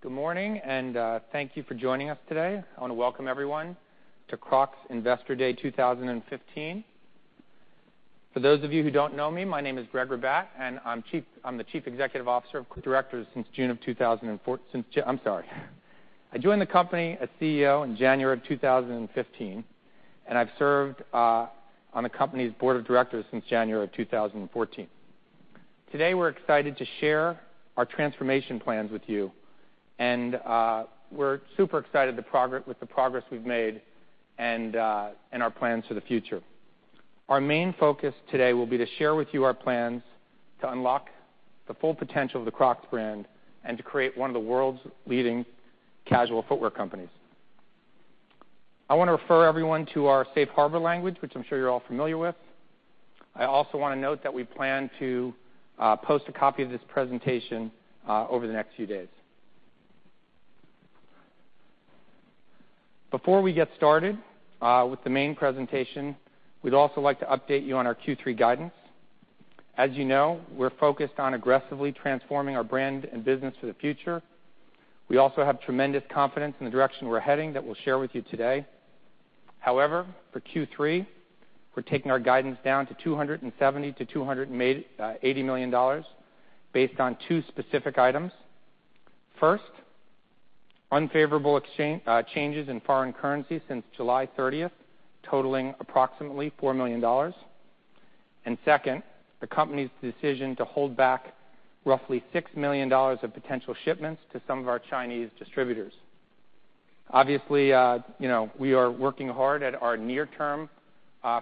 All right. Good morning, and thank you for joining us today. I want to welcome everyone to Crocs Investor Day 2015. For those of you who don't know me, my name is Gregg Ribatt, and I'm the Chief Executive Officer of Directors since June of 2014. I'm sorry. I joined the company as CEO in January of 2015, and I've served on the company's board of directors since January of 2014. Today, we're excited to share our transformation plans with you, and we're super excited with the progress we've made and our plans for the future. Our main focus today will be to share with you our plans to unlock the full potential of the Crocs brand and to create one of the world's leading casual footwear companies. I want to refer everyone to our safe harbor language, which I'm sure you're all familiar with. I also want to note that we plan to post a copy of this presentation over the next few days. Before we get started with the main presentation, we'd also like to update you on our Q3 guidance. As you know, we're focused on aggressively transforming our brand and business for the future. We also have tremendous confidence in the direction we're heading that we'll share with you today. However, for Q3, we're taking our guidance down to $270 million-$280 million based on two specific items. First, unfavorable changes in foreign currency since July 30th, totaling approximately $4 million. Second, the company's decision to hold back roughly $6 million of potential shipments to some of our Chinese distributors. Obviously, we are working hard at our near-term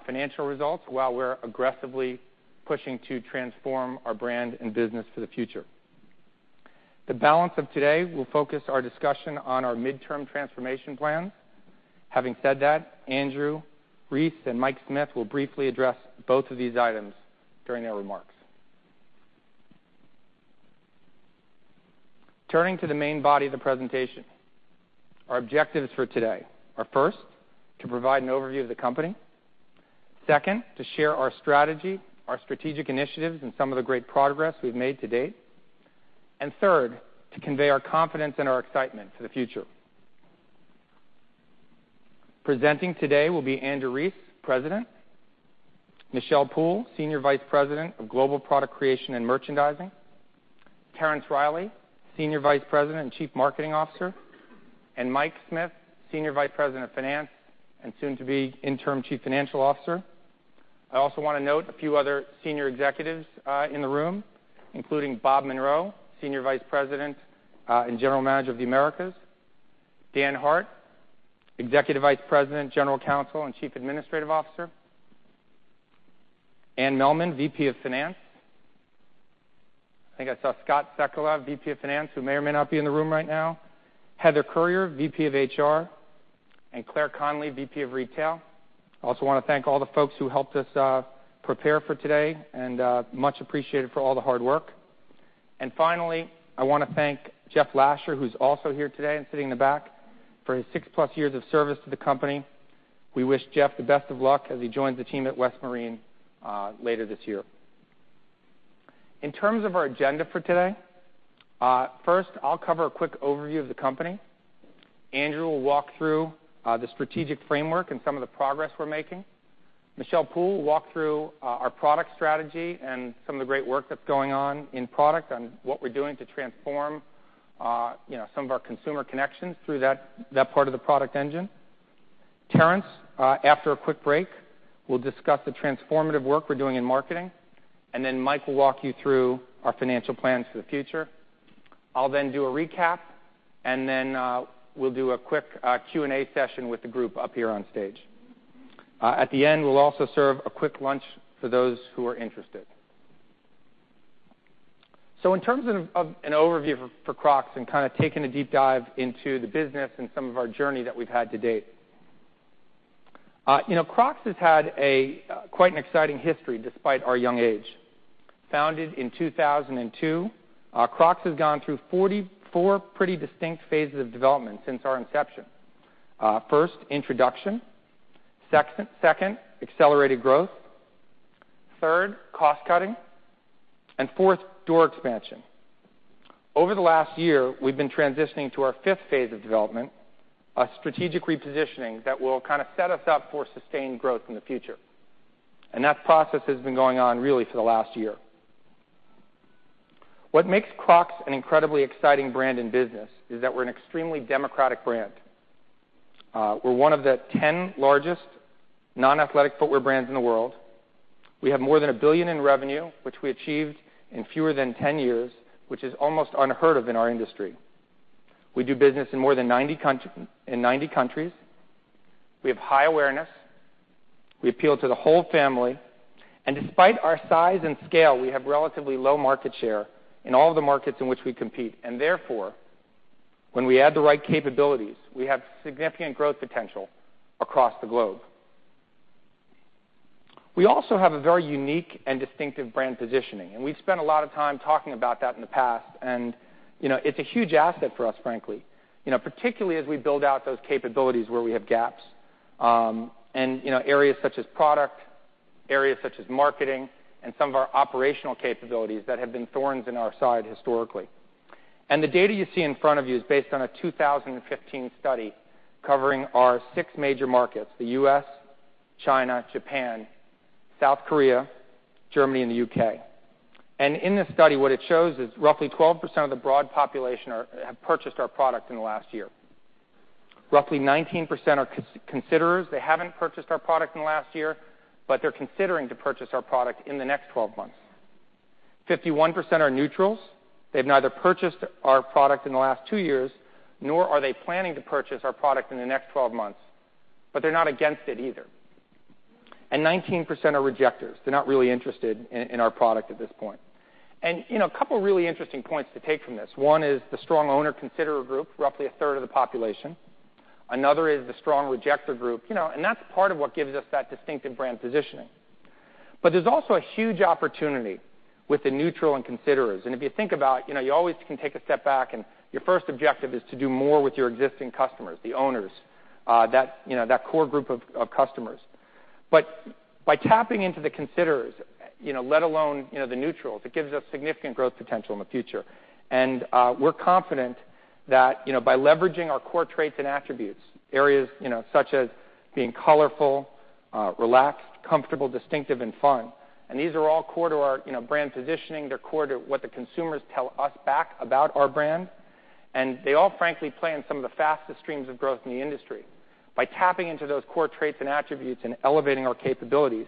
financial results while we're aggressively pushing to transform our brand and business for the future. The balance of today will focus our discussion on our midterm transformation plans. Having said that, Andrew Rees and Mike Smith will briefly address both of these items during their remarks. Turning to the main body of the presentation. Our objectives for today are, first, to provide an overview of the company. Second, to share our strategy, our strategic initiatives, and some of the great progress we've made to date. Third, to convey our confidence and our excitement for the future. Presenting today will be Andrew Rees, President. Michelle Poole, Senior Vice President of Global Product Creation and Merchandising. Terence Reilly, Senior Vice President and Chief Marketing Officer, and Mike Smith, Senior Vice President of Finance, and soon to be Interim Chief Financial Officer. I also want to note a few other senior executives in the room, including Bob Munroe, Senior Vice President and General Manager of the Americas. Daniel Hart, Executive Vice President, General Counsel, and Chief Administrative Officer. Anne Mehlman, VP of Finance. I think I saw Scott Sekulow, VP of Finance, who may or may not be in the room right now. Heather Currier, VP of HR, and Claire Fahie-Conley, VP of Retail. I also want to thank all the folks who helped us prepare for today and much appreciated for all the hard work. Finally, I want to thank Jeff Lasher, who's also here today and sitting in the back, for his six-plus years of service to the company. We wish Jeff the best of luck as he joins the team at West Marine later this year. In terms of our agenda for today, first, I'll cover a quick overview of the company. Andrew will walk through the strategic framework and some of the progress we're making. Michelle Poole will walk through our product strategy and some of the great work that's going on in product and what we're doing to transform some of our consumer connections through that part of the product engine. Terence, after a quick break, will discuss the transformative work we're doing in marketing. Mike will walk you through our financial plans for the future. I'll then do a recap. We'll then do a quick Q&A session with the group up here on stage. At the end, we'll also serve a quick lunch for those who are interested. In terms of an overview for Crocs and kind of taking a deep dive into the business and some of our journey that we've had to date. Crocs has had quite an exciting history despite our young age. Founded in 2002, Crocs has gone through four pretty distinct phases of development since our inception. First, introduction. Second, accelerated growth. Third, cost-cutting. Fourth, door expansion. Over the last year, we've been transitioning to our fifth phase of development, a strategic repositioning that will kind of set us up for sustained growth in the future. That process has been going on really for the last year. What makes Crocs an incredibly exciting brand in business is that we're an extremely democratic brand. We're one of the 10 largest non-athletic footwear brands in the world. We have more than $1 billion in revenue, which we achieved in fewer than 10 years, which is almost unheard of in our industry. We do business in more than 90 countries. We have high awareness. We appeal to the whole family. Despite our size and scale, we have relatively low market share in all of the markets in which we compete. Therefore, when we add the right capabilities, we have significant growth potential across the globe. We also have a very unique and distinctive brand positioning. We've spent a lot of time talking about that in the past. It's a huge asset for us, frankly, particularly as we build out those capabilities where we have gaps. Areas such as product. Areas such as marketing and some of our operational capabilities that have been thorns in our side historically. The data you see in front of you is based on a 2015 study covering our six major markets, the U.S., China, Japan, South Korea, Germany, and the U.K. In this study, what it shows is roughly 12% of the broad population have purchased our product in the last year. Roughly 19% are considerers. They haven't purchased our product in the last year, but they're considering to purchase our product in the next 12 months. 51% are neutrals. They've neither purchased our product in the last two years, nor are they planning to purchase our product in the next 12 months. They're not against it either. 19% are rejecters. They're not really interested in our product at this point. A couple of really interesting points to take from this. One is the strong owner considerer group, roughly a third of the population. Another is the strong rejecter group. That's part of what gives us that distinctive brand positioning. There's also a huge opportunity with the neutral and considerers. If you think about it, you always can take a step back and your first objective is to do more with your existing customers, the owners, that core group of customers. By tapping into the considerers, let alone the neutrals, it gives us significant growth potential in the future. We're confident that by leveraging our core traits and attributes, areas such as being colorful, relaxed, comfortable, distinctive, and fun, and these are all core to our brand positioning. They're core to what the consumers tell us back about our brand. They all frankly play in some of the fastest streams of growth in the industry. By tapping into those core traits and attributes and elevating our capabilities,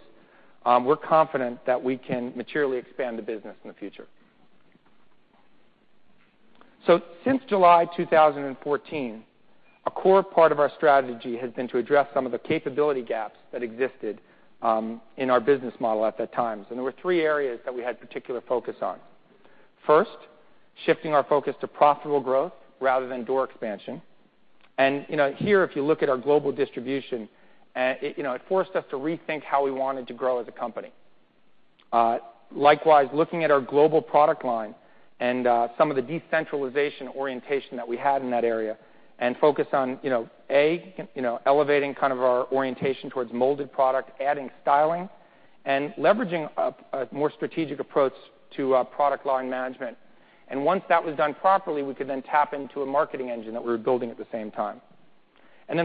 we're confident that we can materially expand the business in the future. Since July 2014, a core part of our strategy has been to address some of the capability gaps that existed in our business model at that time. There were three areas that we had particular focus on. First, shifting our focus to profitable growth rather than door expansion. Here, if you look at our global distribution, it forced us to rethink how we wanted to grow as a company. Likewise, looking at our global product line and some of the decentralization orientation that we had in that area and focus on, A, elevating our orientation towards molded product, adding styling, and leveraging a more strategic approach to product line management. Once that was done properly, we could then tap into a marketing engine that we were building at the same time.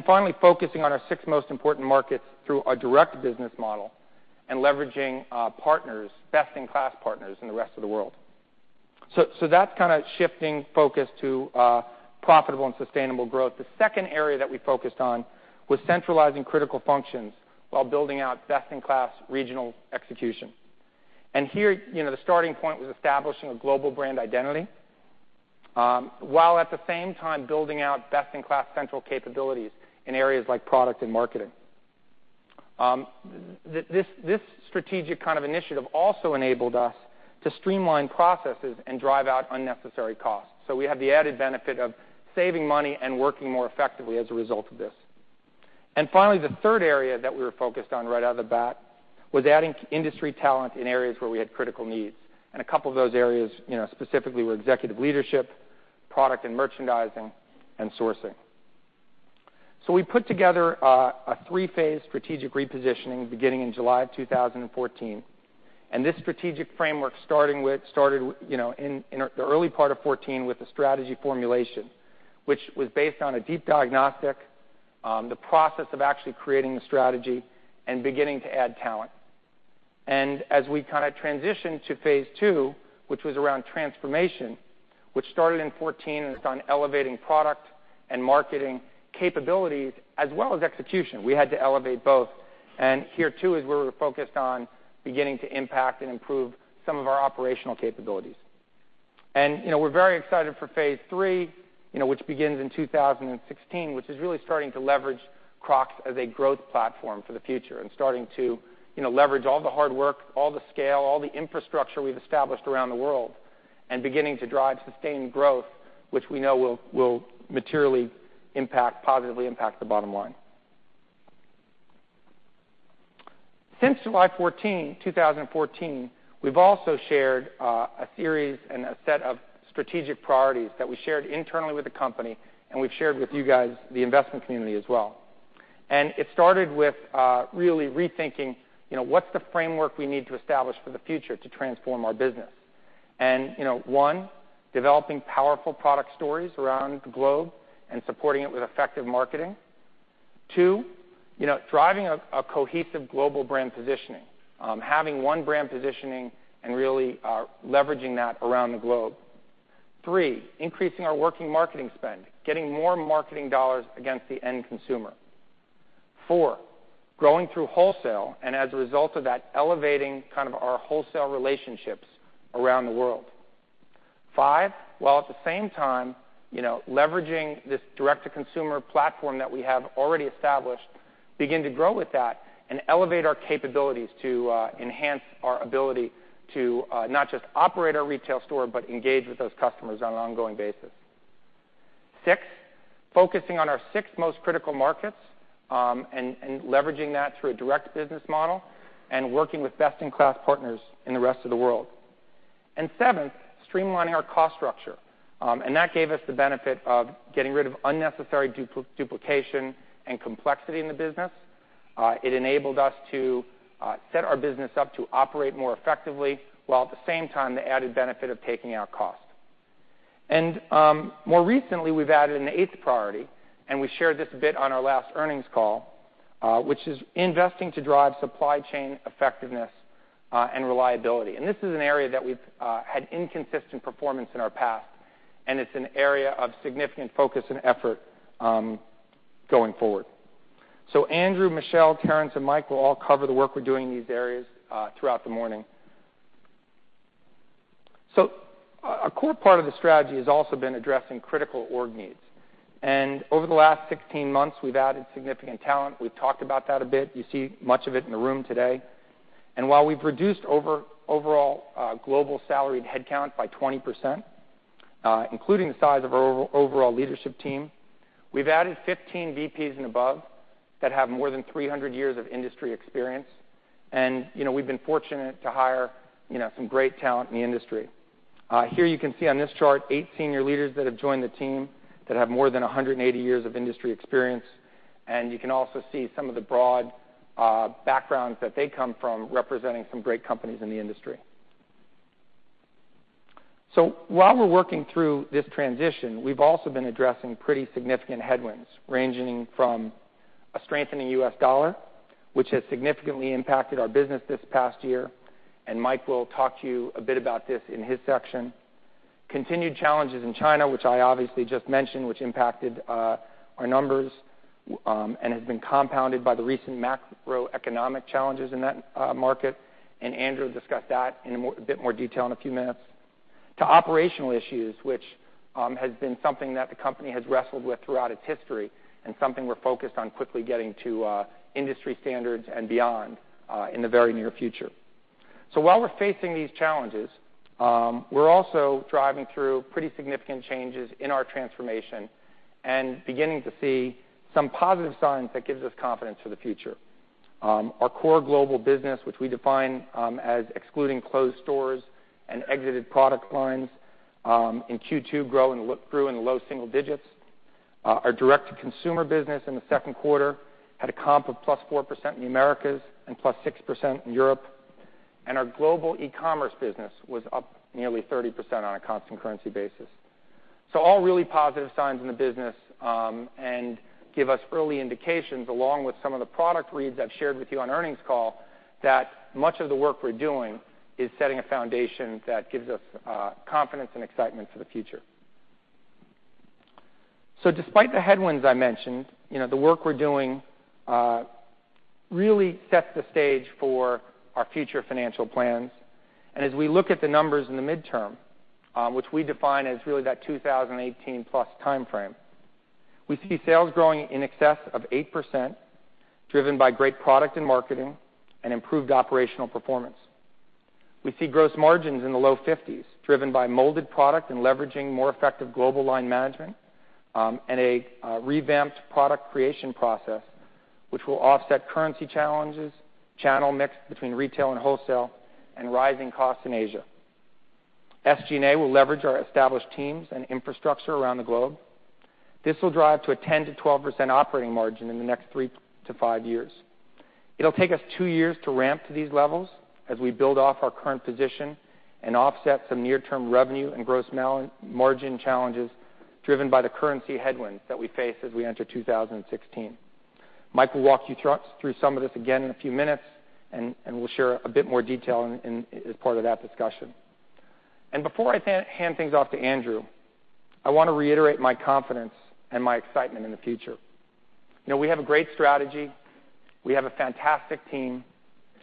Finally, focusing on our six most important markets through a direct business model and leveraging partners, best-in-class partners in the rest of the world. That's shifting focus to profitable and sustainable growth. The second area that we focused on was centralizing critical functions while building out best-in-class regional execution. Here, the starting point was establishing a global brand identity, while at the same time building out best-in-class central capabilities in areas like product and marketing. This strategic kind of initiative also enabled us to streamline processes and drive out unnecessary costs. We have the added benefit of saving money and working more effectively as a result of this. Finally, the third area that we were focused on right out of the bat was adding industry talent in areas where we had critical needs. A couple of those areas specifically were executive leadership, product and merchandising, and sourcing. We put together a three-phase strategic repositioning beginning in July of 2014. This strategic framework started in the early part of 2014 with the strategy formulation, which was based on a deep diagnostic, the process of actually creating the strategy, and beginning to add talent. As we kind of transitioned to phase two, which was around transformation, which started in 2014 and was on elevating product and marketing capabilities as well as execution. We had to elevate both. Here, too, is where we're focused on beginning to impact and improve some of our operational capabilities. We're very excited for phase 3 which begins in 2016, which is really starting to leverage Crocs as a growth platform for the future and starting to leverage all the hard work, all the scale, all the infrastructure we've established around the world and beginning to drive sustained growth, which we know will materially positively impact the bottom line. Since July 14, 2014, we've also shared a series and a set of strategic priorities that we shared internally with the company, and we've shared with you guys, the investment community as well. It started with really rethinking what's the framework we need to establish for the future to transform our business. One, developing powerful product stories around the globe and supporting it with effective marketing. Two, driving a cohesive global brand positioning, having one brand positioning and really leveraging that around the globe. Three, increasing our working marketing spend, getting more marketing dollars against the end consumer. Four, growing through wholesale and as a result of that, elevating our wholesale relationships around the world. Five, while at the same time leveraging this direct-to-consumer platform that we have already established, begin to grow with that and elevate our capabilities to enhance our ability to not just operate our retail store, but engage with those customers on an ongoing basis. Six, focusing on our six most critical markets and leveraging that through a direct business model and working with best-in-class partners in the rest of the world. Seventh, streamlining our cost structure. That gave us the benefit of getting rid of unnecessary duplication and complexity in the business. It enabled us to set our business up to operate more effectively, while at the same time, the added benefit of taking out cost. More recently, we've added an eighth priority, we shared this a bit on our last earnings call, which is investing to drive supply chain effectiveness and reliability. This is an area that we've had inconsistent performance in our past, and it's an area of significant focus and effort going forward. Andrew, Michelle, Terence, and Mike will all cover the work we're doing in these areas throughout the morning. A core part of the strategy has also been addressing critical org needs. Over the last 16 months, we've added significant talent. We've talked about that a bit. You see much of it in the room today. While we've reduced overall global salaried headcount by 20%, including the size of our overall leadership team, we've added 15 VPs and above that have more than 300 years of industry experience. We've been fortunate to hire some great talent in the industry. Here you can see on this chart eight senior leaders that have joined the team that have more than 180 years of industry experience, and you can also see some of the broad backgrounds that they come from, representing some great companies in the industry. While we're working through this transition, we've also been addressing pretty significant headwinds, ranging from a strengthening U.S. dollar, which has significantly impacted our business this past year, Mike will talk to you a bit about this in his section. Continued challenges in China, which I obviously just mentioned, which impacted our numbers and has been compounded by the recent macroeconomic challenges in that market, Andrew will discuss that in a bit more detail in a few minutes. To operational issues, which has been something that the company has wrestled with throughout its history and something we're focused on quickly getting to industry standards and beyond in the very near future. While we're facing these challenges, we're also driving through pretty significant changes in our transformation and beginning to see some positive signs that gives us confidence for the future. Our core global business, which we define as excluding closed stores and exited product lines, in Q2 grew in the low single digits. Our direct-to-consumer business in the second quarter had a comp of +4% in the Americas and +6% in Europe. Our global e-commerce business was up nearly 30% on a constant currency basis. All really positive signs in the business and give us early indications, along with some of the product reads I've shared with you on earnings call, that much of the work we're doing is setting a foundation that gives us confidence and excitement for the future. Despite the headwinds I mentioned, the work we're doing really sets the stage for our future financial plans. As we look at the numbers in the midterm, which we define as really that 2018 plus timeframe, we see sales growing in excess of 8%, driven by great product and marketing and improved operational performance. We see gross margins in the low 50s, driven by molded product and leveraging more effective global line management, and a revamped product creation process, which will offset currency challenges, channel mix between retail and wholesale, and rising costs in Asia. SG&A will leverage our established teams and infrastructure around the globe. This will drive to a 10%-12% operating margin in the next three to five years. It'll take us two years to ramp to these levels as we build off our current position and offset some near-term revenue and gross margin challenges driven by the currency headwinds that we face as we enter 2016. Mike will walk you through some of this again in a few minutes, and we'll share a bit more detail as part of that discussion. Before I hand things off to Andrew, I want to reiterate my confidence and my excitement in the future. We have a great strategy. We have a fantastic team.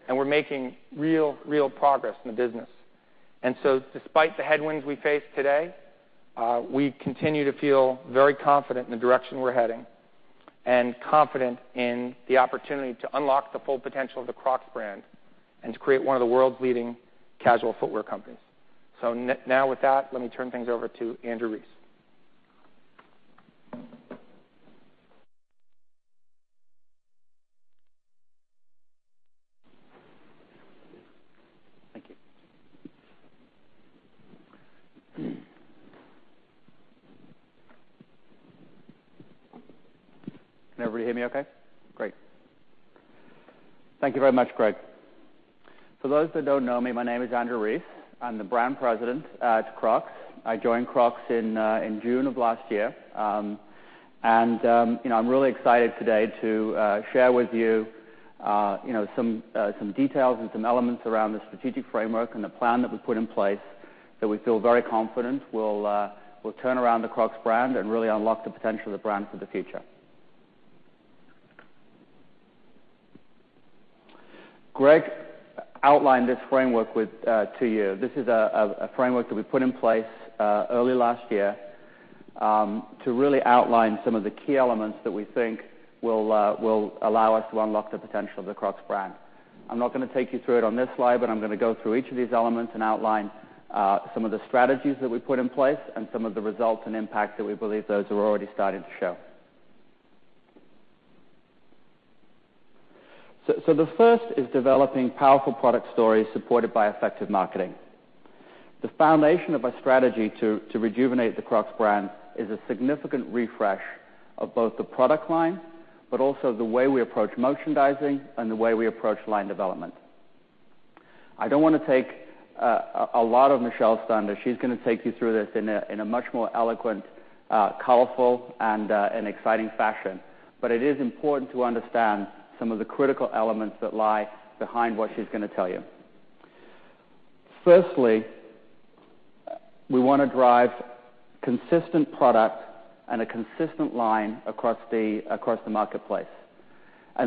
We're making real progress in the business. Despite the headwinds we face today, we continue to feel very confident in the direction we're heading and confident in the opportunity to unlock the full potential of the Crocs brand and to create one of the world's leading casual footwear companies. Now with that, let me turn things over to Andrew Rees. Thank you. Can everybody hear me okay? Great. Thank you very much, Gregg. For those that don't know me, my name is Andrew Rees. I'm the brand President at Crocs. I joined Crocs in June of last year. I'm really excited today to share with you some details and some elements around the strategic framework and the plan that we've put in place that we feel very confident will turn around the Crocs brand and really unlock the potential of the brand for the future. Gregg outlined this framework to you. This is a framework that we put in place early last year to really outline some of the key elements that we think will allow us to unlock the potential of the Crocs brand. I'm not going to take you through it on this slide, I'm going to go through each of these elements and outline some of the strategies that we put in place and some of the results and impact that we believe those are already starting to show. The first is developing powerful product stories supported by effective marketing. The foundation of our strategy to rejuvenate the Crocs brand is a significant refresh of both the product line, but also the way we approach merchandising and the way we approach line development. I don't want to take a lot of Michelle's thunder. She's going to take you through this in a much more eloquent, colorful, and exciting fashion. It is important to understand some of the critical elements that lie behind what she's going to tell you. Firstly, we want to drive consistent product and a consistent line across the marketplace.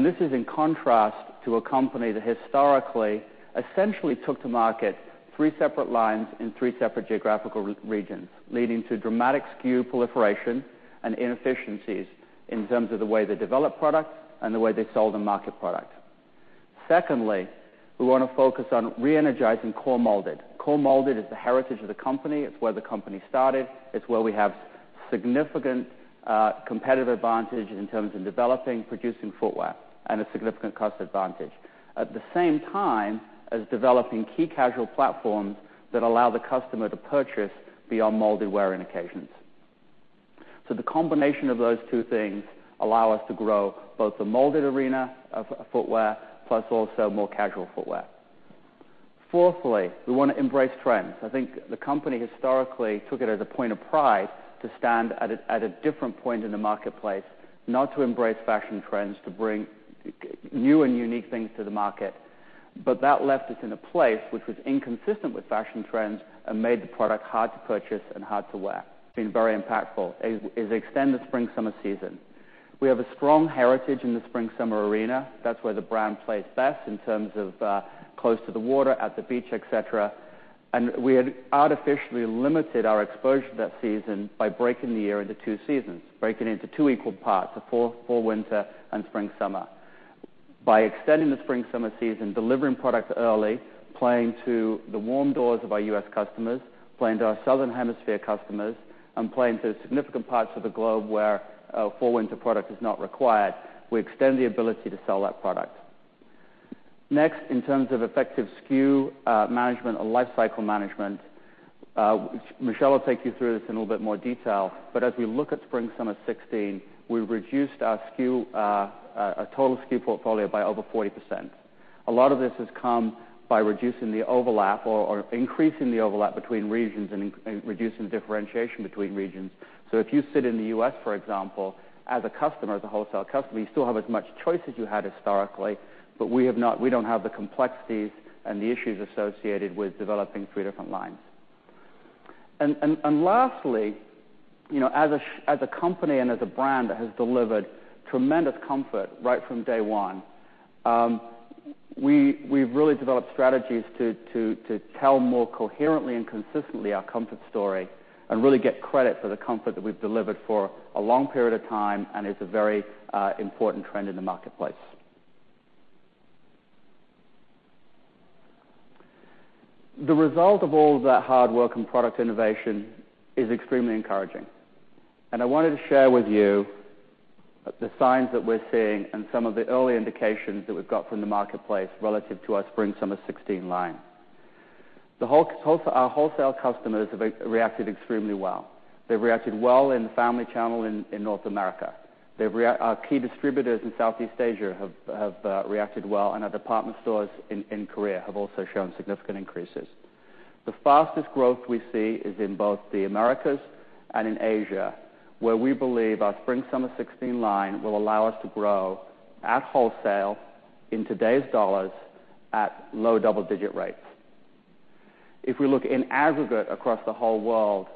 This is in contrast to a company that historically, essentially took to market three separate lines in three separate geographical regions, leading to dramatic SKU proliferation and inefficiencies in terms of the way they develop product and the way they sold and market product. Secondly, we want to focus on re-energizing core molded. Core molded is the heritage of the company. It's where the company started. It's where we have significant competitive advantage in terms of developing, producing footwear and a significant cost advantage. At the same time as developing key casual platforms that allow the customer to purchase beyond molded-wearing occasions. The combination of those two things allow us to grow both the molded arena of footwear, plus also more casual footwear. Fourthly, we want to embrace trends. I think the company historically took it as a point of pride to stand at a different point in the marketplace, not to embrace fashion trends, to bring new and unique things to the market. That left us in a place which was inconsistent with fashion trends and made the product hard to purchase and hard to wear. Been very impactful, is extend the spring/summer season. We have a strong heritage in the spring/summer arena. That's where the brand plays best in terms of close to the water, at the beach, et cetera. We had artificially limited our exposure to that season by breaking the year into two seasons, breaking into two equal parts, a fall/winter and spring/summer. By extending the spring/summer season, delivering product early, playing to the warm doors of our U.S. customers, playing to our Southern Hemisphere customers, and playing to significant parts of the globe where a fall/winter product is not required, we extend the ability to sell that product. Next, in terms of effective SKU management or life cycle management, Michelle will take you through this in a little bit more detail, but as we look at spring/summer 2016, we reduced our total SKU portfolio by over 40%. A lot of this has come by reducing the overlap or increasing the overlap between regions and reducing the differentiation between regions. If you sit in the U.S., for example, as a customer, as a wholesale customer, you still have as much choice as you had historically, but we don't have the complexities and the issues associated with developing three different lines. Lastly, as a company and as a brand that has delivered tremendous comfort right from day one, we've really developed strategies to tell more coherently and consistently our comfort story and really get credit for the comfort that we've delivered for a long period of time, and it's a very important trend in the marketplace. The result of all that hard work and product innovation is extremely encouraging. I wanted to share with you the signs that we're seeing and some of the early indications that we've got from the marketplace relative to our spring/summer 2016 line. Our wholesale customers have reacted extremely well. They've reacted well in the family channel in North America. Our key distributors in Southeast Asia have reacted well and our department stores in Korea have also shown significant increases. The fastest growth we see is in both the Americas and in Asia, where we believe our spring/summer 2016 line will allow us to grow at wholesale in today's dollars at low double-digit rates. If we look in aggregate across the whole world,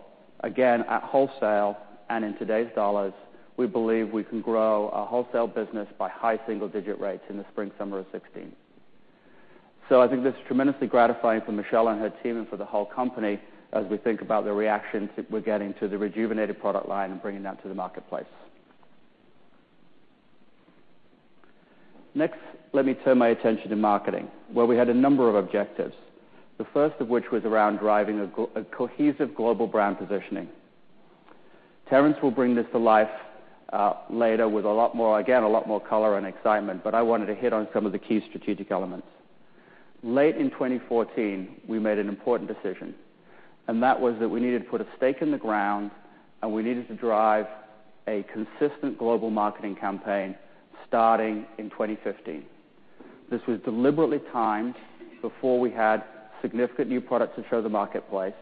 again, at wholesale and in today's dollars, we believe we can grow our wholesale business by high single-digit rates in the spring/summer of 2016. I think this is tremendously gratifying for Michelle and her team and for the whole company as we think about the reactions that we're getting to the rejuvenated product line and bringing that to the marketplace. Next, let me turn my attention to marketing, where we had a number of objectives. The first of which was around driving a cohesive global brand positioning. Terence will bring this to life later with, again, a lot more color and excitement, but I wanted to hit on some of the key strategic elements. Late in 2014, we made an important decision, and that was that we needed to put a stake in the ground and we needed to drive a consistent global marketing campaign starting in 2015. This was deliberately timed before we had significant new product to show the marketplace,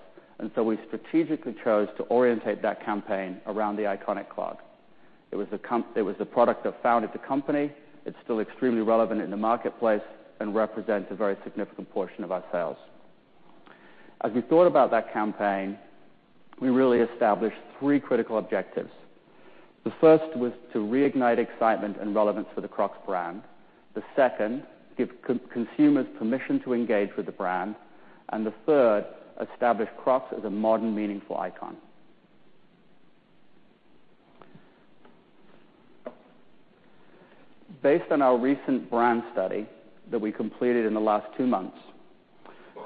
we strategically chose to orientate that campaign around the iconic clog. It was the product that founded the company. It's still extremely relevant in the marketplace and represents a very significant portion of our sales. As we thought about that campaign, we really established three critical objectives. The first was to reignite excitement and relevance for the Crocs brand. The second was to give consumers permission to engage with the brand. The third, establish Crocs as a modern, meaningful icon. Based on our recent brand study that we completed in the last two months,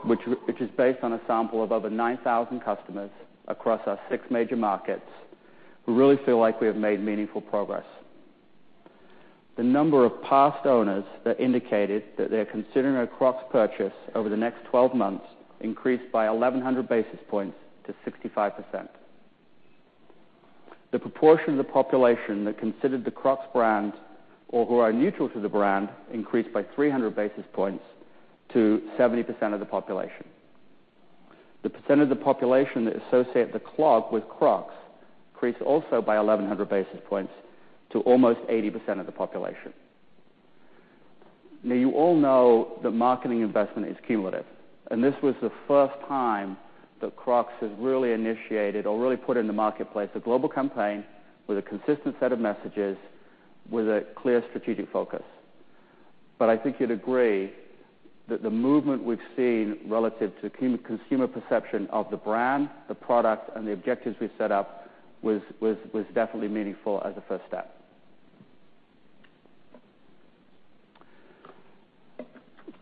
which is based on a sample of over 9,000 customers across our six major markets, we really feel like we have made meaningful progress. The number of past owners that indicated that they're considering a Crocs purchase over the next 12 months increased by 1,100 basis points to 65%. The proportion of the population that considered the Crocs brand or who are neutral to the brand increased by 300 basis points to 70% of the population. The percent of the population that associate the clog with Crocs increased also by 1,100 basis points to almost 80% of the population. You all know that marketing investment is cumulative, this was the first time that Crocs has really initiated or really put in the marketplace a global campaign with a consistent set of messages with a clear strategic focus. I think you'd agree that the movement we've seen relative to consumer perception of the brand, the product, and the objectives we've set up, was definitely meaningful as a first step.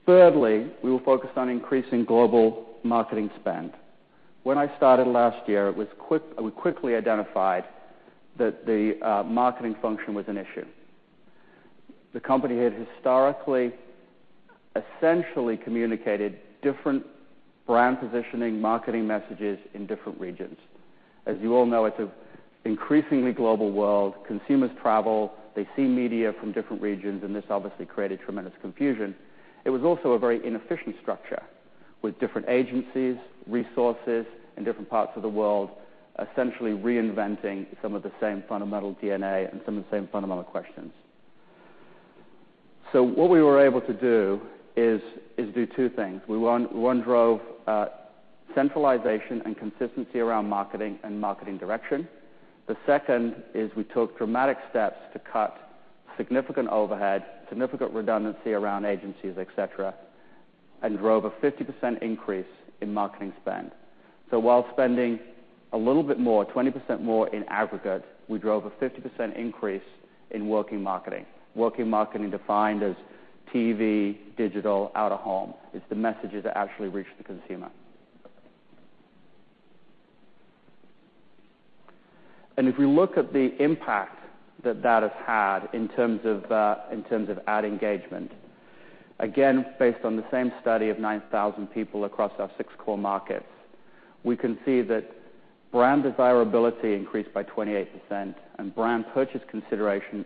Thirdly, we were focused on increasing global marketing spend. When I started last year, we quickly identified that the marketing function was an issue. The company had historically, essentially communicated different brand positioning, marketing messages in different regions. As you all know, it's an increasingly global world. Consumers travel, they see media from different regions, and this obviously created tremendous confusion. It was also a very inefficient structure with different agencies, resources in different parts of the world, essentially reinventing some of the same fundamental DNA and some of the same fundamental questions. What we were able to do is do two things. We, one, drove centralization and consistency around marketing and marketing direction. The second is we took dramatic steps to cut significant overhead, significant redundancy around agencies, et cetera, and drove a 50% increase in marketing spend. While spending a little bit more, 20% more in aggregate, we drove a 50% increase in working marketing. Working marketing defined as TV, digital, out of home. It's the messages that actually reach the consumer. If we look at the impact that that has had in terms of ad engagement, again, based on the same study of 9,000 people across our six core markets. We can see that brand desirability increased by 28% and brand purchase consideration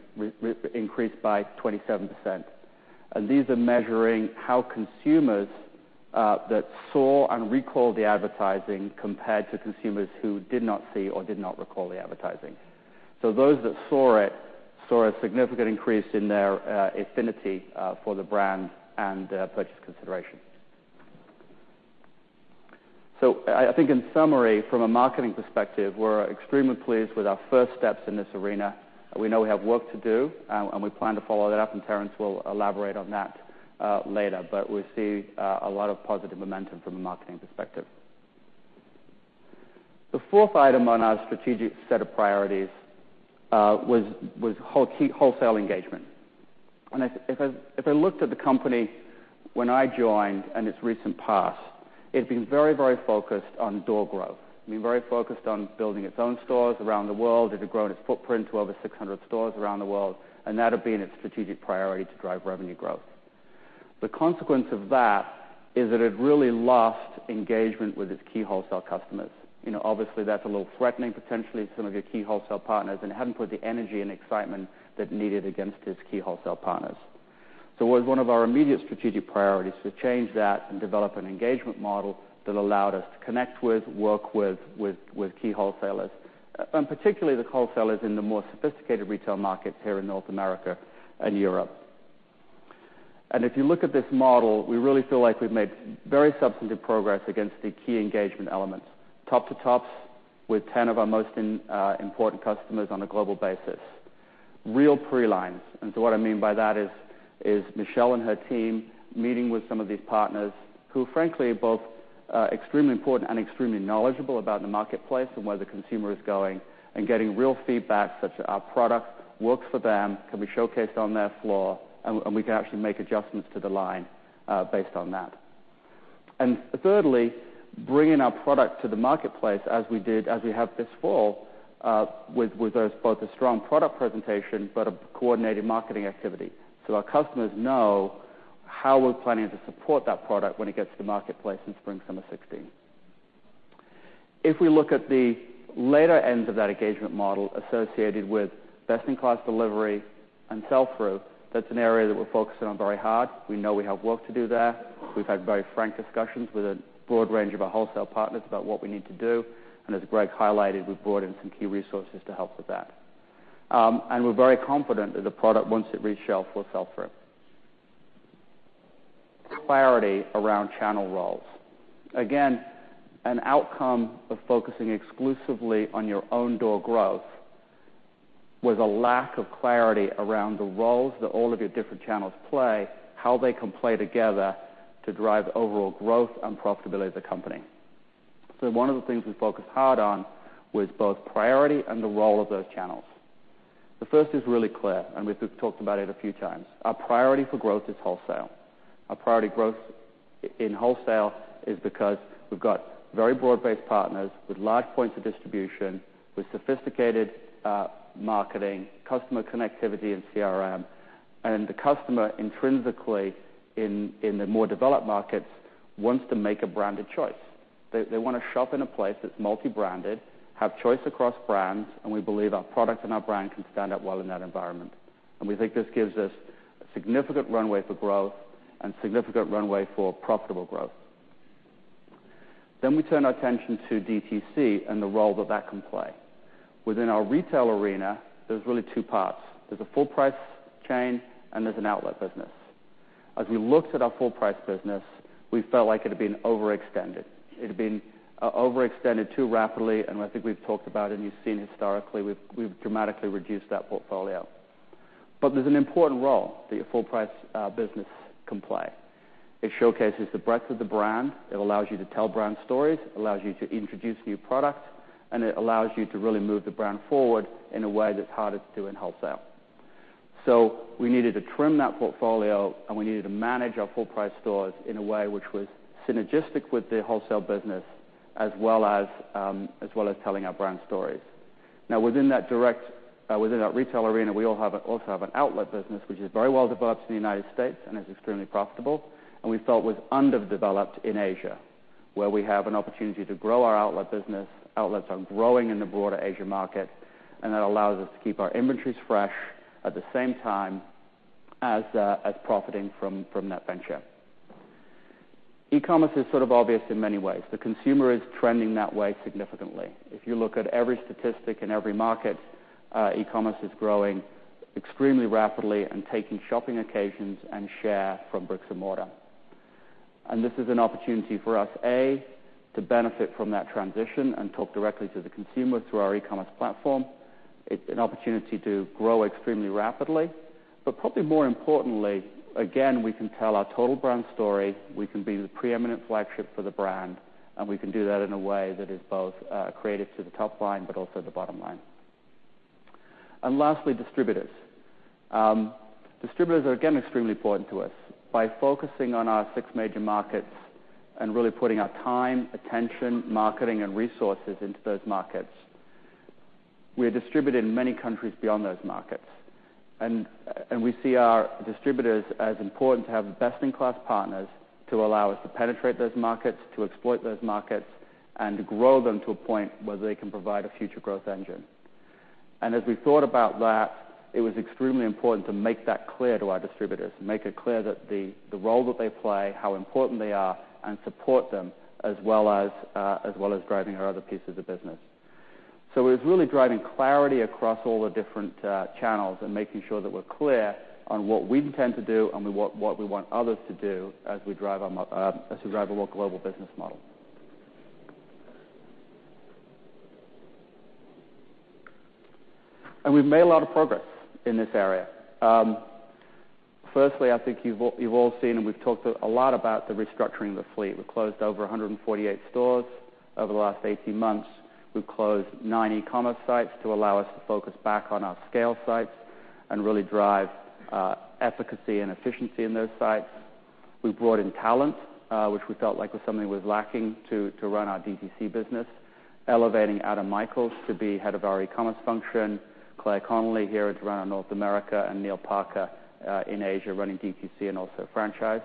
increased by 27%. These are measuring how consumers, that saw and recalled the advertising compared to consumers who did not see or did not recall the advertising. Those that saw it, saw a significant increase in their affinity for the brand and purchase consideration. I think in summary, from a marketing perspective, we're extremely pleased with our first steps in this arena. We know we have work to do, and we plan to follow that up, and Terence will elaborate on that later. We see a lot of positive momentum from a marketing perspective. The fourth item on our strategic set of priorities was wholesale engagement. If I looked at the company when I joined and its recent past, it had been very focused on door growth. It had been very focused on building its own stores around the world. It had grown its footprint to over 600 stores around the world, and that had been its strategic priority to drive revenue growth. The consequence of that is that it really lost engagement with its key wholesale customers. Obviously, that's a little threatening, potentially, to some of your key wholesale partners, and it hadn't put the energy and excitement that's needed against its key wholesale partners. It was one of our immediate strategic priorities to change that and develop an engagement model that allowed us to connect with, work with key wholesalers, and particularly the wholesalers in the more sophisticated retail markets here in North America and Europe. If you look at this model, we really feel like we've made very substantive progress against the key engagement elements. Top to tops with 10 of our most important customers on a global basis. Real pre-lines. What I mean by that is Michelle and her team meeting with some of these partners who frankly are both extremely important and extremely knowledgeable about the marketplace and where the consumer is going. Getting real feedback such that our product works for them, can be showcased on their floor, and we can actually make adjustments to the line, based on that. Thirdly, bringing our product to the marketplace as we have this fall, with both a strong product presentation but a coordinated marketing activity. Our customers know how we're planning to support that product when it gets to the marketplace in spring/summer 2016. If we look at the later ends of that engagement model associated with best-in-class delivery and sell-through, that's an area that we're focusing on very hard. We know we have work to do there. We've had very frank discussions with a broad range of our wholesale partners about what we need to do. As Gregg highlighted, we've brought in some key resources to help with that. We're very confident that the product, once it reached shelf, will sell through. Clarity around channel roles. Again, an outcome of focusing exclusively on your own door growth was a lack of clarity around the roles that all of your different channels play. How they can play together to drive overall growth and profitability of the company. One of the things we focused hard on was both priority and the role of those channels. The first is really clear, and we've talked about it a few times. Our priority for growth is wholesale. Our priority growth in wholesale is because we've got very broad-based partners with large points of distribution, with sophisticated marketing, customer connectivity, and CRM. The customer intrinsically in the more developed markets wants to make a branded choice. They want to shop in a place that's multi-branded, have choice across brands, and we believe our product and our brand can stand out well in that environment. We think this gives us a significant runway for growth and significant runway for profitable growth. We turn our attention to DTC and the role that that can play. Within our retail arena, there's really two parts. There's a full-price chain, and there's an outlet business. As we looked at our full-price business, we felt like it had been overextended. It had been overextended too rapidly. I think we've talked about it, and you've seen historically, we've dramatically reduced that portfolio. There's an important role that your full-price business can play. It showcases the breadth of the brand. It allows you to tell brand stories. It allows you to introduce new products. It allows you to really move the brand forward in a way that's harder to do in wholesale. We needed to trim that portfolio, and we needed to manage our full-price stores in a way which was synergistic with the wholesale business as well as telling our brand stories. Within that retail arena, we also have an outlet business, which is very well developed in the U.S. and is extremely profitable, and we felt was underdeveloped in Asia, where we have an opportunity to grow our outlet business. Outlets are growing in the broader Asia market. That allows us to keep our inventories fresh at the same time as profiting from that venture. E-commerce is sort of obvious in many ways. The consumer is trending that way significantly. If you look at every statistic in every market, e-commerce is growing extremely rapidly and taking shopping occasions and share from bricks and mortar. This is an opportunity for us, A, to benefit from that transition and talk directly to the consumer through our e-commerce platform. It's an opportunity to grow extremely rapidly. Probably more importantly, again, we can tell our total brand story. We can be the preeminent flagship for the brand, and we can do that in a way that is both creative to the top line, but also the bottom line. Lastly, distributors. Distributors are, again, extremely important to us. By focusing on our six major markets and really putting our time, attention, marketing, and resources into those markets. We are distributed in many countries beyond those markets. We see our distributors as important to have best-in-class partners to allow us to penetrate those markets, to exploit those markets, and to grow them to a point where they can provide a future growth engine. As we thought about that, it was extremely important to make that clear to our distributors, make it clear that the role that they play, how important they are, and support them as well as driving our other pieces of business. It's really driving clarity across all the different channels and making sure that we're clear on what we intend to do and what we want others to do as we drive a more global business model. We've made a lot of progress in this area. Firstly, I think you've all seen, we've talked a lot about the restructuring of the fleet. We've closed over 148 stores over the last 18 months. We've closed nine e-commerce sites to allow us to focus back on our scale sites and really drive efficacy and efficiency in those sites. We brought in talent, which we felt like was something was lacking to run our DTC business, elevating Adam Michaels to be head of our e-commerce function, Claire Fahie-Conley here to run our North America, and Neil Parker in Asia running DTC and also franchise.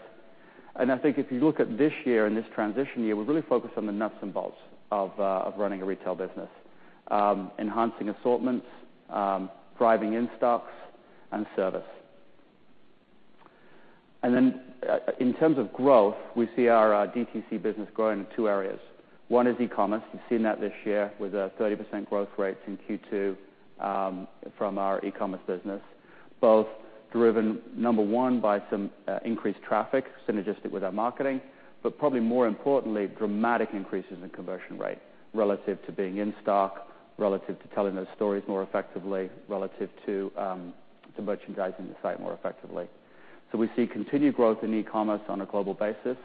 I think if you look at this year and this transition year, we're really focused on the nuts and bolts of running a retail business. Enhancing assortments, driving in-stocks, and service. In terms of growth, we see our DTC business growing in 2 areas. One is e-commerce. We've seen that this year with a 30% growth rate in Q2 from our e-commerce business. Both driven, number one, by some increased traffic synergistic with our marketing. Probably more importantly, dramatic increases in conversion rate relative to being in stock, relative to telling those stories more effectively, relative to merchandising the site more effectively. We see continued growth in e-commerce on a global basis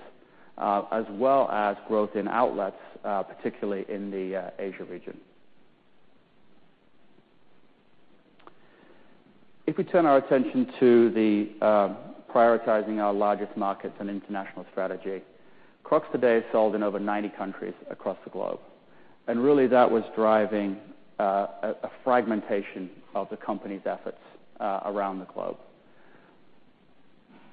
as well as growth in outlets, particularly in the Asia region. If we turn our attention to the prioritizing our largest markets and international strategy. Crocs today is sold in over 90 countries across the globe. Really that was driving a fragmentation of the company's efforts around the globe.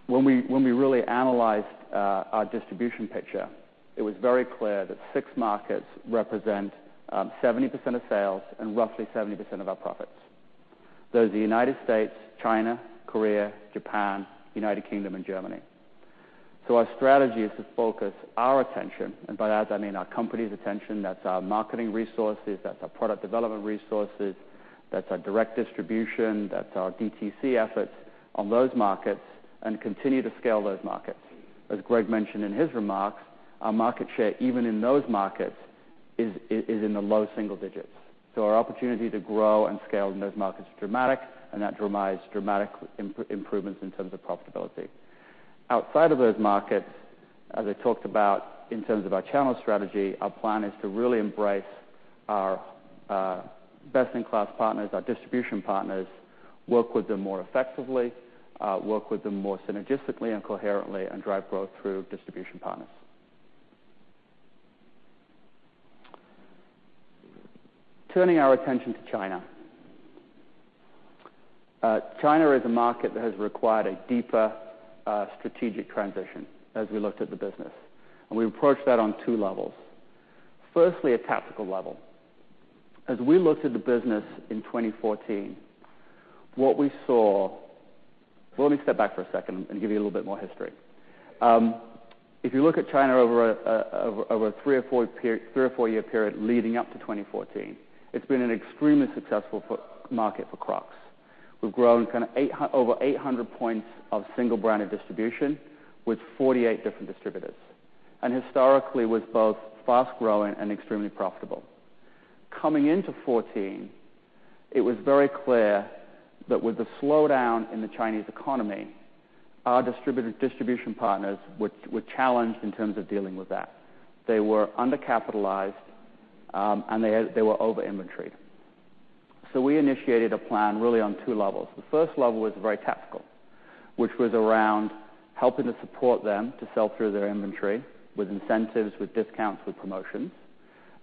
When we really analyzed our distribution picture, it was very clear that six markets represent 70% of sales and roughly 70% of our profits. Those are the United States, China, Korea, Japan, United Kingdom, and Germany. Our strategy is to focus our attention, and by that I mean our company's attention. That's our marketing resources, that's our product development resources, that's our direct distribution, that's our DTC efforts on those markets, and continue to scale those markets. As Gregg mentioned in his remarks, our market share, even in those markets, is in the low single digits. Our opportunity to grow and scale in those markets is dramatic, and that drives dramatic improvements in terms of profitability. Outside of those markets, as I talked about in terms of our channel strategy, our plan is to really embrace our best-in-class partners, our distribution partners, work with them more effectively, work with them more synergistically and coherently, and drive growth through distribution partners. Turning our attention to China. China is a market that has required a deeper strategic transition as we looked at the business. We approached that on 2 levels. Firstly, a tactical level. As we looked at the business in 2014, what we saw. Let me step back for a second and give you a little bit more history. If you look at China over a three or four-year period leading up to 2014, it's been an extremely successful market for Crocs. We've grown over 800 points of single-branded distribution with 48 different distributors, and historically, was both fast-growing and extremely profitable. Coming into 2014, it was very clear that with the slowdown in the Chinese economy, our distribution partners were challenged in terms of dealing with that. They were undercapitalized, and they were over-inventoried. We initiated a plan really on 2 levels. The first level was very tactical, which was around helping to support them to sell through their inventory with incentives, with discounts, with promotions.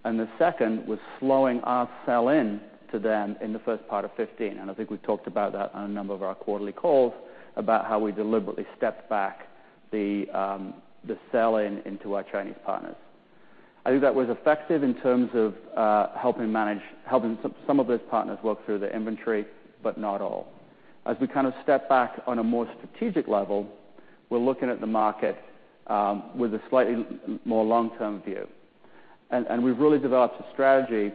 The second was slowing our sell-in to them in the first part of 2015. I think we've talked about that on a number of our quarterly calls about how we deliberately stepped back the sell-in into our Chinese partners. I think that was effective in terms of helping some of those partners work through their inventory, but not all. As we step back on a more strategic level, we're looking at the market with a slightly more long-term view. We've really developed a strategy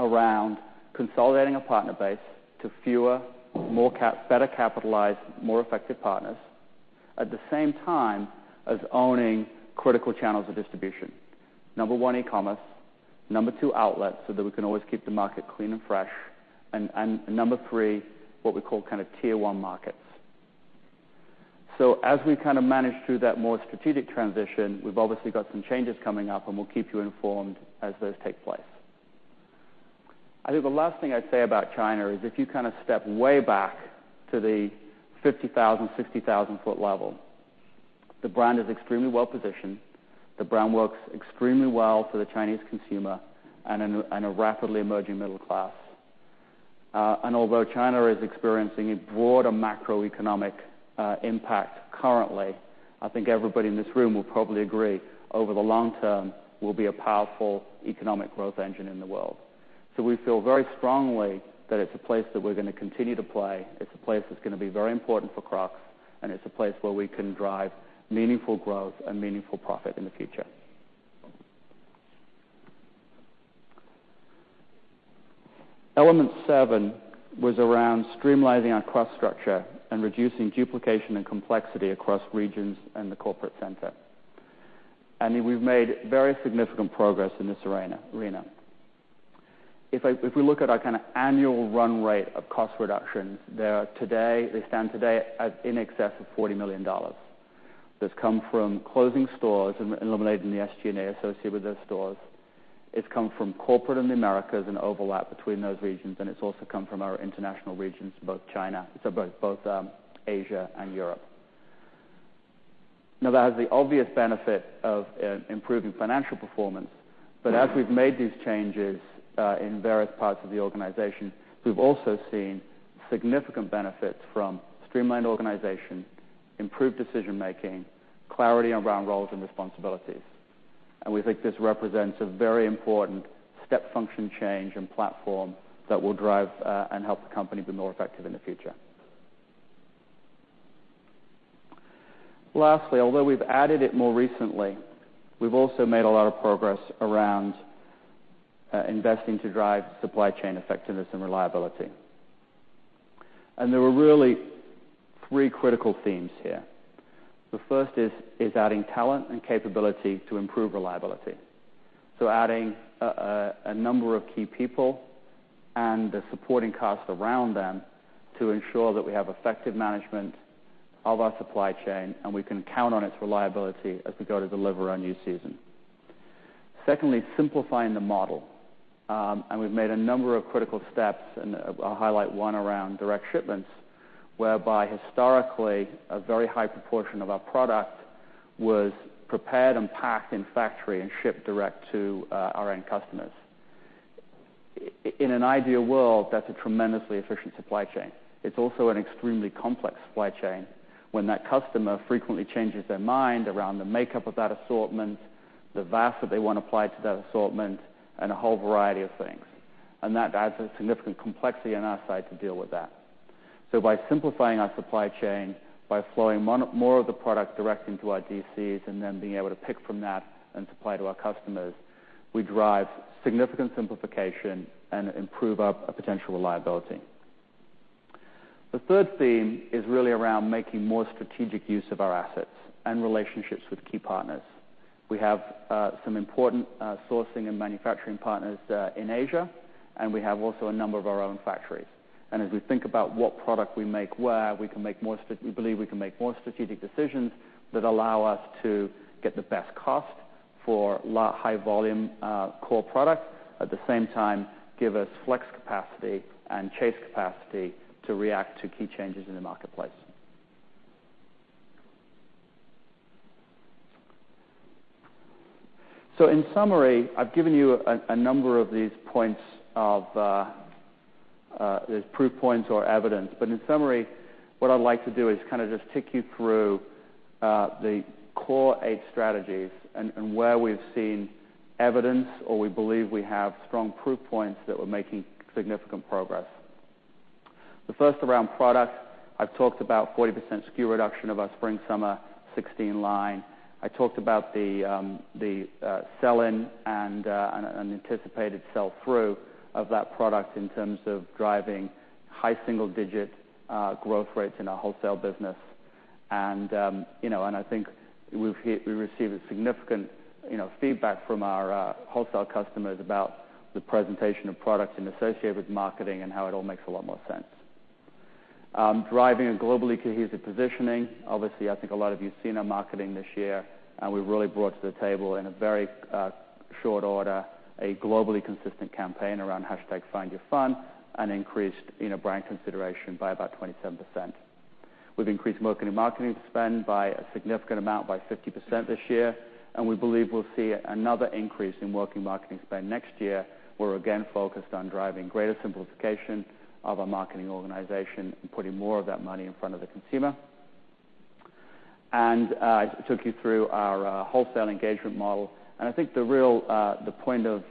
around consolidating a partner base to fewer, better capitalized, more effective partners. At the same time, as owning critical channels of distribution. Number 1, e-commerce. Number 2, outlets, so that we can always keep the market clean and fresh. Number 3, what we call Tier 1 markets. As we manage through that more strategic transition, we've obviously got some changes coming up, and we'll keep you informed as those take place. I think the last thing I'd say about China is if you step way back to the 50,000, 60,000-foot level, the brand is extremely well-positioned. The brand works extremely well for the Chinese consumer and a rapidly emerging middle class. Although China is experiencing a broader macroeconomic impact currently, I think everybody in this room will probably agree over the long term will be a powerful economic growth engine in the world. We feel very strongly that it's a place that we're going to continue to play. It's a place that's going to be very important for Crocs, and it's a place where we can drive meaningful growth and meaningful profit in the future. Element 7 was around streamlining our cost structure and reducing duplication and complexity across regions and the corporate center. We've made very significant progress in this arena. If we look at our annual run rate of cost reductions, they stand today at in excess of $40 million. That's come from closing stores and eliminating the SG&A associated with those stores. It's come from corporate in the Americas and overlap between those regions. It's also come from our international regions, both Asia and Europe. That has the obvious benefit of improving financial performance. As we've made these changes, in various parts of the organization, we've also seen significant benefits from streamlined organization, improved decision-making, clarity around roles and responsibilities. We think this represents a very important step function change and platform that will drive, and help the company be more effective in the future. Lastly, although we've added it more recently, we've also made a lot of progress around investing to drive supply chain effectiveness and reliability. There are really three critical themes here. The first is adding talent and capability to improve reliability. Adding a number of key people and the supporting cast around them to ensure that we have effective management of our supply chain and we can count on its reliability as we go to deliver our new season. Secondly, simplifying the model. We've made a number of critical steps, and I'll highlight 1 around direct shipments, whereby historically, a very high proportion of our product was prepared and packed in factory and shipped direct to our end customers. In an ideal world, that's a tremendously efficient supply chain. It's also an extremely complex supply chain when that customer frequently changes their mind around the makeup of that assortment, the VAS that they want to apply to that assortment, and a whole variety of things. That adds a significant complexity on our side to deal with that. By simplifying our supply chain, by flowing more of the product direct into our DCs and then being able to pick from that and supply to our customers, we drive significant simplification and improve our potential reliability. The third theme is really around making more strategic use of our assets and relationships with key partners. We have some important sourcing and manufacturing partners in Asia, and we have also a number of our own factories. As we think about what product we make where, we believe we can make more strategic decisions that allow us to get the best cost for high volume core products. At the same time, give us flex capacity and chase capacity to react to key changes in the marketplace. In summary, I've given you a number of these proof points or evidence. In summary, what I'd like to do is kind of just take you through the core eight strategies and where we've seen evidence, or we believe we have strong proof points that we're making significant progress. The first around product, I've talked about 40% SKU reduction of our spring/summer 2016 line. I talked about the sell-in and anticipated sell-through of that product in terms of driving high single-digit growth rates in our wholesale business. I think we've received significant feedback from our wholesale customers about the presentation of products and associated marketing and how it all makes a lot more sense. Driving a globally cohesive positioning. Obviously, I think a lot of you have seen our marketing this year, and we've really brought to the table, in a very short order, a globally consistent campaign around #FindYourFun and increased brand consideration by about 27%. We've increased marketing spend by a significant amount, by 50% this year, and we believe we'll see another increase in working marketing spend next year. We're again focused on driving greater simplification of our marketing organization and putting more of that money in front of the consumer. I took you through our wholesale engagement model. I think the point of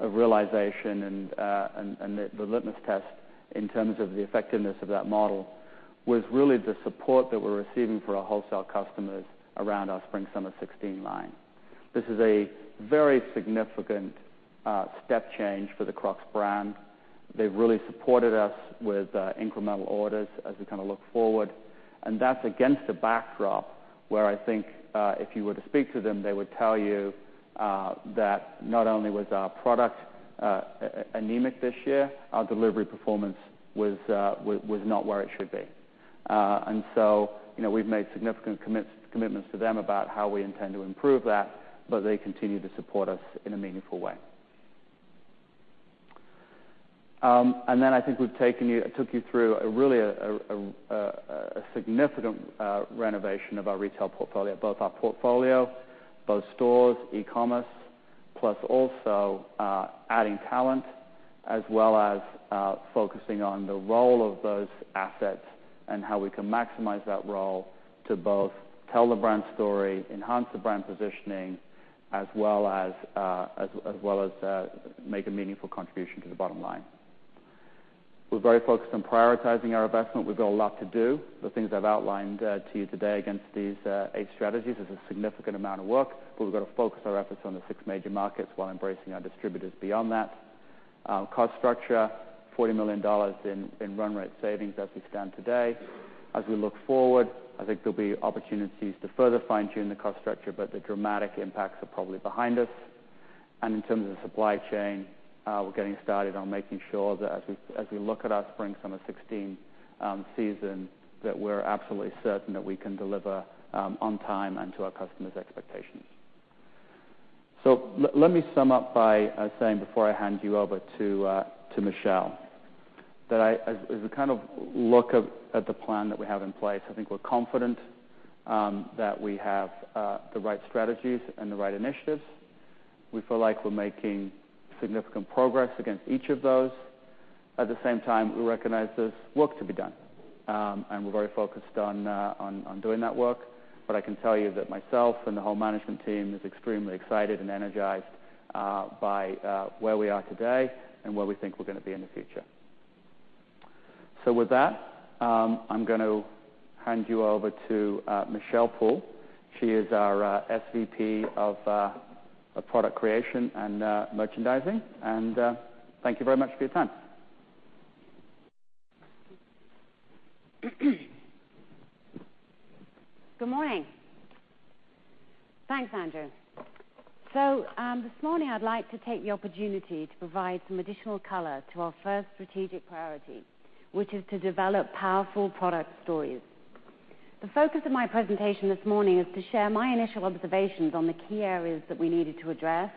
realization and the litmus test in terms of the effectiveness of that model was really the support that we're receiving from our wholesale customers around our spring/summer 2016 line. This is a very significant step change for the Crocs brand. They've really supported us with incremental orders as we look forward. That's against a backdrop where I think, if you were to speak to them, they would tell you that not only was our product anemic this year, our delivery performance was not where it should be. We've made significant commitments to them about how we intend to improve that, but they continue to support us in a meaningful way. I think we've took you through a really significant renovation of our retail portfolio. Both our portfolio, both stores, e-commerce, plus also adding talent, as well as focusing on the role of those assets and how we can maximize that role to both tell the brand story, enhance the brand positioning, as well as make a meaningful contribution to the bottom line. We're very focused on prioritizing our investment. We've got a lot to do. The things I've outlined to you today against these eight strategies is a significant amount of work, but we've got to focus our efforts on the six major markets while embracing our distributors beyond that. Cost structure, $40 million in run rate savings as we stand today. As we look forward, I think there will be opportunities to further fine-tune the cost structure, but the dramatic impacts are probably behind us. In terms of supply chain, we are getting started on making sure that as we look at our spring/summer 2016 season, that we are absolutely certain that we can deliver on time and to our customers' expectations. Let me sum up by saying, before I hand you over to Michelle, that as we look at the plan that we have in place, I think we are confident that we have the right strategies and the right initiatives. We feel like we are making significant progress against each of those. At the same time, we recognize there is work to be done. We are very focused on doing that work. I can tell you that myself and the whole management team is extremely excited and energized by where we are today and where we think we are going to be in the future. With that, I am going to hand you over to Michelle Poole. She is our SVP of Product Creation and Merchandising. Thank you very much for your time. Good morning. Thanks, Andrew. This morning, I would like to take the opportunity to provide some additional color to our first strategic priority, which is to develop powerful product stories. The focus of my presentation this morning is to share my initial observations on the key areas that we needed to address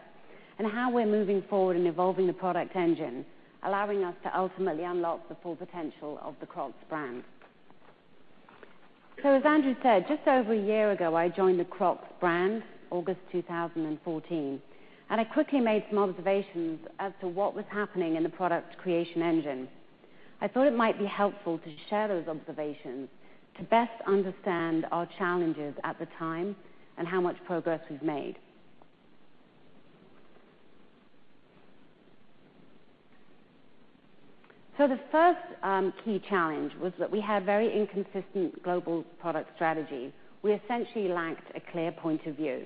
and how we are moving forward in evolving the product engine, allowing us to ultimately unlock the full potential of the Crocs brand. As Andrew said, just over a year ago, I joined the Crocs brand, August 2014, I quickly made some observations as to what was happening in the product creation engine. I thought it might be helpful to share those observations to best understand our challenges at the time and how much progress we have made. The first key challenge was that we had very inconsistent global product strategies. We essentially lacked a clear point of view.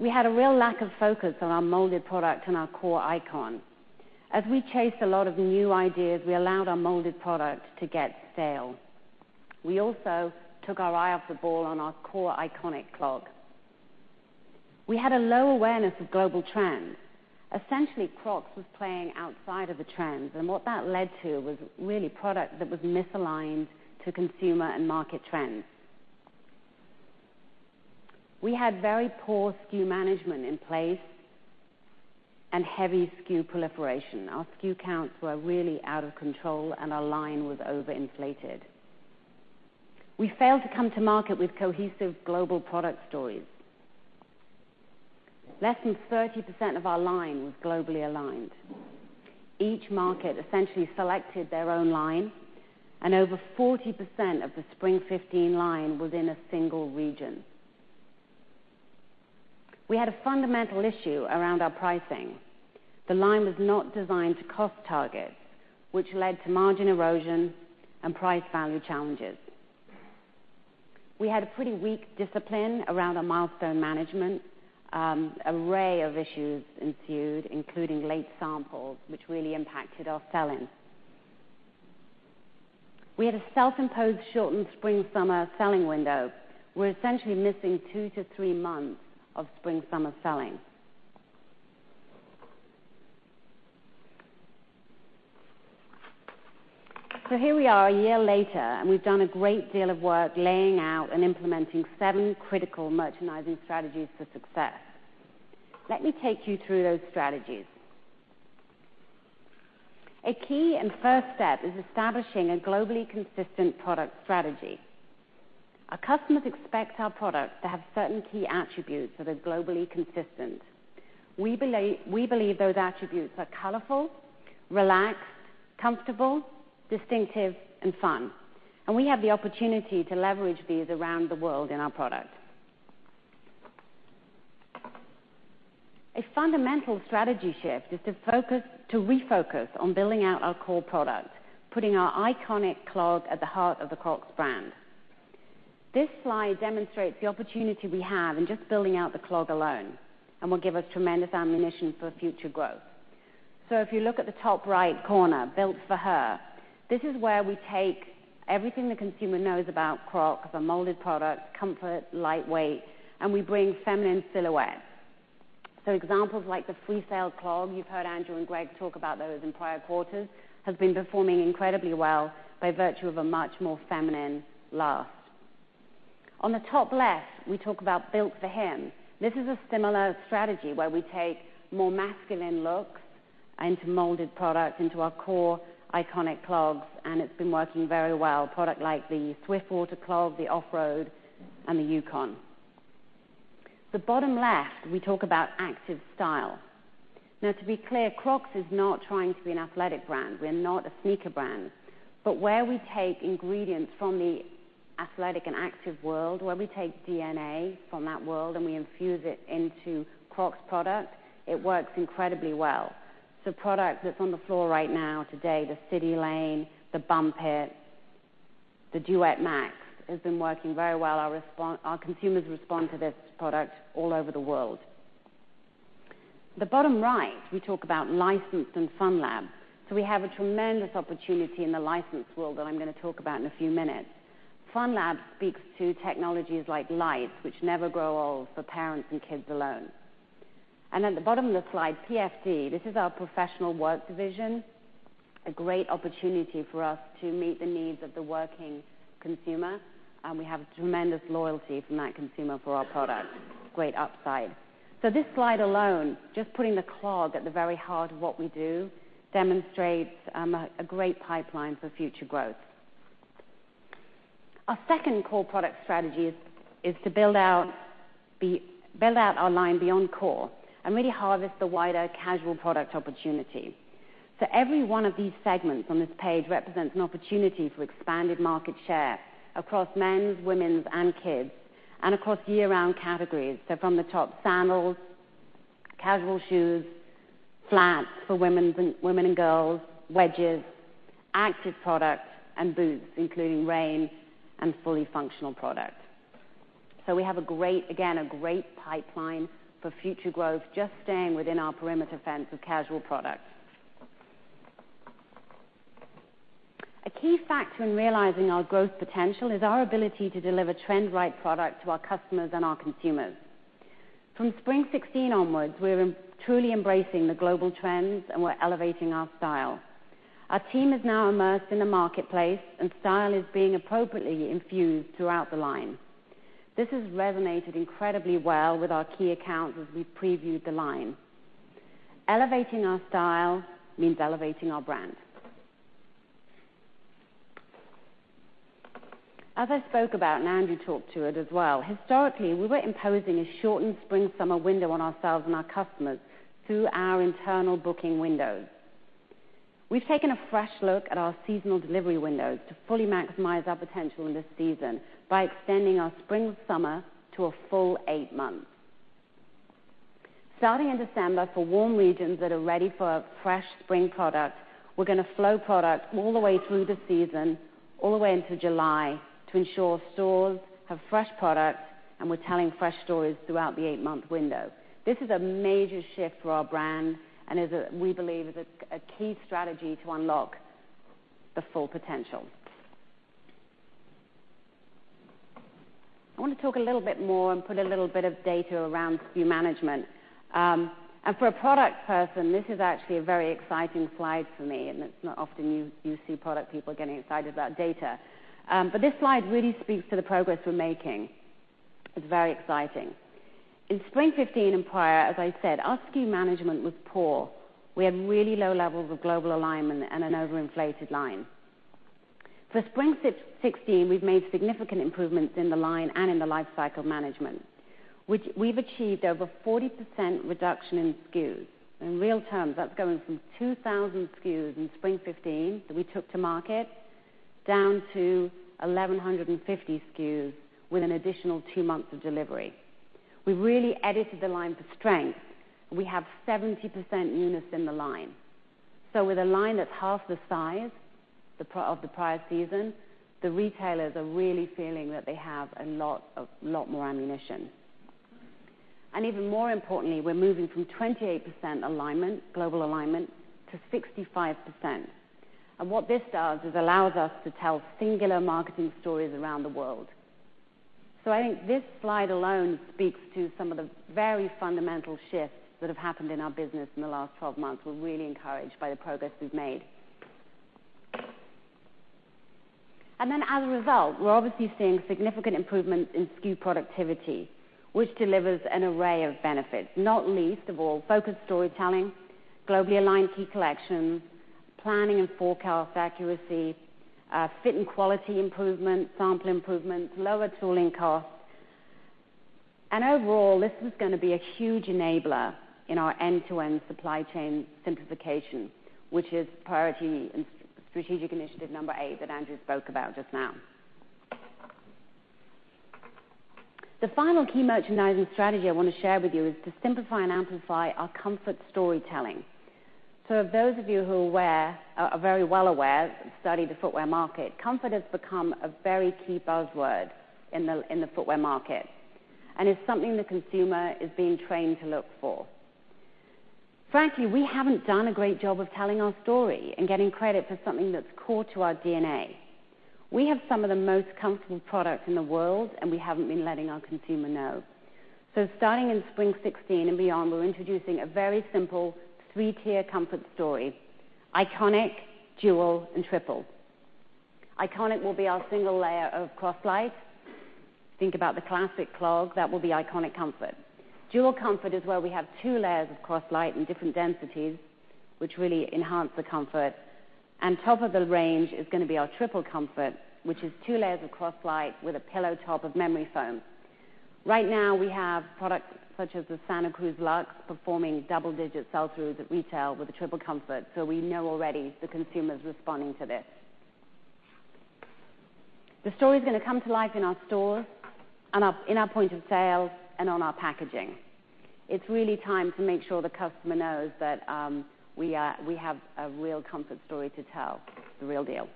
We had a real lack of focus on our molded product and our core icon. As we chased a lot of new ideas, we allowed our molded product to get stale. We also took our eye off the ball on our core iconic clog. We had a low awareness of global trends. Essentially, Crocs was playing outside of the trends, what that led to was really product that was misaligned to consumer and market trends. We had very poor SKU management in place and heavy SKU proliferation. Our SKU counts were really out of control, our line was overinflated. We failed to come to market with cohesive global product stories. Less than 30% of our line was globally aligned. Each market essentially selected their own line, over 40% of the Spring 2015 line was in a single region. We had a fundamental issue around our pricing. The line was not designed to cost targets, which led to margin erosion and price value challenges. We had a pretty weak discipline around our milestone management. An array of issues ensued, including late samples, which really impacted our sell-ins. We had a self-imposed shortened spring/summer selling window. We're essentially missing two to three months of spring/summer selling. Here we are a year later, and we've done a great deal of work laying out and implementing seven critical merchandising strategies for success. Let me take you through those strategies. A key and first step is establishing a globally consistent product strategy. Our customers expect our product to have certain key attributes that are globally consistent. We believe those attributes are colorful, relaxed, comfortable, distinctive, and fun, and we have the opportunity to leverage these around the world in our product. A fundamental strategy shift is to refocus on building out our core product, putting our iconic clog at the heart of the Crocs brand. This slide demonstrates the opportunity we have in just building out the clog alone and will give us tremendous ammunition for future growth. If you look at the top right corner, Built for Her, this is where we take everything the consumer knows about Crocs, a molded product, comfort, lightweight, and we bring feminine silhouettes. Examples like the Freesail Clog, you've heard Andrew and Gregg talk about those in prior quarters, have been performing incredibly well by virtue of a much more feminine last. On the top left, we talk about Built for Him. This is a similar strategy where we take more masculine looks into molded products, into our core iconic clogs, and it's been working very well. A product like the Swiftwater Clog, the Offroad, and the Yukon. The bottom left, we talk about active style. To be clear, Crocs is not trying to be an athletic brand. We're not a sneaker brand. Where we take ingredients from the athletic and active world, where we take DNA from that world and we infuse it into Crocs product, it works incredibly well. Product that's on the floor right now today, the CitiLane, the Bump It, the Duet Max, has been working very well. Our consumers respond to this product all over the world. The bottom right, we talk about licensed and Fun Lab. We have a tremendous opportunity in the licensed world that I'm going to talk about in a few minutes. Fun Lab speaks to technologies like lights, which never grow old for parents and kids alone. At the bottom of the slide, PFD. This is our professional work division, a great opportunity for us to meet the needs of the working consumer. We have tremendous loyalty from that consumer for our product. Great upside. This slide alone, just putting the clog at the very heart of what we do, demonstrates a great pipeline for future growth. Our second core product strategy is to build out our line beyond core and really harvest the wider casual product opportunity. Every one of these segments on this page represents an opportunity for expanded market share across men's, women's, and kids, and across year-round categories. From the top, sandals, casual shoes, flats for women and girls, wedges, active products, and boots, including rain and fully functional products. We have, again, a great pipeline for future growth, just staying within our perimeter fence of casual products. A key factor in realizing our growth potential is our ability to deliver trend-right product to our customers and our consumers. From Spring 2016 onwards, we're truly embracing the global trends, and we're elevating our style. Our team is now immersed in the marketplace, and style is being appropriately infused throughout the line. This has resonated incredibly well with our key accounts as we previewed the line. Elevating our style means elevating our brand. As I spoke about, and Andrew talked to it as well, historically, we were imposing a shortened spring/summer window on ourselves and our customers through our internal booking windows. We've taken a fresh look at our seasonal delivery windows to fully maximize our potential in this season by extending our spring/summer to a full eight months. Starting in December for warm regions that are ready for fresh spring product, we're going to flow product all the way through the season, all the way into July to ensure stores have fresh product and we're telling fresh stories throughout the eight-month window. This is a major shift for our brand and we believe is a key strategy to unlock the full potential. I want to talk a little bit more and put a little bit of data around SKU management. For a product person, this is actually a very exciting slide for me, and it's not often you see product people getting excited about data. This slide really speaks to the progress we're making. It's very exciting. In spring 2015 and prior, as I said, our SKU management was poor. We had really low levels of global alignment and an overinflated line. For spring 2016, we've made significant improvements in the line and in the lifecycle management. We've achieved over 40% reduction in SKUs. In real terms, that's going from 2,000 SKUs in spring 2015 that we took to market down to 1,150 SKUs with an additional two months of delivery. We've really edited the line for strength. We have 70% newness in the line. With a line that's half the size of the prior season, the retailers are really feeling that they have a lot more ammunition. Even more importantly, we're moving from 28% alignment, global alignment, to 65%. What this does is allows us to tell singular marketing stories around the world. I think this slide alone speaks to some of the very fundamental shifts that have happened in our business in the last 12 months. We're really encouraged by the progress we've made. As a result, we're obviously seeing significant improvements in SKU productivity, which delivers an array of benefits, not least of all focused storytelling, globally aligned key collections, planning and forecast accuracy, fit and quality improvement, sample improvement, lower tooling costs. Overall, this is going to be a huge enabler in our end-to-end supply chain simplification, which is priority and strategic initiative number 8 that Andrew spoke about just now. The final key merchandising strategy I want to share with you is to simplify and amplify our comfort storytelling. Those of you who are very well aware and studied the footwear market, comfort has become a very key buzzword in the footwear market and is something the consumer is being trained to look for. Frankly, we haven't done a great job of telling our story and getting credit for something that's core to our DNA. Starting in spring 2016 and beyond, we're introducing a very simple 3-tier comfort story: Iconic, Dual, and Triple. Iconic will be our single layer of Croslite. Think about the classic clog. That will be Iconic comfort. Dual comfort is where we have two layers of Croslite in different densities, which really enhance the comfort. Top of the range is going to be our Triple comfort, which is two layers of Croslite with a pillow top of memory foam. Right now, we have products such as the Santa Cruz Luxe performing double-digit sell-throughs at retail with the Triple comfort, so we know already the consumer's responding to this. The story's going to come to life in our stores, in our point of sale, and on our packaging. It's really time to make sure the customer knows that we have a real comfort story to tell, the real deal.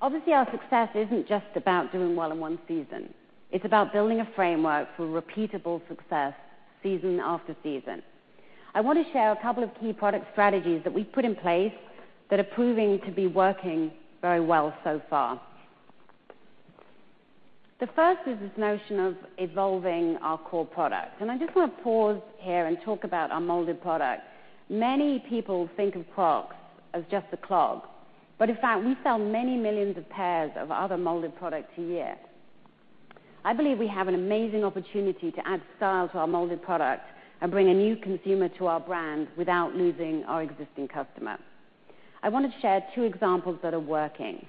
Obviously, our success isn't just about doing well in one season. It's about building a framework for repeatable success season after season. I want to share a couple of key product strategies that we've put in place that are proving to be working very well so far. The first is this notion of evolving our core product, and I just want to pause here and talk about our molded product. Many people think of Crocs as just a clog, but in fact, we sell many millions of pairs of other molded products a year. I believe we have an amazing opportunity to add style to our molded product and bring a new consumer to our brand without losing our existing customer. I want to share two examples that are working.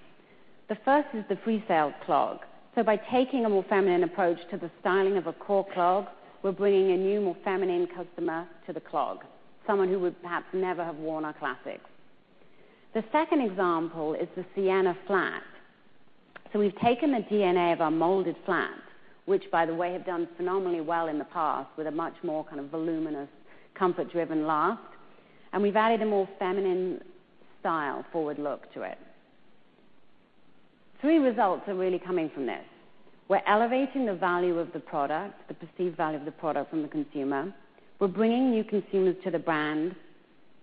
The first is the Freesail Clog. By taking a more feminine approach to the styling of a core clog, we're bringing a new, more feminine customer to the clog, someone who would perhaps never have worn our classics. The second example is the Sienna Flat. We've taken the DNA of our molded flats, which by the way, have done phenomenally well in the past with a much more kind of voluminous, comfort-driven last, and we've added a more feminine style forward look to it. Three results are really coming from this. We're elevating the value of the product, the perceived value of the product from the consumer. We're bringing new consumers to the brand,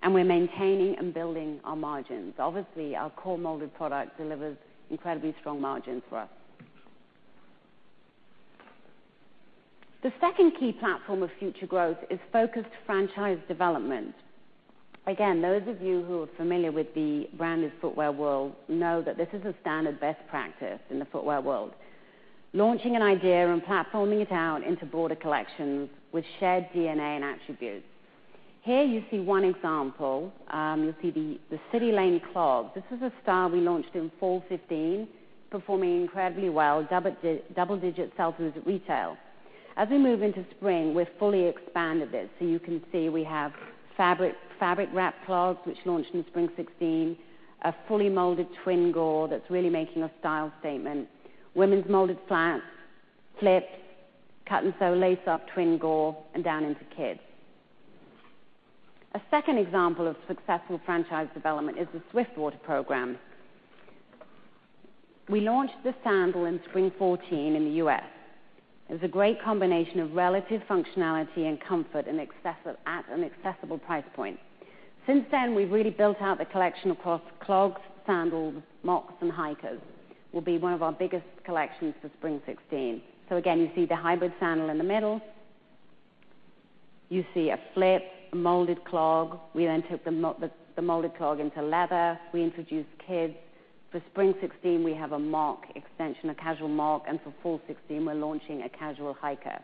and we're maintaining and building our margins. Obviously, our core molded product delivers incredibly strong margins for us. The second key platform of future growth is focused franchise development. Again, those of you who are familiar with the branded footwear world know that this is a standard best practice in the footwear world. Launching an idea and platforming it out into broader collections with shared DNA and attributes. Here you see one example. You'll see the CitiLane Clog. This is a style we launched in fall 2015, performing incredibly well, double-digit sell-throughs at retail. As we move into spring, we've fully expanded this, so you can see we have fabric-wrapped clogs, which launched in spring 2016, a fully molded twin gore that's really making a style statement, women's molded flats, flips, cut and sew lace up twin gore, and down into kids. A second example of successful franchise development is the Swiftwater program. We launched this sandal in spring 2014 in the U.S. It was a great combination of relative functionality and comfort at an accessible price point. Since then, we've really built out the collection across clogs, sandals, mocs, and hikers. Will be one of our biggest collections for spring 2016. Again, you see the hybrid sandal in the middle. You see a flip, a molded clog. We then took the molded clog into leather. We introduced kids. For spring 2016, we have a mocc extension, a casual mocc, and for fall 2016, we're launching a casual hiker.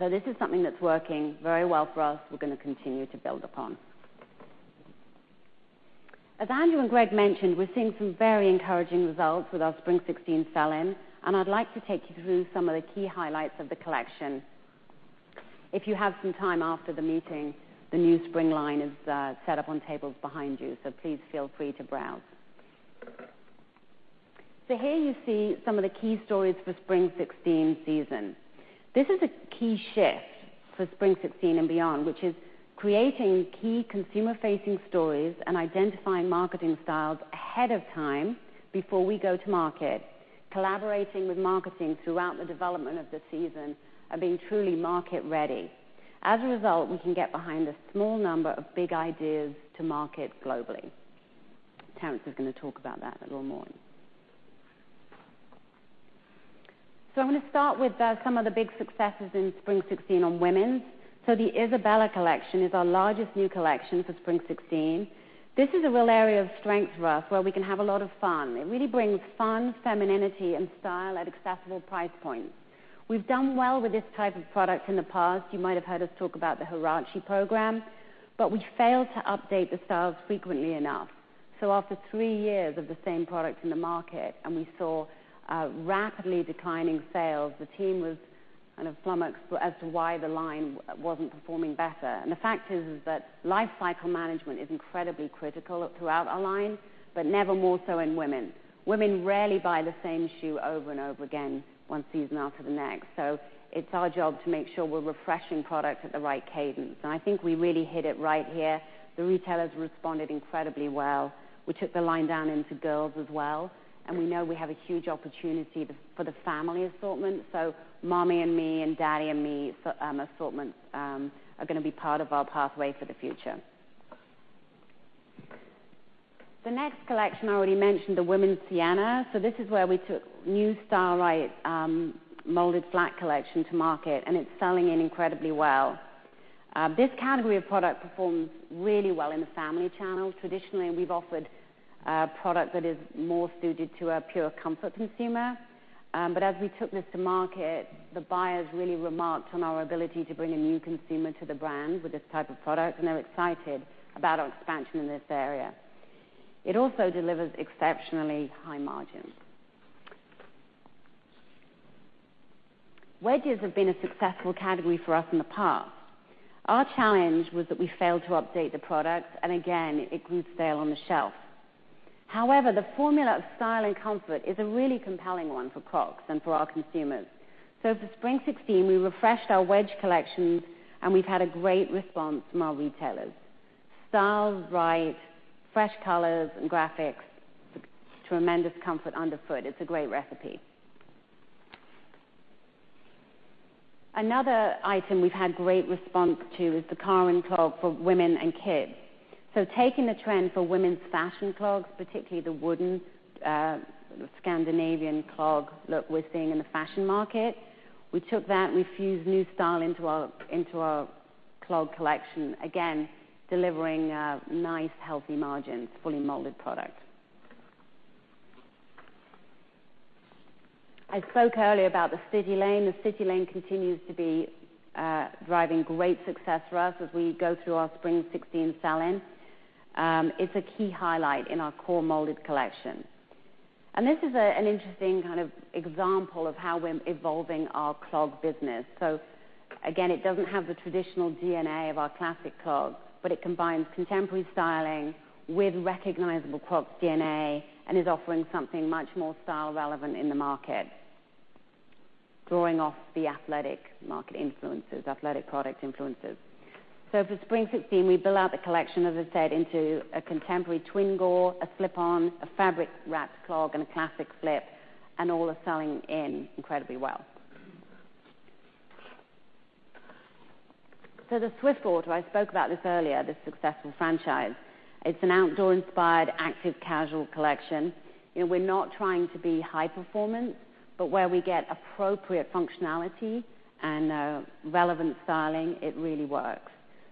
This is something that's working very well for us, we're going to continue to build upon. As Andrew and Gregg mentioned, we're seeing some very encouraging results with our spring 2016 sell-in, and I'd like to take you through some of the key highlights of the collection. If you have some time after the meeting, the new spring line is set up on tables behind you, so please feel free to browse. Here you see some of the key stories for spring 2016 season. This is a key shift for spring 2016 and beyond, which is creating key consumer-facing stories and identifying marketing styles ahead of time before we go to market, collaborating with marketing throughout the development of the season and being truly market-ready. As a result, we can get behind a small number of big ideas to market globally. Terence is going to talk about that a little more. I'm going to start with some of the big successes in spring 2016 on women's. The Isabella collection is our largest new collection for spring 2016. This is a real area of strength for us where we can have a lot of fun. It really brings fun, femininity, and style at accessible price points. We've done well with this type of product in the past. You might have heard us talk about the Huarache program, but we failed to update the styles frequently enough. After three years of the same product in the market and we saw rapidly declining sales, the team was kind of flummoxed as to why the line wasn't performing better. The fact is that life cycle management is incredibly critical throughout our line, but never more so in women's. Women rarely buy the same shoe over and over again one season after the next. It's our job to make sure we're refreshing product at the right cadence. I think we really hit it right here. The retailers responded incredibly well. We took the line down into girls as well, and we know we have a huge opportunity for the family assortment. Mommy and Me and Daddy and Me assortments are going to be part of our pathway for the future. The next collection, I already mentioned, the women's Sienna. This is where we took new style, right, molded flat collection to market, and it's selling in incredibly well. This category of product performs really well in the family channels. Traditionally, we've offered a product that is more suited to a pure comfort consumer. As we took this to market, the buyers really remarked on our ability to bring a new consumer to the brand with this type of product, and they're excited about our expansion in this area. It also delivers exceptionally high margins. Wedges have been a successful category for us in the past. Our challenge was that we failed to update the product, again, it grew stale on the shelf. However, the formula of style and comfort is a really compelling one for Crocs and for our consumers. For spring 2016, we refreshed our wedge collections, we've had a great response from our retailers. Styles right, fresh colors and graphics, tremendous comfort underfoot. It's a great recipe. Another item we've had great response to is the Karin clog for women and kids. Taking the trend for women's fashion clogs, particularly the wooden Scandinavian clog look we're seeing in the fashion market, we took that and we fused new style into our clog collection, again, delivering nice, healthy margins, fully molded product. I spoke earlier about the CitiLane. The CitiLane continues to be driving great success for us as we go through our spring 2016 sell-in. It's a key highlight in our core molded collection. This is an interesting kind of example of how we're evolving our clog business. Again, it doesn't have the traditional DNA of our classic clog, but it combines contemporary styling with recognizable Crocs DNA and is offering something much more style relevant in the market, drawing off the athletic market influences, athletic product influences. For spring 2016, we built out the collection, as I said, into a contemporary twin gore, a slip-on, a fabric-wrapped clog, and a classic slip, all are selling in incredibly well. The Swiftwater, I spoke about this earlier, this successful franchise. It's an outdoor-inspired, active casual collection, we're not trying to be high performance, but where we get appropriate functionality and relevant styling, it really works.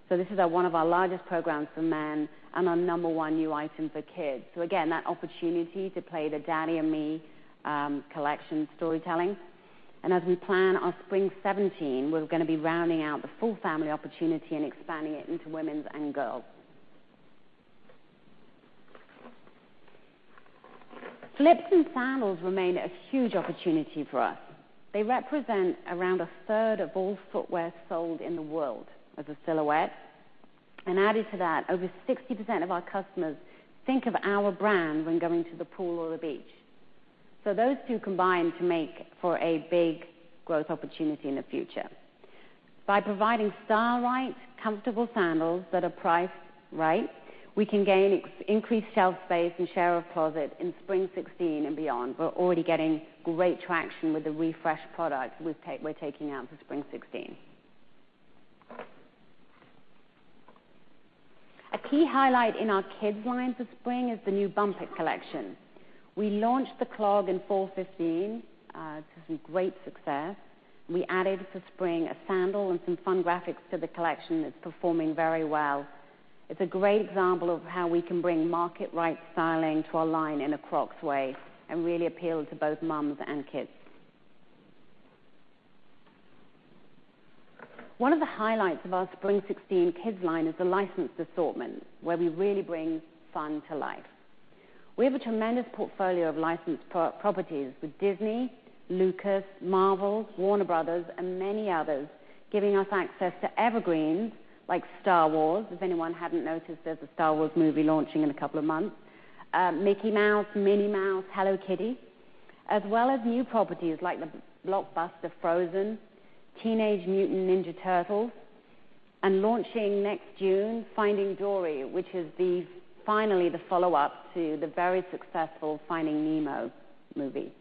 This is one of our largest programs for men and our number 1 new item for kids. Again, that opportunity to play the Daddy and Me collection storytelling. As we plan our spring 2017, we're going to be rounding out the full family opportunity and expanding it into women's and girls. Slips and sandals remain a huge opportunity for us. They represent around a third of all footwear sold in the world as a silhouette. Added to that, over 60% of our customers think of our brand when going to the pool or the beach. Those two combine to make for a big growth opportunity in the future. By providing style-right, comfortable sandals that are priced right, we can gain increased shelf space and share of closet in spring 2016 and beyond. We're already getting great traction with the refreshed product we're taking out for spring 2016. A key highlight in our kids line for spring is the new Bump It collection. We launched the clog in fall 2015 to some great success. We added, for spring, a sandal and some fun graphics to the collection that's performing very well. It's a great example of how we can bring market-right styling to our line in a Crocs way and really appeal to both moms and kids. One of the highlights of our spring 2016 kids line is the licensed assortment where we really bring fun to life. We have a tremendous portfolio of licensed properties with Disney, Lucas, Marvel, Warner Bros., and many others, giving us access to evergreens like Star Wars, if anyone hadn't noticed there's a Star Wars movie launching in a couple of months, Mickey Mouse, Minnie Mouse, Hello Kitty, as well as new properties like the blockbuster, Frozen, Teenage Mutant Ninja Turtles, and launching next June, Finding Dory, which is finally the follow-up to the very successful Finding Nemo movie.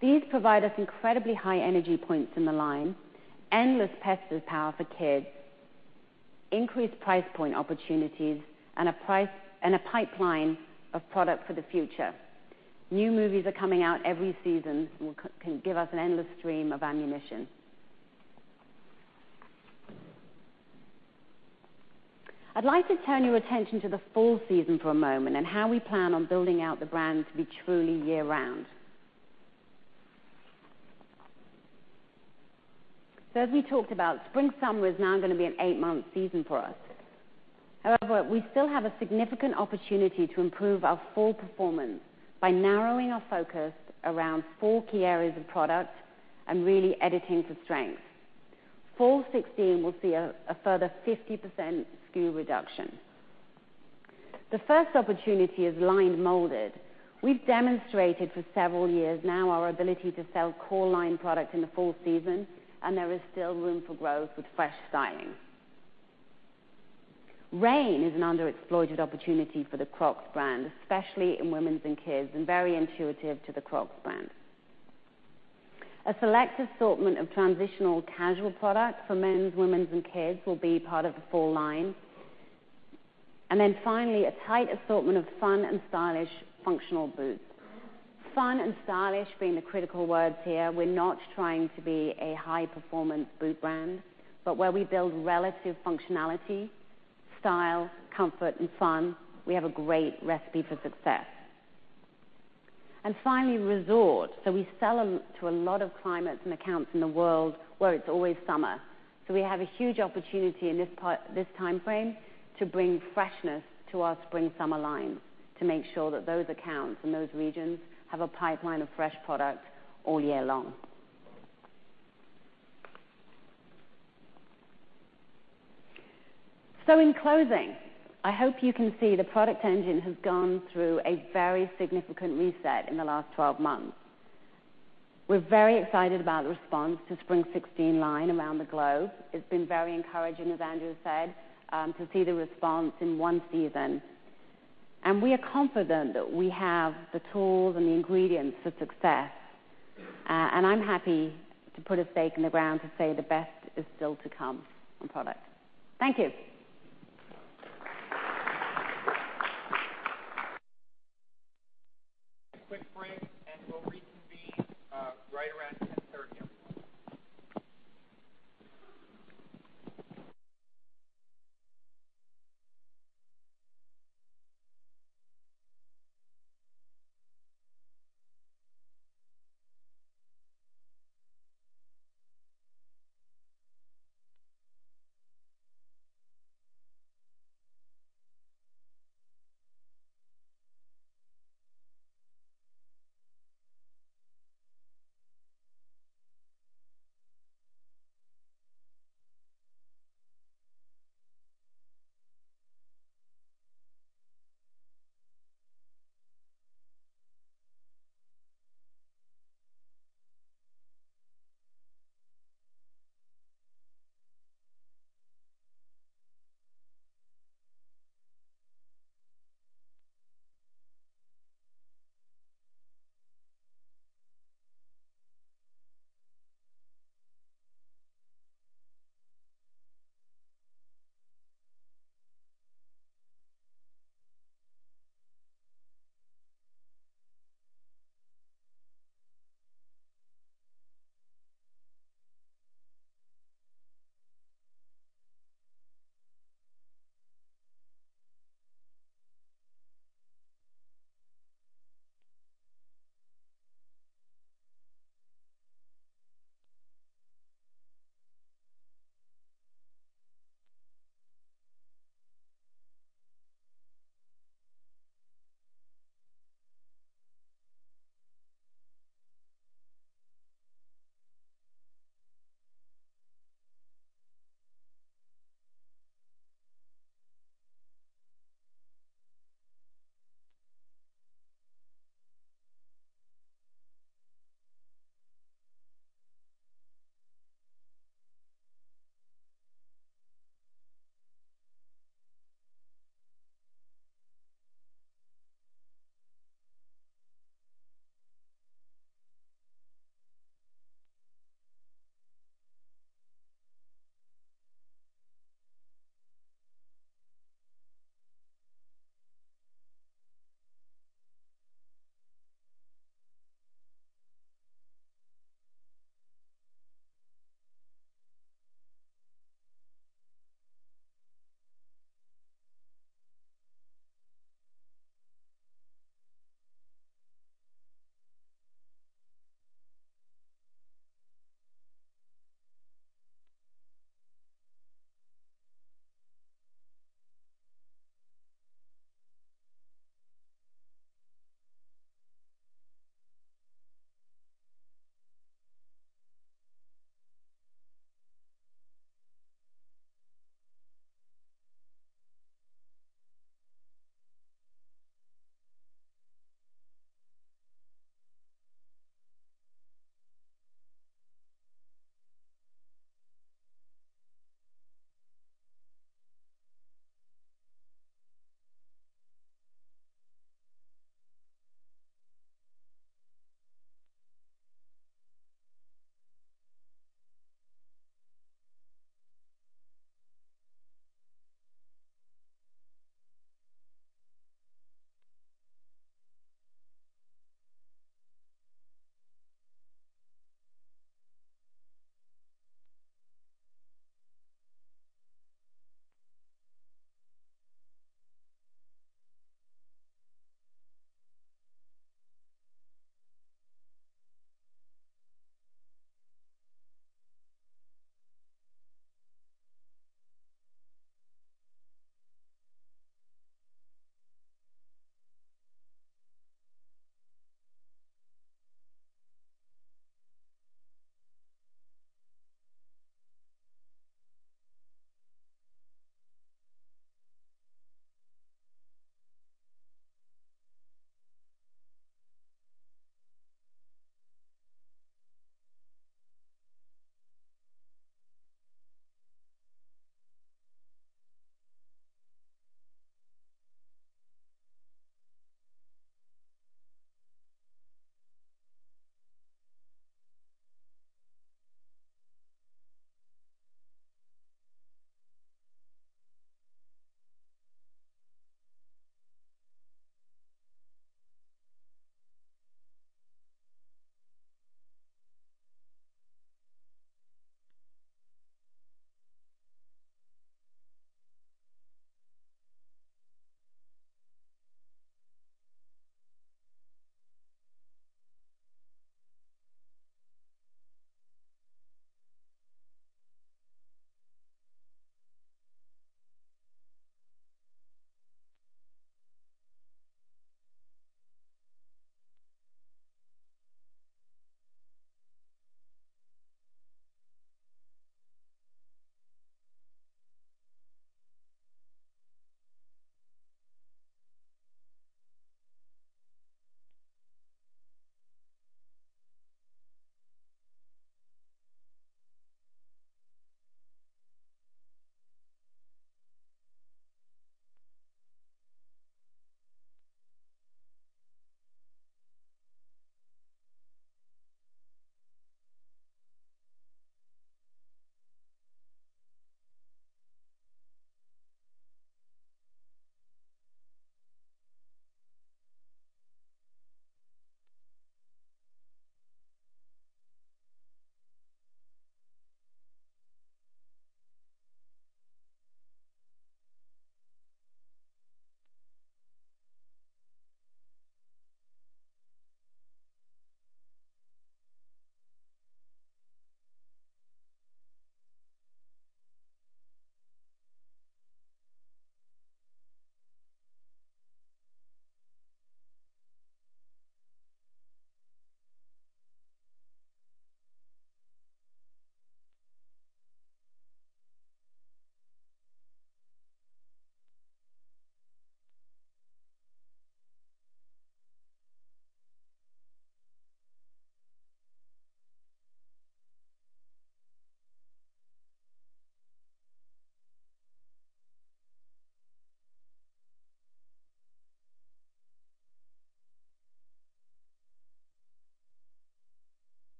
These provide us incredibly high energy points in the line, endless pester power for kids, increased price point opportunities, and a pipeline of product for the future. New movies are coming out every season and can give us an endless stream of ammunition. I'd like to turn your attention to the fall season for a moment and how we plan on building out the brand to be truly year-round. As we talked about, spring/summer is now going to be an 8-month season for us. However, we still have a significant opportunity to improve our fall performance by narrowing our focus around four key areas of product and really editing to strength. Fall 2016 will see a further 50% SKU reduction. The first opportunity is lined molded. We've demonstrated for several years now our ability to sell core line product in the fall season, and there is still room for growth with fresh styling. Rain is an underexploited opportunity for the Crocs brand, especially in women's and kids, and very intuitive to the Crocs brand. A select assortment of transitional casual product for men's, women's, and kids will be part of the fall line. Finally, a tight assortment of fun and stylish functional boots. Fun and stylish being the critical words here. We're not trying to be a high-performance boot brand, but where we build relative functionality, style, comfort, and fun, we have a great recipe for success. Finally, resort. We sell to a lot of climates and accounts in the world where it's always summer. We have a huge opportunity in this timeframe to bring freshness to our spring/summer line to make sure that those accounts and those regions have a pipeline of fresh product all year long. In closing, I hope you can see the product engine has gone through a very significant reset in the last 12 months. We're very excited about the response to spring 2016 line around the globe. It's been very encouraging, as Andrew said, to see the response in one season. We are confident that we have the tools and the ingredients for success. I'm happy to put a stake in the ground to say the best is still to come on product. Thank you.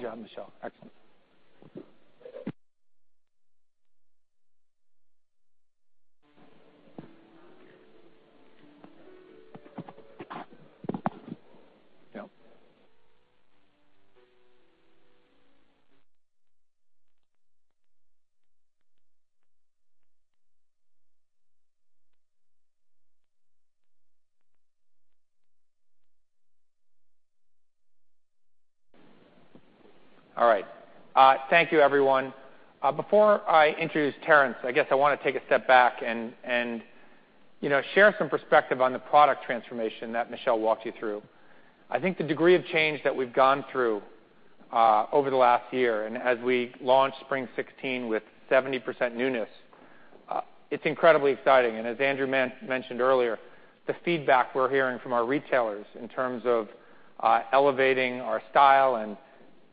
Quick break and we'll reconvene right around 10:30, everyone. Andrew? Good job, Michelle. Excellent. Yep. All right. Thank you, everyone. Before I introduce Terence, I guess I want to take a step back and share some perspective on the product transformation that Michelle walked you through. I think the degree of change that we've gone through over the last year and as we launch Spring 2016 with 70% newness, it's incredibly exciting. As Andrew mentioned earlier, the feedback we're hearing from our retailers in terms of elevating our style and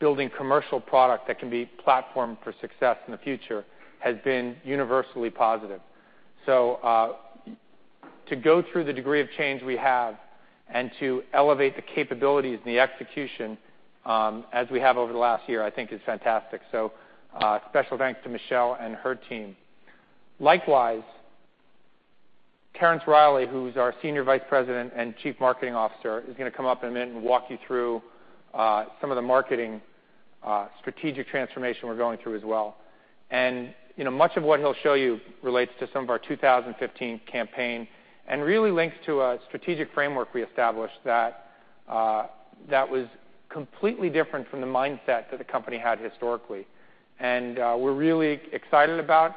building commercial product that can be platformed for success in the future has been universally positive. To go through the degree of change we have and to elevate the capabilities and the execution as we have over the last year, I think is fantastic. Special thanks to Michelle and her team. Likewise, Terence Reilly, who's our Senior Vice President and Chief Marketing Officer, is going to come up in a minute and walk you through some of the marketing strategic transformation we're going through as well. Much of what he'll show you relates to some of our 2015 campaign and really links to a strategic framework we established that was completely different from the mindset that the company had historically. We're really excited about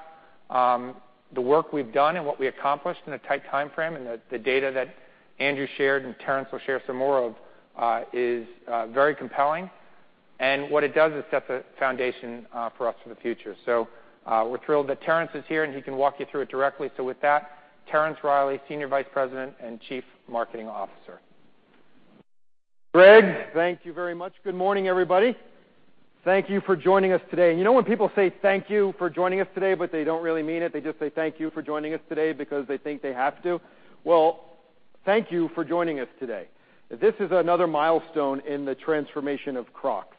the work we've done and what we accomplished in a tight timeframe, and the data that Andrew shared, and Terence will share some more of, is very compelling. What it does is set the foundation for us for the future. We're thrilled that Terence is here, and he can walk you through it directly. With that, Terence Reilly, Senior Vice President and Chief Marketing Officer. Gregg, thank you very much. Good morning, everybody. Thank you for joining us today. You know when people say thank you for joining us today, but they don't really mean it, they just say thank you for joining us today because they think they have to? Well, thank you for joining us today. This is another milestone in the transformation of Crocs.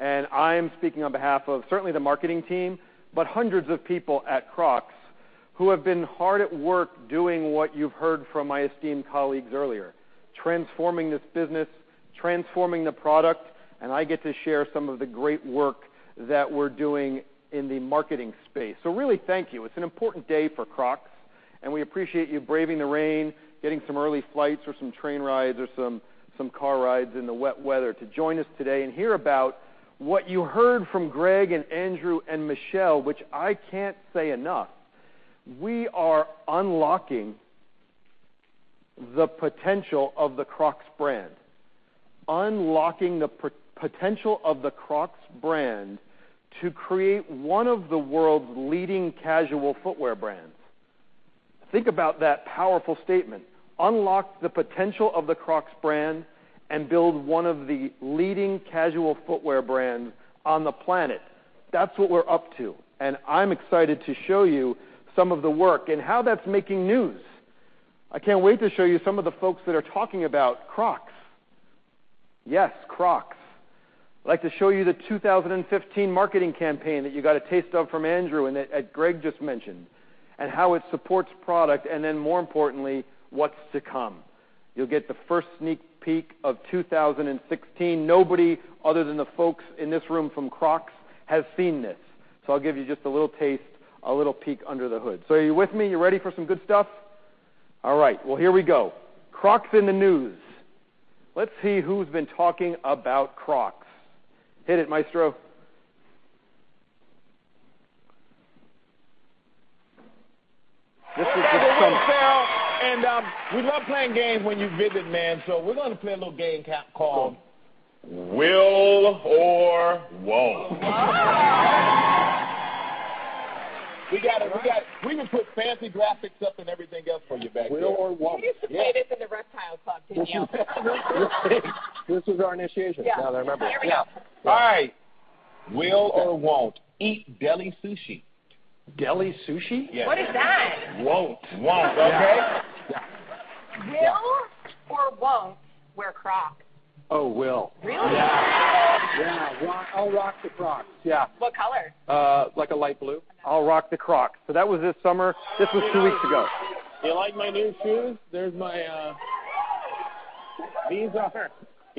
I'm speaking on behalf of certainly the marketing team, but hundreds of people at Crocs who have been hard at work doing what you've heard from my esteemed colleagues earlier, transforming this business, transforming the product, and I get to share some of the great work that we're doing in the marketing space. Really, thank you. It's an important day for Crocs, we appreciate you braving the rain, getting some early flights or some train rides or some car rides in the wet weather to join us today and hear about what you heard from Gregg and Andrew and Michelle, which I can't say enough. We are unlocking the potential of the Crocs brand. Unlocking the potential of the Crocs brand to create one of the world's leading casual footwear brands. Think about that powerful statement. Unlock the potential of the Crocs brand to build one of the leading casual footwear brands on the planet. That's what we're up to, I'm excited to show you some of the work and how that's making news. I can't wait to show you some of the folks that are talking about Crocs. Yes, Crocs. I'd like to show you the 2015 marketing campaign that you got a taste of from Andrew and that Gregg just mentioned, and how it supports product, and then more importantly, what's to come. You'll get the first sneak peek of 2016. Nobody other than the folks in this room from Crocs has seen this. I'll give you just a little taste, a little peek under the hood. Are you with me? You ready for some good stuff? All right, well, here we go. Crocs in the news. Let's see who's been talking about Crocs. Hit it, maestro. We've got the late show. We love playing games when you visit, man. We're gonna play a little game called Will or Won't. We even put fancy graphics up and everything else for you back there. Will or Won't. You used to play this in the reptile club, didn't you? This was our initiation. Yeah. Yeah, I remember. There we go. All right. Will or won't eat deli sushi? Deli sushi? What is that? Won't. Won't. Okay. Yeah. Will or won't wear Crocs? Oh, will. Really? Yeah. I'll rock the Crocs. Yeah. What color? Like a light blue. I'll rock the Crocs. That was this summer. This was two weeks ago. You like my new shoes? You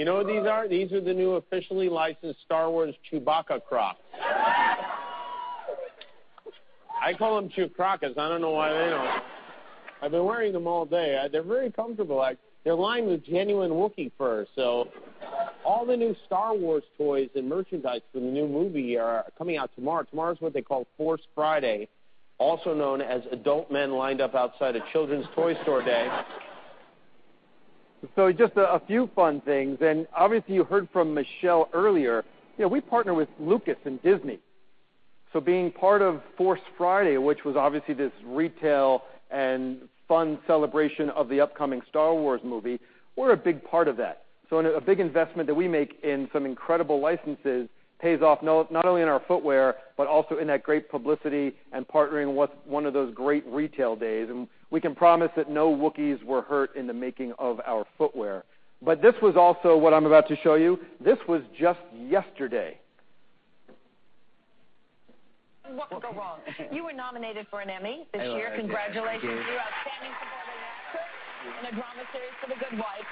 know what these are? These are the new officially licensed Star Wars Chewbacca Crocs. I call them Chewcrocas. I don't know why they don't. I've been wearing them all day. They're very comfortable. They're lined with genuine Wookiee fur. All the new Star Wars toys and merchandise for the new movie are coming out tomorrow. Tomorrow's what they call Force Friday, also known as Adult Men Lined Up Outside a Children's Toy Store Day. Just a few fun things. Obviously, you heard from Michelle earlier. We partner with Lucasfilm and Disney. Being part of Force Friday, which was obviously this retail and fun celebration of the upcoming Star Wars movie, we're a big part of that. A big investment that we make in some incredible licenses pays off not only in our footwear but also in that great publicity and partnering with one of those great retail days. We can promise that no Wookiees were hurt in the making of our footwear. This was also what I'm about to show you. This was just yesterday What could go wrong? You were nominated for an Emmy this year. I was, yes. Congratulations. Thank you. Outstanding Supporting Actor in a Drama Series for The Good Wife.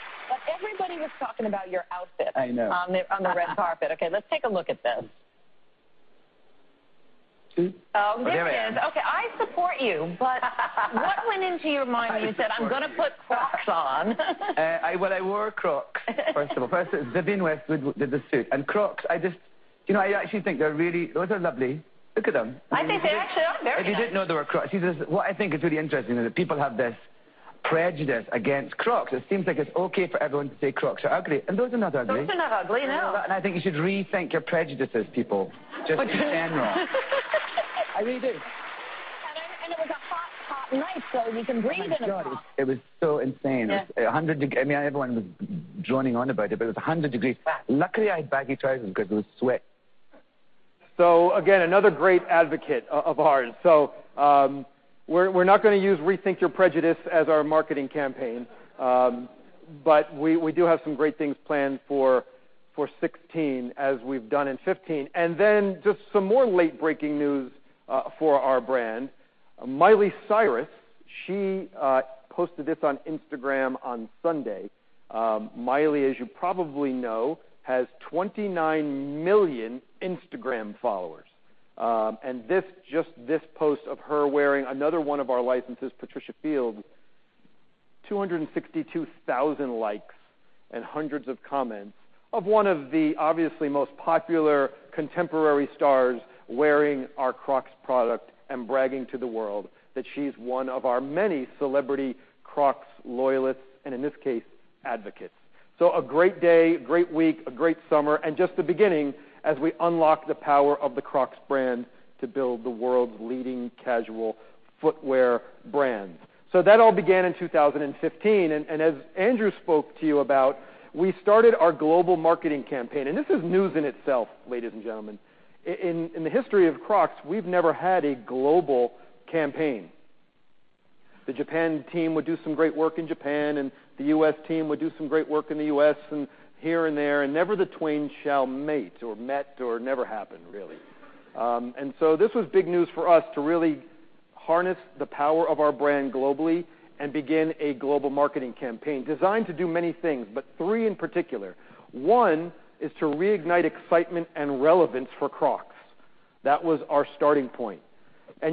Everybody was talking about your outfit. I know. on the red carpet. Okay, let's take a look at this. Two? Oh, here we are. Oh, goodness. Okay, I support you. What went into your mind when you said? I support you I'm going to put Crocs on? Well, I wore Crocs, first of all. Vivienne Westwood did the suit. Crocs, I actually think those are lovely. Look at them. I think they actually are very nice. You didn't know they were Crocs. What I think is really interesting is that people have this prejudice against Crocs. It seems like it's okay for everyone to say Crocs are ugly, and those are not ugly. Those are not ugly. No. I think you should rethink your prejudices, people, just in general. I really do. It was a hot night, you can breathe in them. My God, it was so insane. Yeah. Everyone was droning on about it was 100 degrees. Luckily, I had baggy trousers because it was sweat. Again, another great advocate of ours. We're not going to use "Rethink Your Prejudice" as our marketing campaign. We do have some great things planned for 2016 as we've done in 2015. Just some more late-breaking news for our brand. Miley Cyrus, she posted this on Instagram on Sunday. Miley, as you probably know, has 29 million Instagram followers. Just this post of her wearing another one of our licenses, Patricia Field, 262,000 likes and hundreds of comments of one of the obviously most popular contemporary stars wearing our Crocs product and bragging to the world that she's one of our many celebrity Crocs loyalists and, in this case, advocates. A great day, great week, a great summer, and just the beginning as we unlock the power of the Crocs brand to build the world's leading casual footwear brand. That all began in 2015, and as Andrew spoke to you about, we started our global marketing campaign. This is news in itself, ladies and gentlemen. In the history of Crocs, we've never had a global campaign. The Japan team would do some great work in Japan, and the U.S. team would do some great work in the U.S. and here and there, never the twain shall meet or met or never happened, really. This was big news for us to really harness the power of our brand globally and begin a global marketing campaign designed to do many things, but three in particular. One is to reignite excitement and relevance for Crocs. That was our starting point.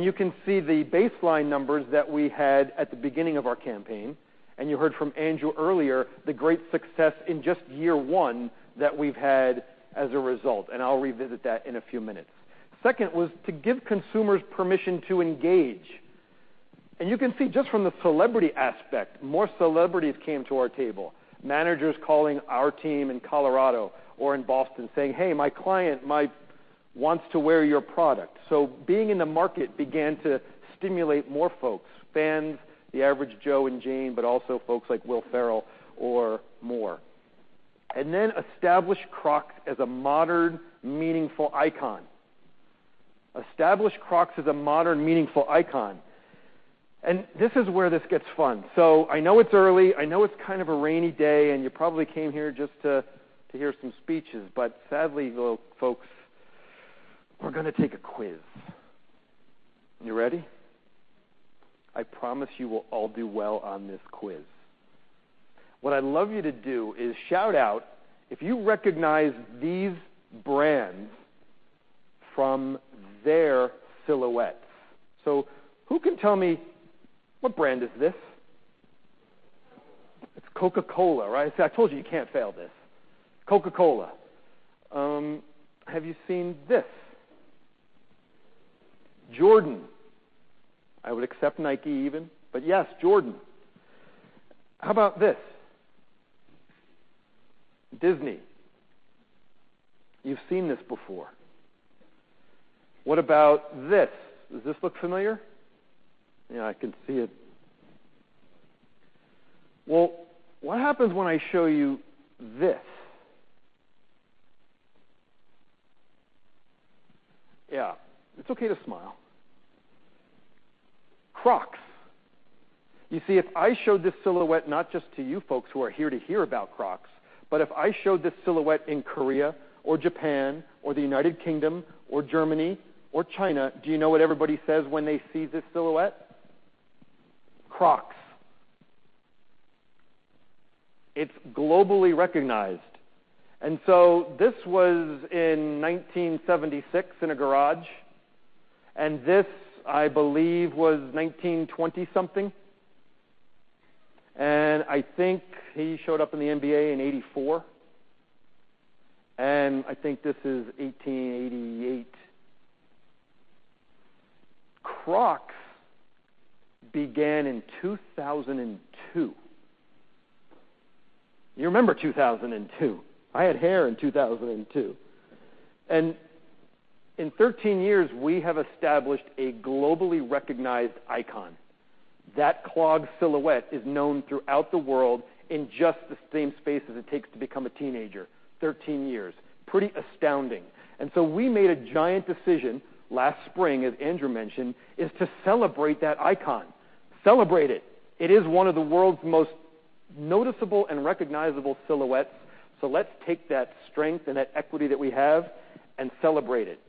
You can see the baseline numbers that we had at the beginning of our campaign, and you heard from Andrew earlier the great success in just year one that we've had as a result. I'll revisit that in a few minutes. Second was to give consumers permission to engage. You can see just from the celebrity aspect, more celebrities came to our table, managers calling our team in Colorado or in Boston saying, "Hey, my client wants to wear your product." Being in the market began to stimulate more folks, fans, the average Joe and Jane, but also folks like Will Ferrell or more. Establish Crocs as a modern, meaningful icon. Establish Crocs as a modern, meaningful icon. This is where this gets fun. I know it's early, I know it's kind of a rainy day, and you probably came here just to hear some speeches, but sadly, folks, we're going to take a quiz. You ready? I promise you will all do well on this quiz. What I'd love you to do is shout out if you recognize these brands from their silhouettes. Who can tell me what brand is this? Coca-Cola. It's Coca-Cola, right? See, I told you can't fail this. Coca-Cola. Have you seen this? Jordan. I would accept Nike even, but yes, Jordan. How about this? Disney. You've seen this before. What about this? Does this look familiar? Yeah, I can see it. Well, what happens when I show you this? Yeah. It's okay to smile. Crocs. You see, if I showed this silhouette, not just to you folks who are here to hear about Crocs, but if I showed this silhouette in Korea or Japan or the United Kingdom or Germany or China, do you know what everybody says when they see this silhouette? Crocs. It's globally recognized. This was in 1976 in a garage, and this, I believe, was 1920-something. I think he showed up in the NBA in 1984. I think this is 1888. Crocs began in 2002. You remember 2002. I had hair in 2002. In 13 years, we have established a globally recognized icon. That clog silhouette is known throughout the world in just the same space as it takes to become a teenager, 13 years. Pretty astounding. We made a giant decision last spring, as Andrew mentioned, is to celebrate that icon. Celebrate it. It is one of the world's most noticeable and recognizable silhouettes. Let's take that strength and that equity that we have and celebrate it.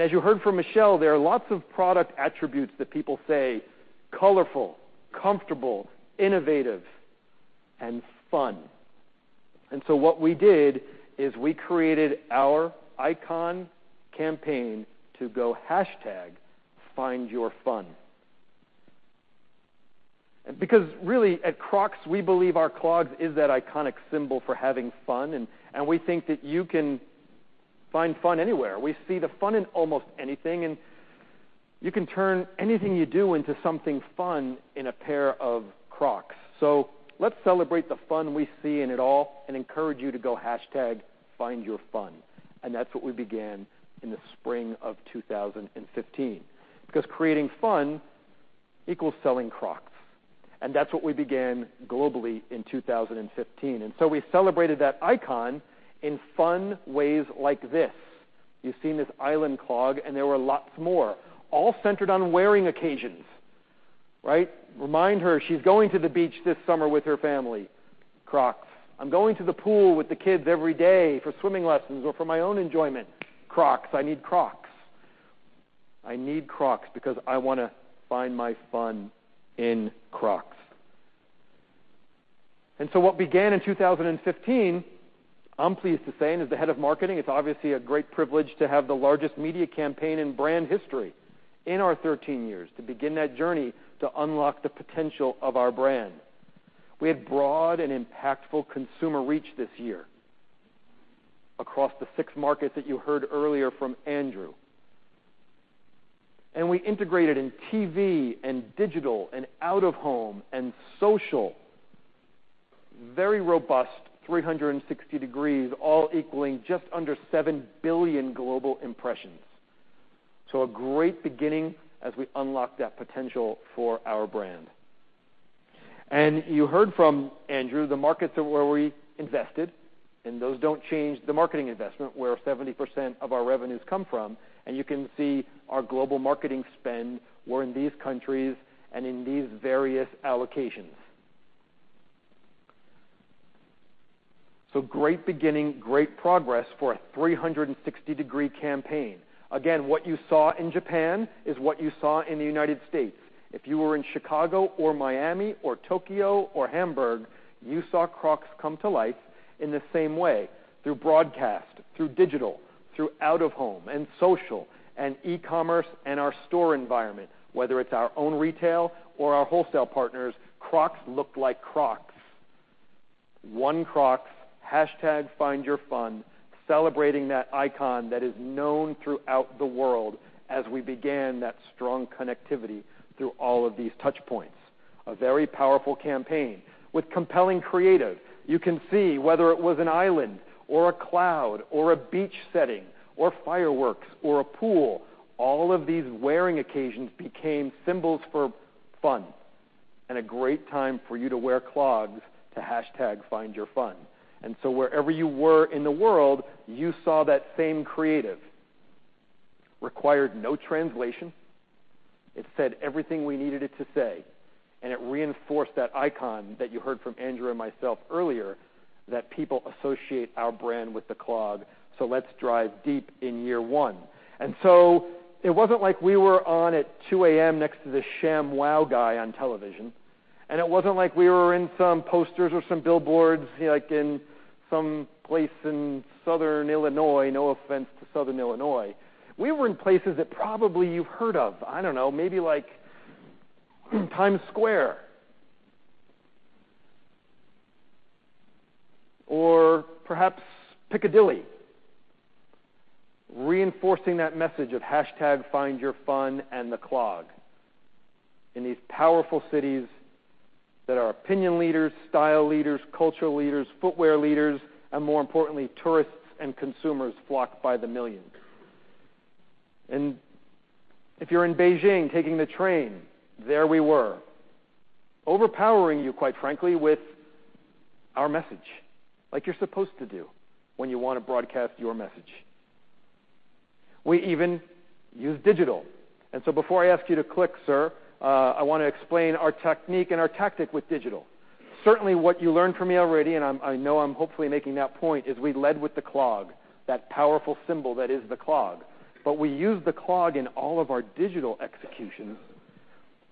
As you heard from Michelle, there are lots of product attributes that people say, colorful, comfortable, innovative, and fun. What we did is we created our icon campaign to go #FindYourFun. Because really, at Crocs, we believe our clogs is that iconic symbol for having fun, and we think that you can find fun anywhere. We see the fun in almost anything, and you can turn anything you do into something fun in a pair of Crocs. Let's celebrate the fun we see in it all and encourage you to go #FindYourFun. That's what we began in the spring of 2015. Because creating fun equals selling Crocs. That's what we began globally in 2015. We celebrated that icon in fun ways like this. You've seen this island clog, and there were lots more, all centered on wearing occasions. Remind her she's going to the beach this summer with her family. Crocs. I'm going to the pool with the kids every day for swimming lessons or for my own enjoyment. Crocs. I need Crocs. I need Crocs because I want to find my fun in Crocs. What began in 2015, I'm pleased to say, as the head of marketing, it's obviously a great privilege to have the largest media campaign in brand history in our 13 years, to begin that journey to unlock the potential of our brand. We had broad and impactful consumer reach this year across the six markets that you heard earlier from Andrew. We integrated in TV, digital, out-of-home, and social, very robust, 360 degrees, all equaling just under 7 billion global impressions. A great beginning as we unlock that potential for our brand. You heard from Andrew the markets where we invested, and those don't change the marketing investment, where 70% of our revenues come from, and you can see our global marketing spend were in these countries and in these various allocations. A great beginning, great progress for a 360-degree campaign. Again, what you saw in Japan is what you saw in the U.S. If you were in Chicago, Miami, Tokyo, or Hamburg, you saw Crocs come to life in the same way, through broadcast, through digital, through out-of-home and social, and e-commerce and our store environment. Whether it's our own retail or our wholesale partners, Crocs looked like Crocs. One Crocs, #FindYourFun, celebrating that icon that is known throughout the world as we began that strong connectivity through all of these touch points. A very powerful campaign with compelling creative. You can see whether it was an island, a cloud, a beach setting, fireworks, or a pool, all of these wearing occasions became symbols for fun and a great time for you to wear clogs to #FindYourFun. Wherever you were in the world, you saw that same creative. Required no translation. It said everything we needed it to say, and it reinforced that icon that you heard from Andrew and myself earlier, that people associate our brand with the clog, so let's drive deep in year one. It wasn't like we were on at 2:00 A.M. Next to the ShamWow guy on television, and it wasn't like we were in some posters or some billboards, like in some place in Southern Illinois, no offense to Southern Illinois. We were in places that probably you've heard of. I don't know, maybe like Times Square. Or perhaps Piccadilly. Reinforcing that message of #FindYourFun and the clog in these powerful cities that are opinion leaders, style leaders, culture leaders, footwear leaders, and more importantly, tourists and consumers flocked by the millions. If you're in Beijing taking the train, there we were, overpowering you, quite frankly, with our message, like you're supposed to do when you want to broadcast your message. We even used digital. Before I ask you to click, sir, I want to explain our technique and our tactic with digital. Certainly, what you learned from me already, and I know I'm hopefully making that point, is we led with the clog, that powerful symbol that is the clog. But we used the clog in all of our digital executions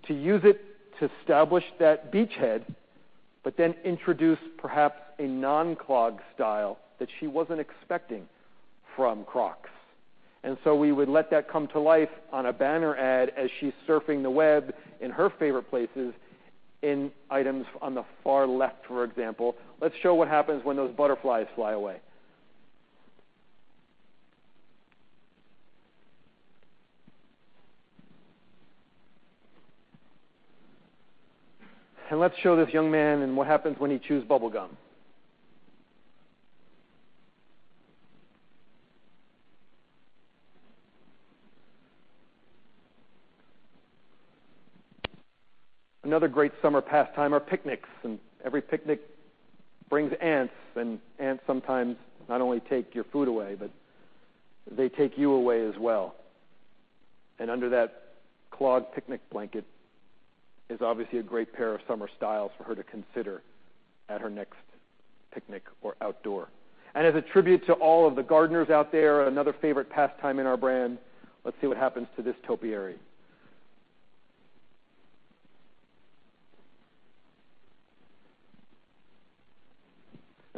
to use it to establish that beachhead, but then introduce perhaps a non-clog style that she wasn't expecting from Crocs. We would let that come to life on a banner ad as she's surfing the web in her favorite places in items on the far left, for example. Let's show what happens when those butterflies fly away. And let's show this young man and what happens when he chews bubblegum. Another great summer pastime are picnics, and every picnic brings ants, and ants sometimes not only take your food away, but they take you away as well. Under that clog picnic blanket is obviously a great pair of summer styles for her to consider at her next picnic or outdoor. As a tribute to all of the gardeners out there, another favorite pastime in our brand, let's see what happens to this topiary.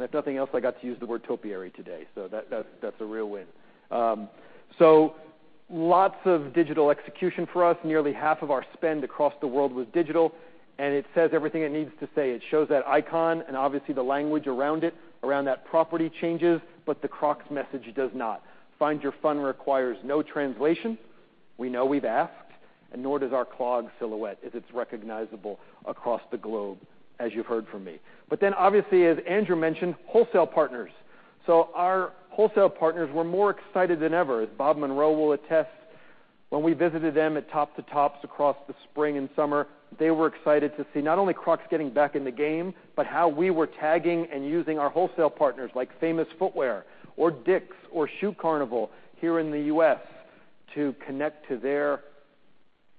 If nothing else, I got to use the word topiary today, so that's a real win. Lots of digital execution for us. Nearly half of our spend across the world was digital, and it says everything it needs to say. It shows that icon and obviously the language around it, around that property changes, but the Crocs message does not. Find your fun requires no translation. We know we've asked, nor does our clog silhouette, as it's recognizable across the globe, as you've heard from me. But then, obviously, as Andrew mentioned, wholesale partners. Our wholesale partners were more excited than ever, as Bob Munroe will attest, when we visited them at Top to Tops across the spring and summer. They were excited to see not only Crocs getting back in the game, but how we were tagging and using our wholesale partners, like Famous Footwear or DICK'S or Shoe Carnival here in the U.S. to connect to their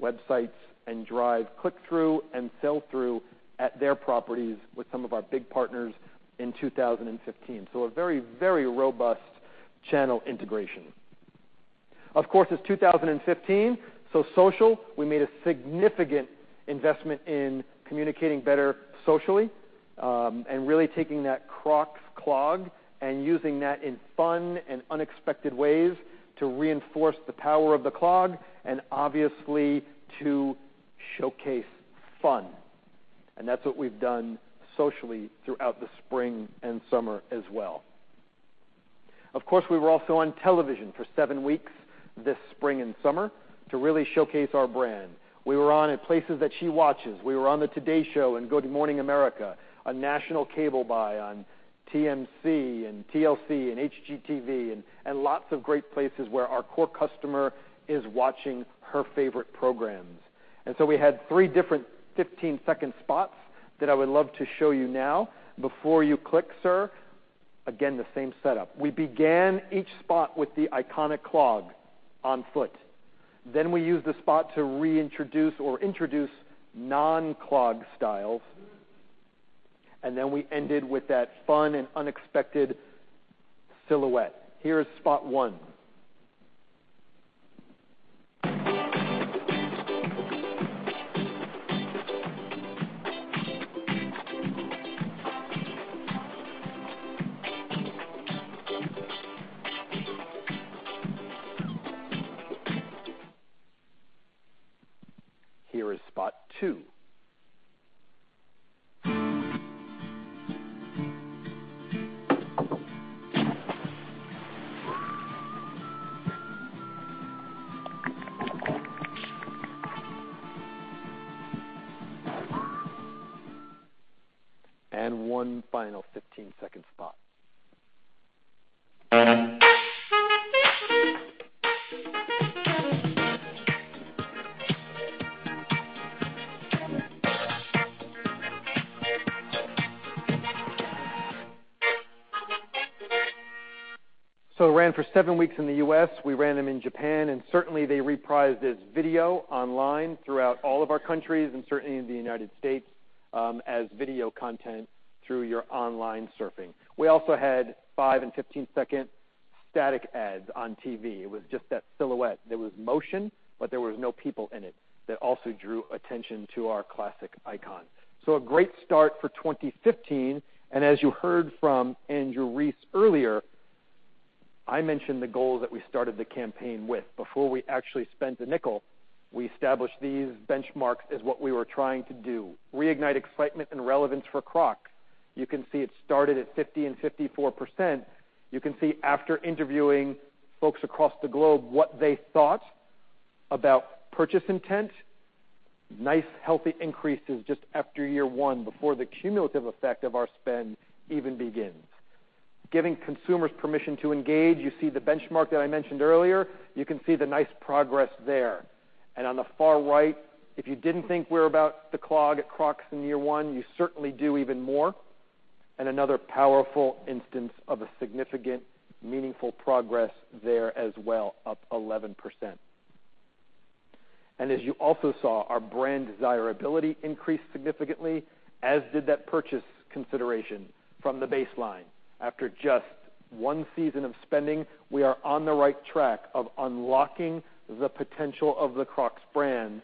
websites and drive click-through and sell-through at their properties with some of our big partners in 2015. A very robust channel integration. Of course, it's 2015, social, we made a significant investment in communicating better socially, and really taking that Crocs clog and using that in fun and unexpected ways to reinforce the power of the clog and obviously to showcase fun. That's what we've done socially throughout the spring and summer as well. Of course, we were also on television for 7 weeks this spring and summer to really showcase our brand. We were on at places that she watches. We were on the Today and Good Morning America, a national cable buy on TMC and TLC and HGTV and lots of great places where our core customer is watching her favorite programs. So we had three different 15-second spots that I would love to show you now. Before you click, sir, again, the same setup. We began each spot with the iconic clog on foot. We used the spot to reintroduce or introduce non-clog styles. We ended with that fun and unexpected silhouette. Here is spot one. Here is spot two. One final 15-second spot. It ran for 7 weeks in the U.S. We ran them in Japan, and certainly, they reprised as video online throughout all of our countries and certainly in the United States, as video content through your online surfing. We also had 5 and 15-second static ads on TV. It was just that silhouette. There was motion, but there was no people in it. That also drew attention to our classic icon. A great start for 2015, and as you heard from Andrew Rees earlier, I mentioned the goals that we started the campaign with. Before we actually spent a nickel, we established these benchmarks as what we were trying to do. Reignite excitement and relevance for Crocs. You can see it started at 50% and 54%. You can see after interviewing folks across the globe what they thought about purchase intent, nice healthy increases just after year one before the cumulative effect of our spend even begins. Giving consumers permission to engage, you see the benchmark that I mentioned earlier. You can see the nice progress there. On the far right, if you didn't think we're about the clog at Crocs in year one, you certainly do even more. Another powerful instance of a significant, meaningful progress there as well, up 11%. As you also saw, our brand desirability increased significantly, as did that purchase consideration from the baseline. After just one season of spending, we are on the right track of unlocking the potential of the Crocs brand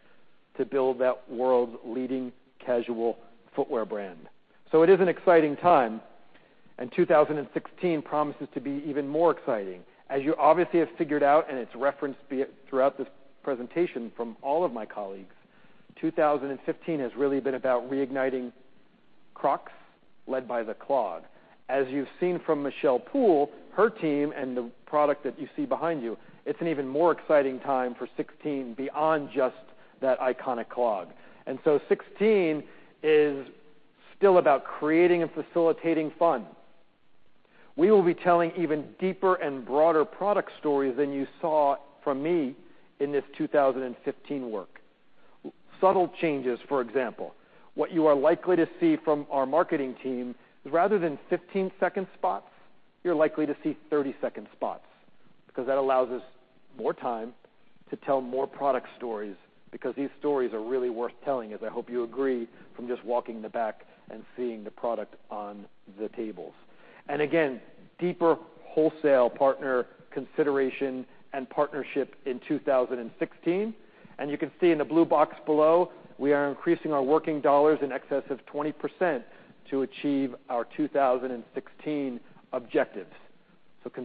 to build that world's leading casual footwear brand. It is an exciting time, and 2016 promises to be even more exciting. As you obviously have figured out, and it's referenced throughout this presentation from all of my colleagues, 2015 has really been about reigniting Crocs led by the clog. As you've seen from Michelle Poole, her team, and the product that you see behind you, it's an even more exciting time for 2016 beyond just that iconic clog. 2016 is still about creating and facilitating fun. We will be telling even deeper and broader product stories than you saw from me in this 2015 work. Subtle changes, for example, what you are likely to see from our marketing team is rather than 15-second spots, you're likely to see 30-second spots, because that allows us more time to tell more product stories, because these stories are really worth telling, as I hope you agree, from just walking in the back and seeing the product on the tables. Again, deeper wholesale partner consideration and partnership in 2016. You can see in the blue box below, we are increasing our working dollars in excess of 20% to achieve our 2016 objectives.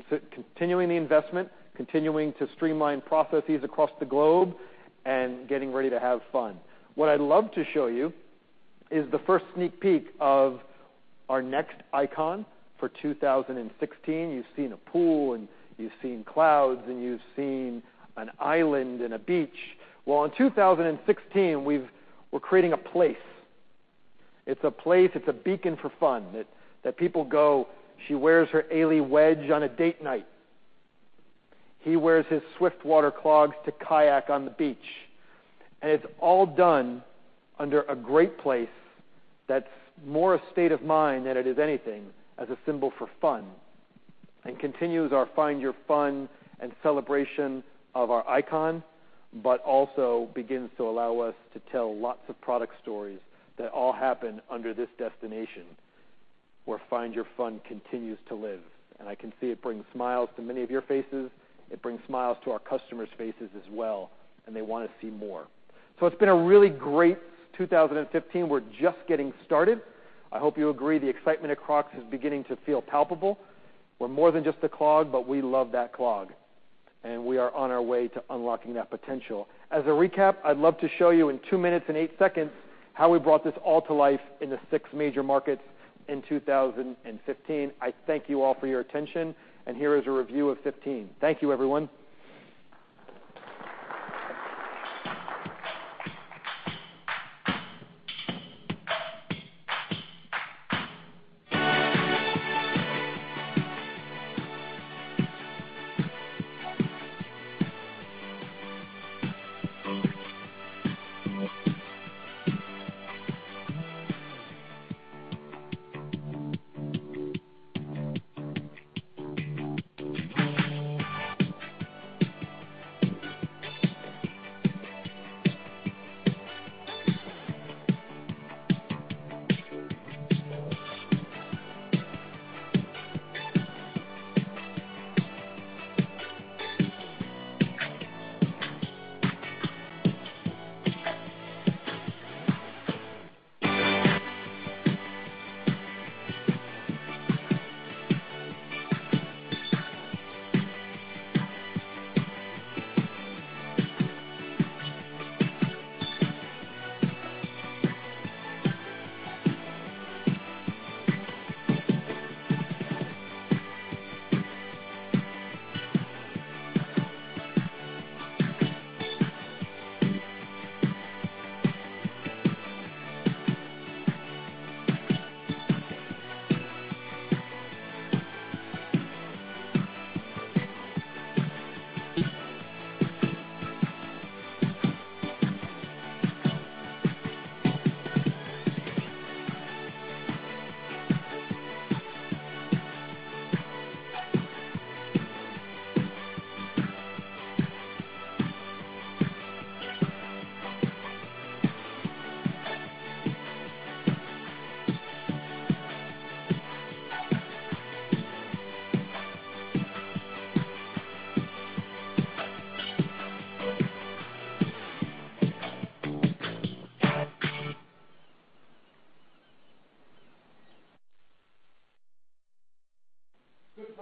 Continuing the investment, continuing to streamline processes across the globe, and getting ready to have fun. What I'd love to show you is the first sneak peek of our next icon for 2016. You've seen a pool, you've seen clouds, you've seen an island and a beach. In 2016, we're creating a place. It's a place, it's a beacon for fun that people go. She wears her A-Leigh wedge on a date night. He wears his Swiftwater clogs to kayak on the beach. It's all done under a great place that's more a state of mind than it is anything as a symbol for fun, continues our #FindYourFun and celebration of our icon, also begins to allow us to tell lots of product stories that all happen under this destination where #FindYourFun continues to live. I can see it brings smiles to many of your faces. It brings smiles to our customers' faces as well, and they want to see more. It's been a really great 2015. We're just getting started. I hope you agree, the excitement at Crocs is beginning to feel palpable. We're more than just a clog, we love that clog. We are on our way to unlocking that potential. As a recap, I'd love to show you in two minutes and eight seconds how we brought this all to life in the six major markets in 2015. I thank you all for your attention, here is a review of 2015. Thank you, everyone.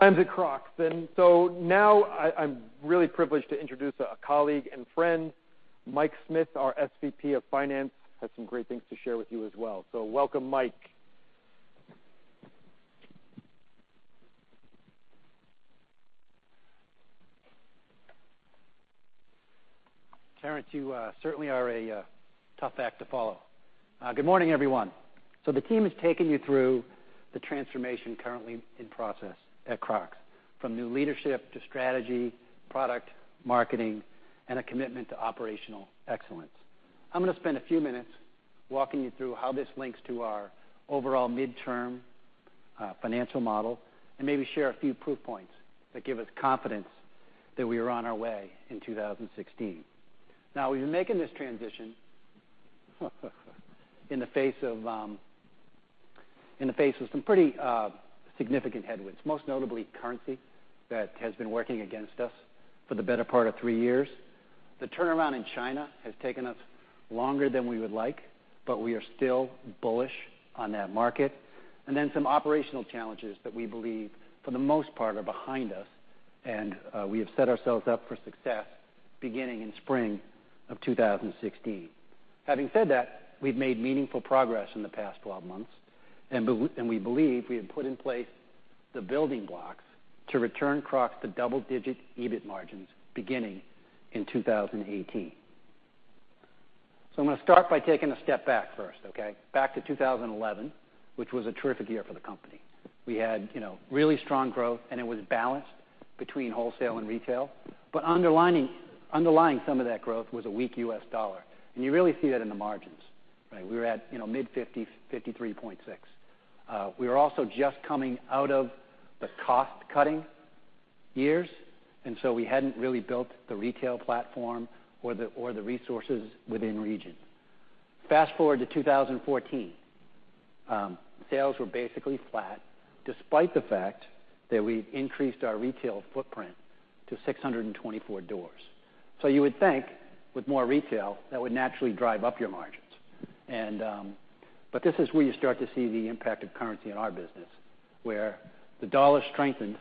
Good times at Crocs. Now I'm really privileged to introduce a colleague and friend, Mike Smith, our SVP of Finance, has some great things to share with you as well. Welcome, Mike. Terence, you certainly are a tough act to follow. Good morning, everyone. The team has taken you through the transformation currently in process at Crocs, from new leadership to strategy, product, marketing, and a commitment to operational excellence. I'm going to spend a few minutes walking you through how this links to our overall midterm financial model and maybe share a few proof points that give us confidence that we are on our way in 2016. We've been making this transition in the face of some pretty significant headwinds, most notably currency that has been working against us for the better part of three years. The turnaround in China has taken us longer than we would like, we are still bullish on that market. Some operational challenges that we believe for the most part are behind us, and we have set ourselves up for success beginning in spring of 2016. We've made meaningful progress in the past 12 months, and we believe we have put in place the building blocks to return Crocs to double-digit EBIT margins beginning in 2018. I'm going to start by taking a step back first. Back to 2011, which was a terrific year for the company. We had really strong growth, and it was balanced between wholesale and retail. Underlying some of that growth was a weak U.S. dollar. You really see that in the margins. We were at mid-50, 53.6%. We were also just coming out of the cost-cutting years, we hadn't really built the retail platform or the resources within region. Fast-forward to 2014. Sales were basically flat, despite the fact that we increased our retail footprint to 624 doors. You would think with more retail, that would naturally drive up your margins. This is where you start to see the impact of currency on our business, where the dollar strengthened,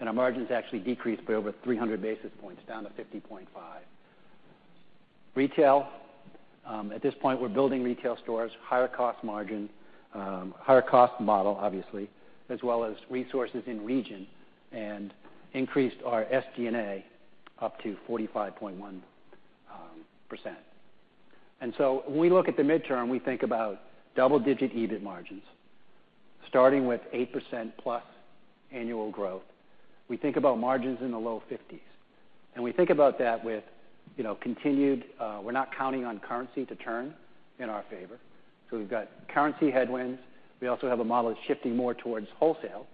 and our margins actually decreased by over 300 basis points, down to 50.5%. Retail, at this point, we're building retail stores, higher-cost margin, higher-cost model, obviously, as well as resources in region and increased our SG&A up to 45.1%. When we look at the midterm, we think about double-digit EBIT margins, starting with 8%-plus annual growth. We think about margins in the low 50s. We think about that with continued-- we're not counting on currency to turn in our favor. We've got currency headwinds. We also have a model that's shifting more towards wholesale,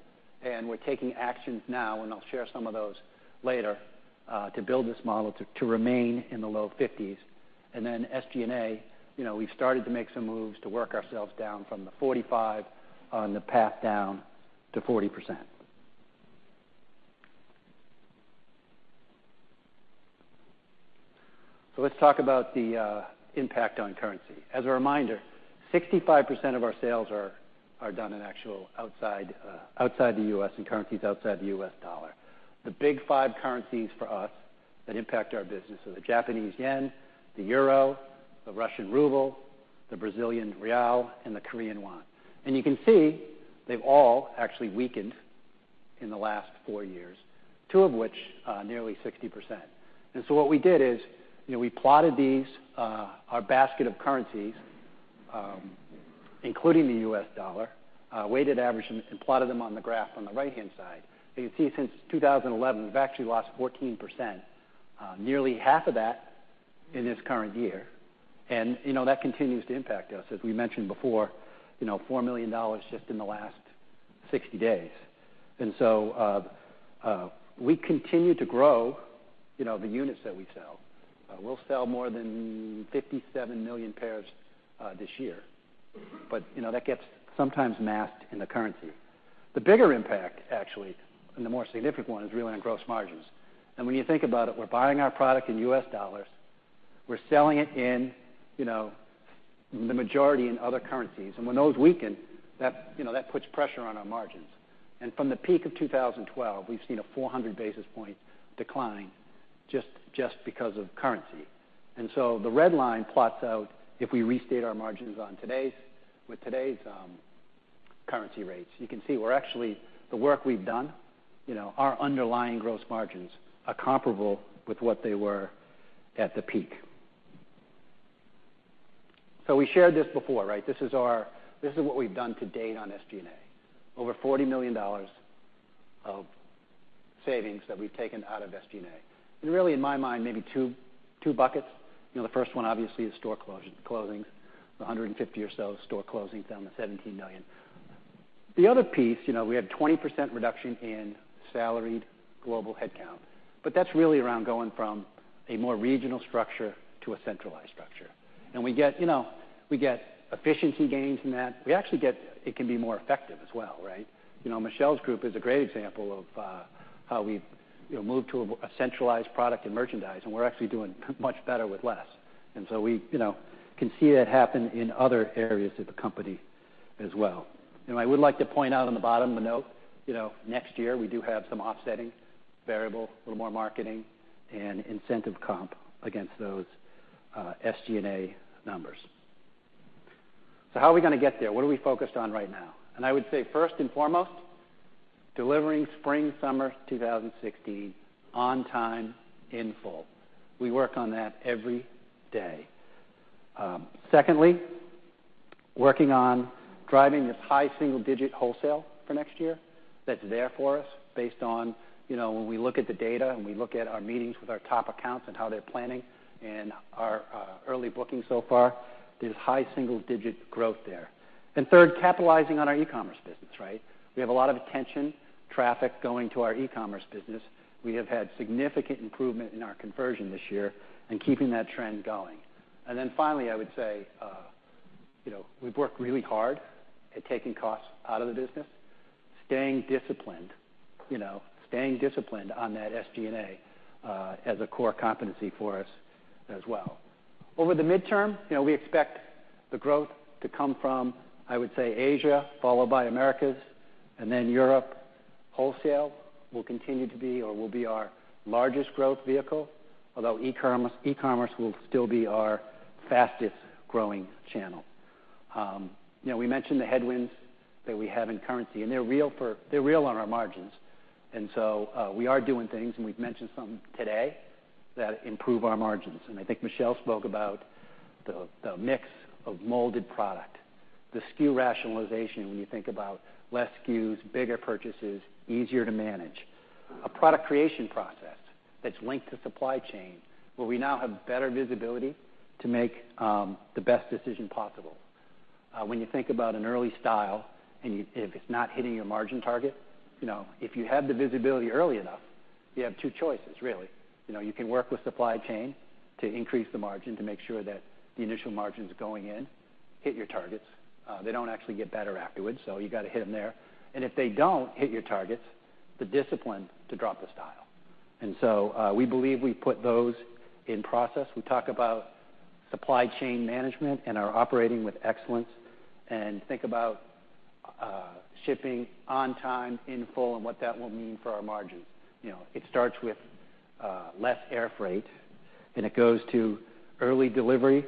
and we're taking actions now, and I'll share some of those later, to build this model to remain in the low 50s. SG&A, we've started to make some moves to work ourselves down from the 45% on the path down to 40%. Let's talk about the impact on currency. As a reminder, 65% of our sales are done in actual outside the U.S. and currencies outside the U.S. dollar. The big five currencies for us that impact our business are the Japanese yen, the euro, the Russian ruble, the Brazilian real, and the Korean won. You can see they've all actually weakened in the last four years, two of which nearly 60%. What we did is we plotted these, our basket of currencies, including the U.S. dollar, weighted average, and plotted them on the graph on the right-hand side. You can see since 2011, we've actually lost 14%, nearly half of that in this current year. That continues to impact us. As we mentioned before, $4 million just in the last 60 days. We continue to grow the units that we sell. We'll sell more than 57 million pairs this year. That gets sometimes masked in the currency. The bigger impact, actually, and the more significant one is really on gross margins. When you think about it, we're buying our product in U.S. dollars, we're selling it in the majority in other currencies. When those weaken, that puts pressure on our margins. From the peak of 2012, we've seen a 400-basis point decline just because of currency. The red line plots out if we restate our margins with today's currency rates. You can see we're actually the work we've done, our underlying gross margins are comparable with what they were at the peak. We shared this before. This is what we've done to date on SG&A. Over $40 million of savings that we've taken out of SG&A. Really, in my mind, maybe two buckets. The first one, obviously, is store closings, the 150 or so store closings down to $17 million. The other piece, we had 20% reduction in salaried global headcount. That's really around going from a more regional structure to a centralized structure. We get efficiency gains in that. We actually get it can be more effective as well. Michelle's group is a great example of how we've moved to a centralized product and merchandise, and we're actually doing much better with less. We can see that happen in other areas of the company as well. I would like to point out on the bottom, the note. Next year, we do have some offsetting variable, a little more marketing and incentive comp against those SG&A numbers. How are we going to get there? What are we focused on right now? I would say first and foremost, delivering spring/summer 2016 on time, in full. We work on that every day. Secondly, working on driving this high single-digit wholesale for next year. That's there for us based on when we look at the data and we look at our meetings with our top accounts and how they're planning and our early booking so far. There's high single-digit growth there. Third, capitalizing on our e-commerce business. We have a lot of attention, traffic going to our e-commerce business. We have had significant improvement in our conversion this year and keeping that trend going. Finally, I would say, we've worked really hard at taking costs out of the business, staying disciplined. Staying disciplined on that SG&A as a core competency for us as well. Over the midterm, we expect the growth to come from, I would say, Asia, followed by Americas, and then Europe. Wholesale will continue to be or will be our largest growth vehicle, although e-commerce will still be our fastest-growing channel. We mentioned the headwinds that we have in currency, and they're real on our margins. We are doing things, and we've mentioned some today that improve our margins. I think Michelle spoke about The mix of molded product, the SKU rationalization, when you think about less SKUs, bigger purchases, easier to manage. A product creation process that's linked to supply chain, where we now have better visibility to make the best decision possible. When you think about an early style, and if it's not hitting your margin target, if you have the visibility early enough, you have two choices, really. You can work with supply chain to increase the margin, to make sure that the initial margins going in hit your targets. They don't actually get better afterwards, so you got to hit them there. If they don't hit your targets, the discipline to drop the style. We believe we put those in process. We talk about supply chain management and our operating with excellence and think about shipping on time, in full, and what that will mean for our margins. It starts with less air freight, and it goes to early delivery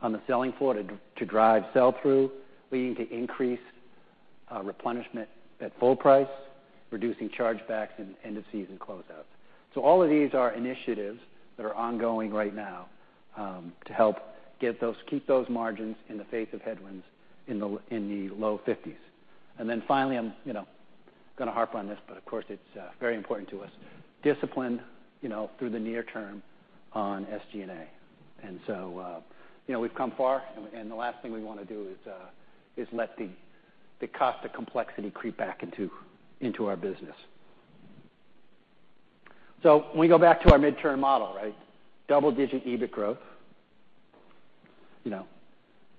on the selling floor to drive sell-through, leading to increased replenishment at full price, reducing chargebacks and end-of-season closeouts. All of these are initiatives that are ongoing right now to help keep those margins in the face of headwinds in the low 50s. Finally, I'm going to harp on this, but of course, it's very important to us. Discipline through the near term on SG&A. We've come far, and the last thing we want to do is let the cost of complexity creep back into our business. When we go back to our midterm model, double-digit EBIT growth.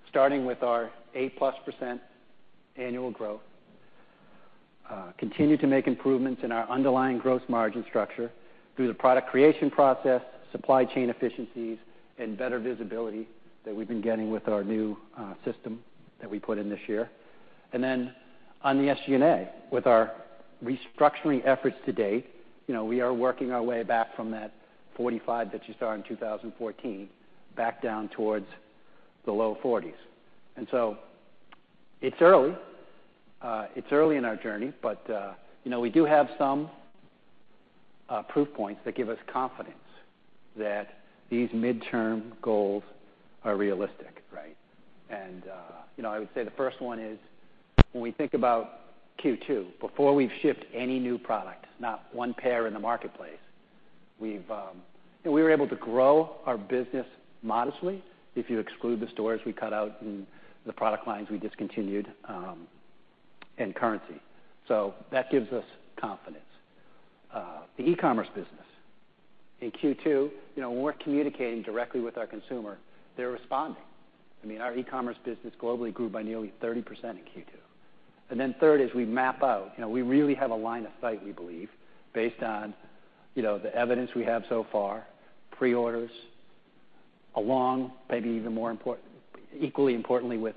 Starting with our 8-plus% annual growth. Continue to make improvements in our underlying gross margin structure through the product creation process, supply chain efficiencies, and better visibility that we've been getting with our new system that we put in this year. On the SG&A, with our restructuring efforts to date, we are working our way back from that 45 that you saw in 2014, back down towards the low 40s. It's early in our journey, but we do have some proof points that give us confidence that these midterm goals are realistic. I would say the first one is, when we think about Q2, before we've shipped any new product, not one pair in the marketplace. We were able to grow our business modestly, if you exclude the stores we cut out and the product lines we discontinued and currency. That gives us confidence. The e-commerce business. In Q2, when we're communicating directly with our consumer, they're responding. Our e-commerce business globally grew by nearly 30% in Q2. Third is we map out. We really have a line of sight, we believe, based on the evidence we have so far, pre-orders along, maybe equally importantly with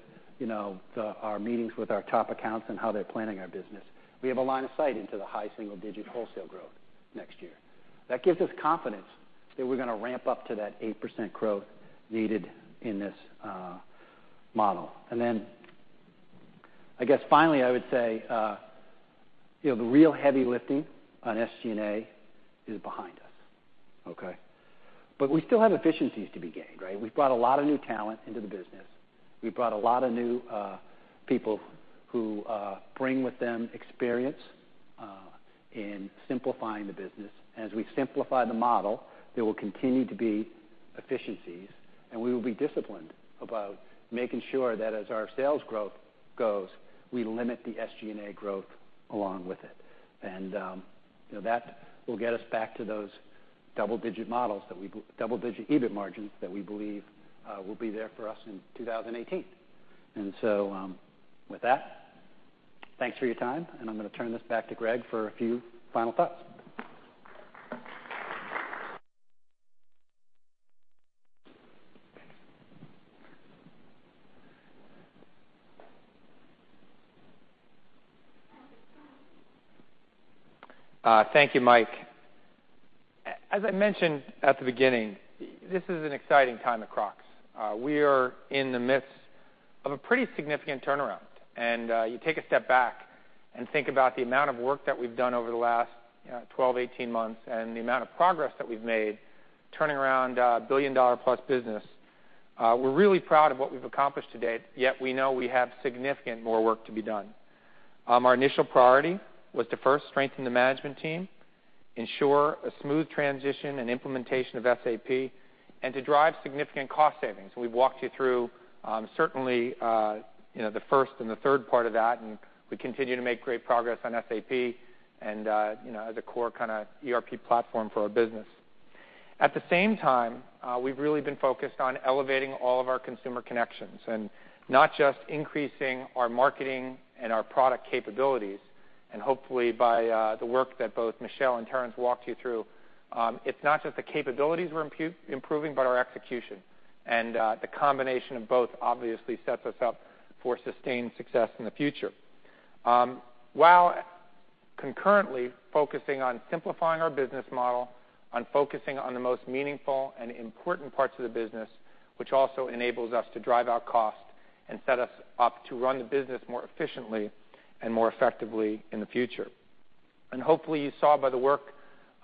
our meetings with our top accounts and how they're planning our business. We have a line of sight into the high single-digit wholesale growth next year. That gives us confidence that we're going to ramp up to that 8% growth needed in this model. I guess finally, I would say, the real heavy lifting on SG&A is behind us. We still have efficiencies to be gained. We've brought a lot of new talent into the business. We've brought a lot of new people who bring with them experience in simplifying the business. As we simplify the model, there will continue to be efficiencies, and we will be disciplined about making sure that as our sales growth goes, we limit the SG&A growth along with it. That will get us back to those double-digit EBIT margins that we believe will be there for us in 2018. With that, thanks for your time, and I'm going to turn this back to Gregg for a few final thoughts. Thank you, Mike. As I mentioned at the beginning, this is an exciting time at Crocs. We are in the midst of a pretty significant turnaround. You take a step back and think about the amount of work that we've done over the last 12, 18 months and the amount of progress that we've made turning around a billion-dollar-plus business. We're really proud of what we've accomplished to date, yet we know we have significant more work to be done. Our initial priority was to first strengthen the management team, ensure a smooth transition and implementation of SAP, and to drive significant cost savings. We've walked you through certainly the first and the third part of that, and we continue to make great progress on SAP as a core kind of ERP platform for our business. At the same time, we've really been focused on elevating all of our consumer connections and not just increasing our marketing and our product capabilities. Hopefully by the work that both Michelle and Terence walked you through, it's not just the capabilities we're improving, but our execution. The combination of both obviously sets us up for sustained success in the future. While concurrently focusing on simplifying our business model, on focusing on the most meaningful and important parts of the business, which also enables us to drive our cost and set us up to run the business more efficiently and more effectively in the future. Hopefully you saw by the work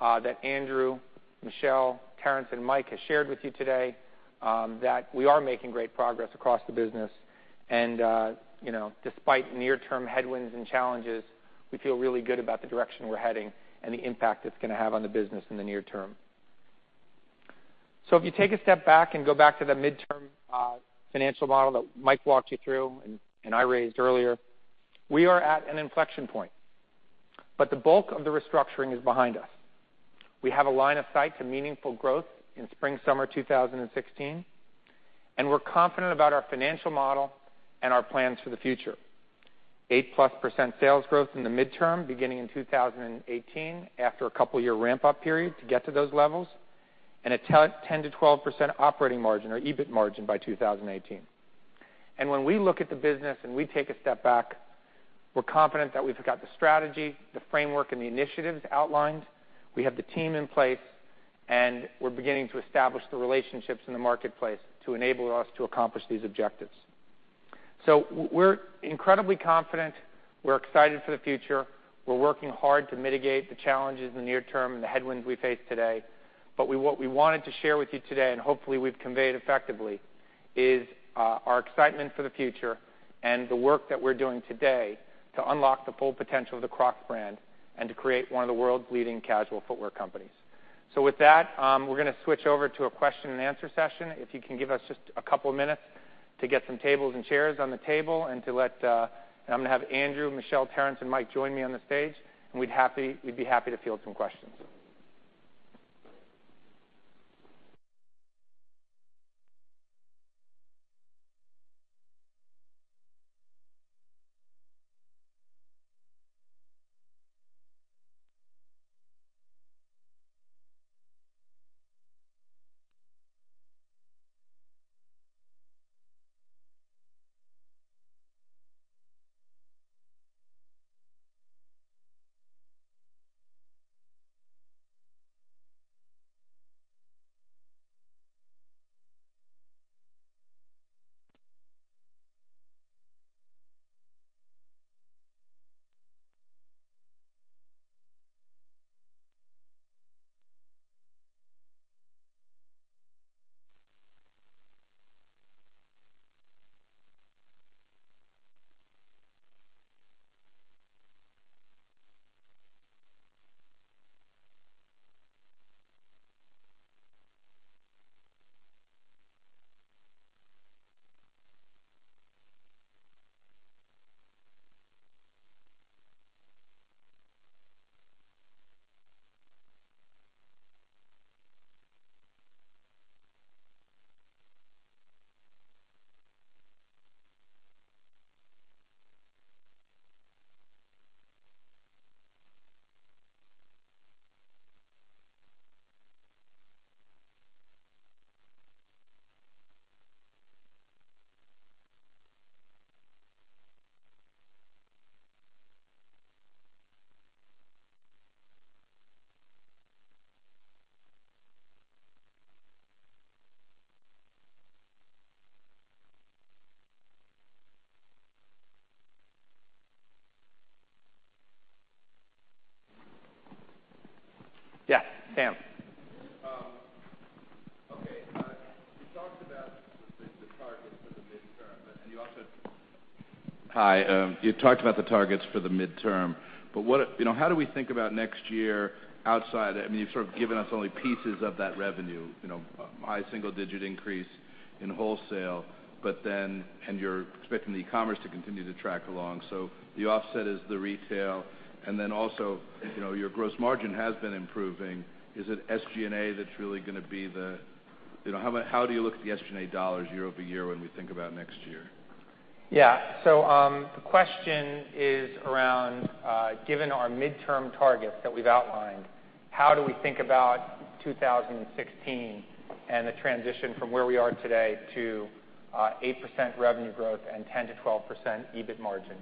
that Andrew, Michelle, Terence, and Mike have shared with you today that we are making great progress across the business. Despite near-term headwinds and challenges, we feel really good about the direction we're heading and the impact it's going to have on the business in the near term. If you take a step back and go back to the midterm financial model that Mike walked you through and I raised earlier, we are at an inflection point. The bulk of the restructuring is behind us. We have a line of sight to meaningful growth in spring, summer 2016, and we're confident about our financial model and our plans for the future. 8 plus % sales growth in the midterm beginning in 2018 after a couple year ramp-up period to get to those levels, and a 10%-12% operating margin or EBIT margin by 2018. When we look at the business and we take a step back, we're confident that we've got the strategy, the framework and the initiatives outlined. We have the team in place, and we're beginning to establish the relationships in the marketplace to enable us to accomplish these objectives. We're incredibly confident. We're excited for the future. We're working hard to mitigate the challenges in the near term and the headwinds we face today. What we wanted to share with you today, and hopefully we've conveyed effectively, is our excitement for the future and the work that we're doing today to unlock the full potential of the Crocs brand and to create one of the world's leading casual footwear companies. With that, we're going to switch over to a question and answer session. If you can give us just a couple of minutes to get some tables and chairs on the table and to let I'm going to have Andrew, Michelle, Terence, and Mike join me on the stage, and we'd be happy to field some questions. Yeah, Sam. Hi. You talked about the targets for the midterm. How do we think about next year outside? You've sort of given us only pieces of that revenue, high single-digit increase in wholesale, and you're expecting the e-commerce to continue to track along. The offset is the retail. Also, your gross margin has been improving. Is it SG&A that's really going to be the How do you look at the SG&A dollars year-over-year when we think about next year? Yeah. The question is around, given our midterm targets that we've outlined, how do we think about 2016 and the transition from where we are today to 8% revenue growth and 10%-12% EBIT margin?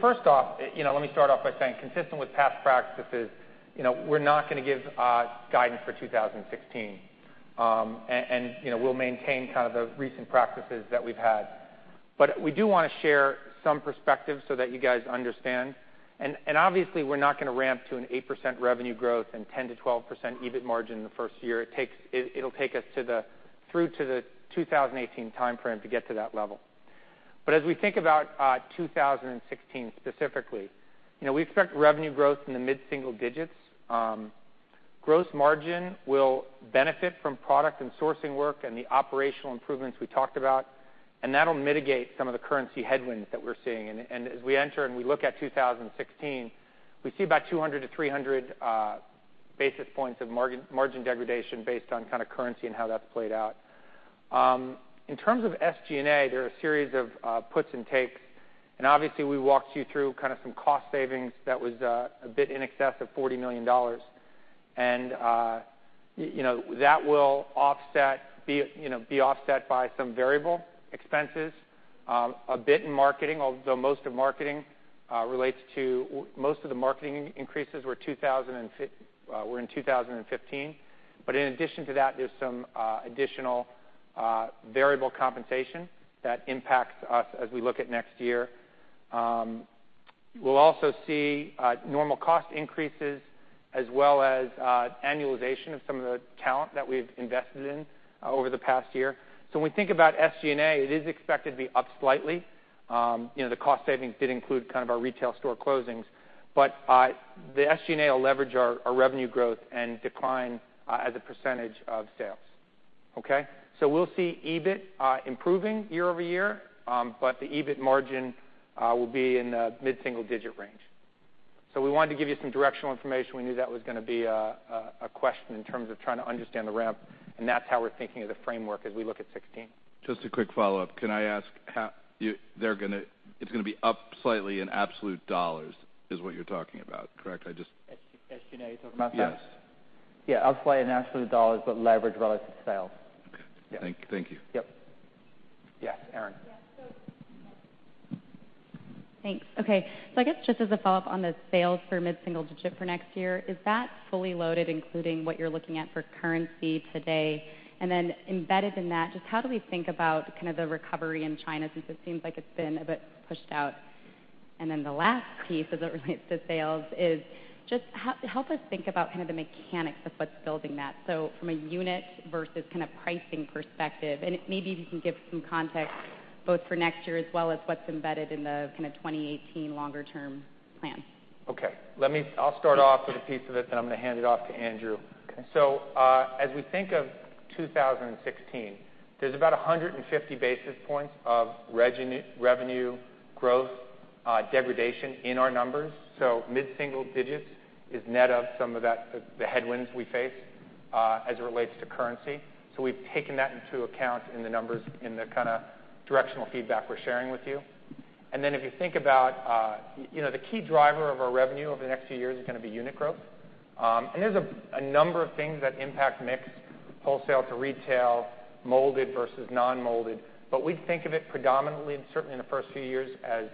First off, let me start off by saying, consistent with past practices, we're not going to give guidance for 2016. We'll maintain the recent practices that we've had. We do want to share some perspective so that you guys understand. Obviously, we're not going to ramp to an 8% revenue growth and 10%-12% EBIT margin in the first year. It'll take us through to the 2018 timeframe to get to that level. As we think about 2016, specifically, we expect revenue growth in the mid-single digits. Gross margin will benefit from product and sourcing work and the operational improvements we talked about. That'll mitigate some of the currency headwinds that we're seeing. As we enter and we look at 2016, we see about 200-300 basis points of margin degradation based on currency and how that's played out. In terms of SG&A, there are a series of puts and takes. Obviously, we walked you through some cost savings that was a bit in excess of $40 million. That will be offset by some variable expenses, a bit in marketing, although most of the marketing increases were in 2015. In addition to that, there's some additional variable compensation that impacts us as we look at next year. We'll also see normal cost increases as well as annualization of some of the talent that we've invested in over the past year. When we think about SG&A, it is expected to be up slightly. The cost savings did include our retail store closings. The SG&A will leverage our revenue growth and decline as a percentage of sales. Okay? We'll see EBIT improving year-over-year, but the EBIT margin will be in the mid-single-digit range. We wanted to give you some directional information. We knew that was going to be a question in terms of trying to understand the ramp, and that's how we're thinking of the framework as we look at 2016. Just a quick follow-up. Can I ask, it's going to be up slightly in absolute dollars is what you're talking about, correct? SG&A, you're talking about that? Yes. Up slightly in absolute dollars, but leverage relative sales. Okay. Yeah. Thank you. Yep. Yeah, Erinn. Yeah. Thanks. Okay. I guess just as a follow-up on the sales for mid-single digit for next year, is that fully loaded, including what you're looking at for currency today? Embedded in that, just how do we think about the recovery in China, since it seems like it's been a bit pushed out. The last piece as it relates to sales is just help us think about the mechanics of what's building that. From a unit versus pricing perspective, and maybe if you can give some context both for next year as well as what's embedded in the kind of 2018 longer-term plan. Okay. I'll start off with a piece of it, then I'm going to hand it off to Andrew. Okay. As we think of 2016, there's about 150 basis points of revenue growth degradation in our numbers. Mid-single digits is net of some of the headwinds we face as it relates to currency. We've taken that into account in the numbers in the directional feedback we're sharing with you. If you think about the key driver of our revenue over the next few years is going to be unit growth. There's a number of things that impact mix, wholesale to retail, molded versus non-molded, but we think of it predominantly, certainly in the first few years, as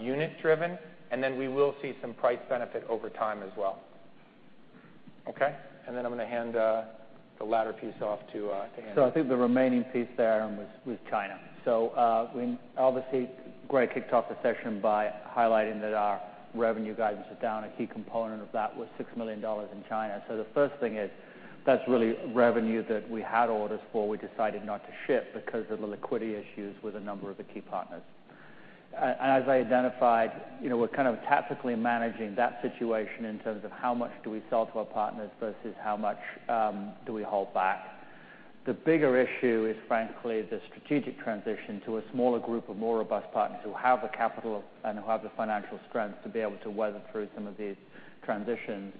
unit-driven, and then we will see some price benefit over time as well. Okay? I'm going to hand the latter piece off to Andrew. I think the remaining piece there, was China. Obviously, Gregg kicked off the session by highlighting that our revenue guidance was down. A key component of that was $6 million in China. The first thing is, that's really revenue that we had orders for, we decided not to ship because of the liquidity issues with a number of the key partners. As I identified, we're kind of tactically managing that situation in terms of how much do we sell to our partners versus how much do we hold back. The bigger issue is frankly, the strategic transition to a smaller group of more robust partners who have the capital and who have the financial strength to be able to weather through some of these transitions.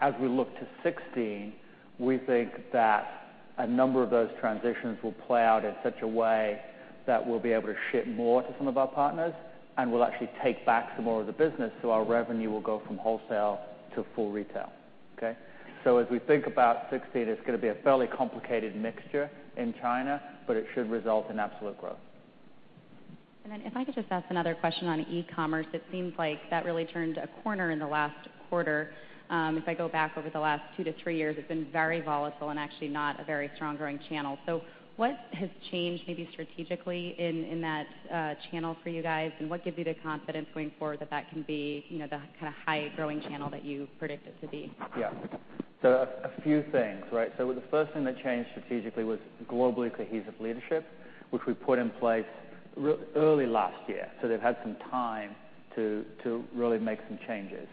As we look to 2016, we think that a number of those transitions will play out in such a way that we'll be able to ship more to some of our partners and we'll actually take back some more of the business, so our revenue will go from wholesale to full retail. Okay? As we think about 2016, it's going to be a fairly complicated mixture in China, but it should result in absolute growth. If I could just ask another question on e-commerce, it seems like that really turned a corner in the last quarter. If I go back over the last two to three years, it's been very volatile and actually not a very strong growing channel. What has changed maybe strategically in that channel for you guys, and what gives you the confidence going forward that that can be the kind of high-growing channel that you predict it to be? Yeah. A few things, right? The first thing that changed strategically was globally cohesive leadership, which we put in place early last year, so they've had some time to really make some changes.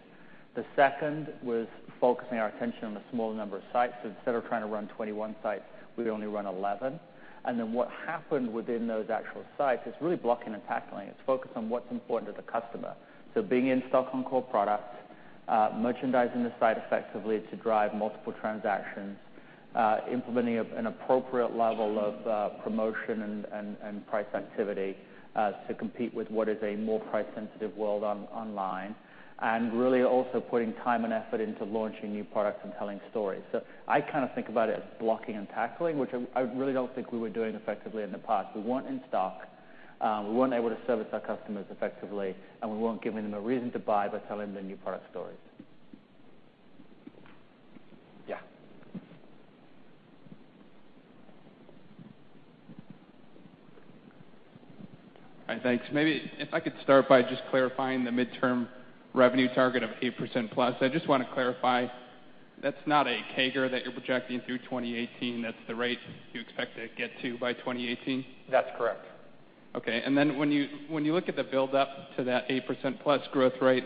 The second was focusing our attention on a smaller number of sites. Instead of trying to run 21 sites, we only run 11. What happened within those actual sites is really blocking and tackling. It's focused on what's important to the customer. Being in-stock on core products, merchandising the site effectively to drive multiple transactions, implementing an appropriate level of promotion and price activity to compete with what is a more price-sensitive world online, and really also putting time and effort into launching new products and telling stories. I kind of think about it as blocking and tackling, which I really don't think we were doing effectively in the past. We weren't in-stock, we weren't able to service our customers effectively, and we weren't giving them a reason to buy by telling the new product stories. Yeah. All right. Thanks. Maybe if I could start by just clarifying the midterm revenue target of 8% plus. I just want to clarify, that's not a CAGR that you're projecting through 2018. That's the rate you expect to get to by 2018? That's correct. When you look at the buildup to that 8%+ growth rate,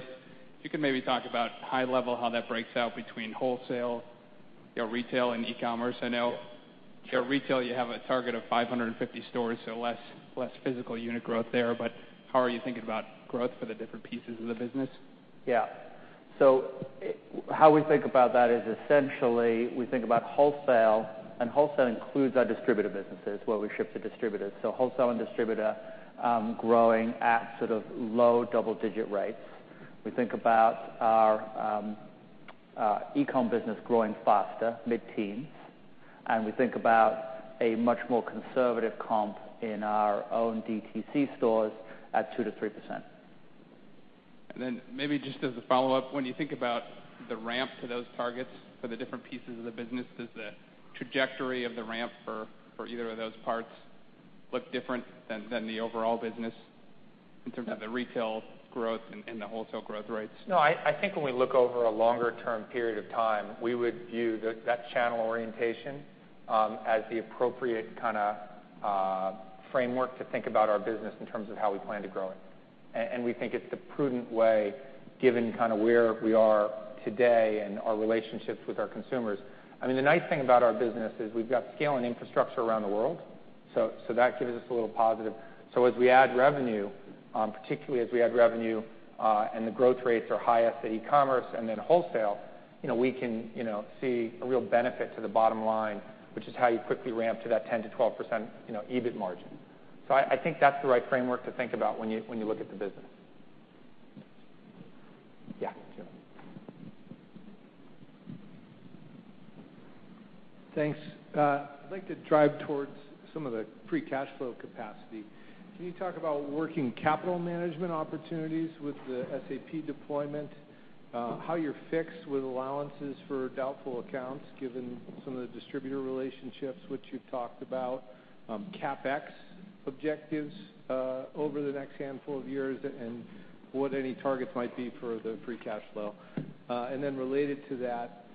you can maybe talk about high level, how that breaks out between wholesale, retail, and e-commerce. Sure Retail, you have a target of 550 stores, so less physical unit growth there. How are you thinking about growth for the different pieces of the business? How we think about that is essentially we think about wholesale, and wholesale includes our distributor businesses, where we ship to distributors. Wholesale and distributor growing at sort of low double-digit rates. We think about our e-com business growing faster, mid-teens, and we think about a much more conservative comp in our own DTC stores at 2%-3%. Maybe just as a follow-up, when you think about the ramp to those targets for the different pieces of the business, does the trajectory of the ramp for either of those parts look different than the overall business in terms of the retail growth and the wholesale growth rates? I think when we look over a longer term period of time, we would view that channel orientation as the appropriate kind of framework to think about our business in terms of how we plan to grow it. We think it's the prudent way given where we are today and our relationships with our consumers. The nice thing about our business is we've got scale and infrastructure around the world, that gives us a little positive. As we add revenue, particularly as we add revenue and the growth rates are highest at e-commerce and then wholesale, we can see a real benefit to the bottom line, which is how you quickly ramp to that 10%-12% EBIT margin. I think that's the right framework to think about when you look at the business. Yeah, Jim. Thanks. I'd like to drive towards some of the free cash flow capacity. Can you talk about working capital management opportunities with the SAP deployment, how you're fixed with allowances for doubtful accounts, given some of the distributor relationships which you've talked about, CapEx objectives over the next handful of years, and what any targets might be for the free cash flow? Related to that,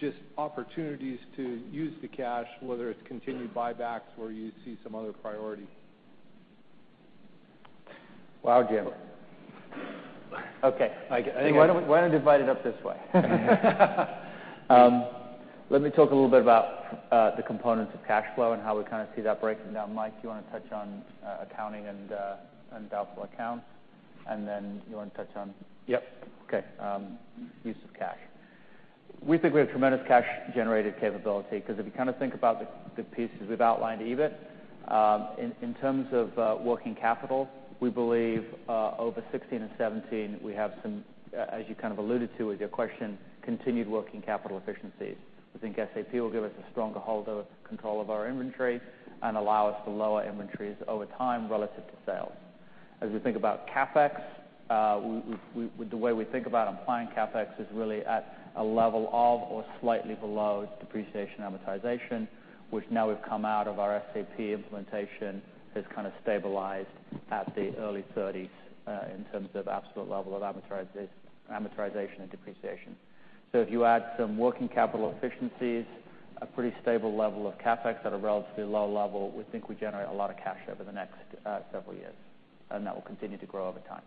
just opportunities to use the cash, whether it's continued buybacks where you see some other priority. Wow, Jim. Okay. Mike, why don't we divide it up this way? Let me talk a little bit about the components of cash flow and how we see that breaking down. Mike, do you want to touch on accounting and doubtful accounts? You want to touch on- Yep okay, use of cash. We think we have tremendous cash-generated capability because if you think about the pieces we've outlined, EBIT. In terms of working capital, we believe over 2016 and 2017, we have some, as you kind of alluded to with your question, continued working capital efficiencies. We think SAP will give us a stronger hold of control of our inventory and allow us to lower inventories over time relative to sales. As we think about CapEx, the way we think about applying CapEx is really at a level of or slightly below depreciation amortization, which now we've come out of our SAP implementation, has kind of stabilized at the early 30s in terms of absolute level of amortization and depreciation. If you add some working capital efficiencies, a pretty stable level of CapEx at a relatively low level, we think we generate a lot of cash over the next several years, and that will continue to grow over time.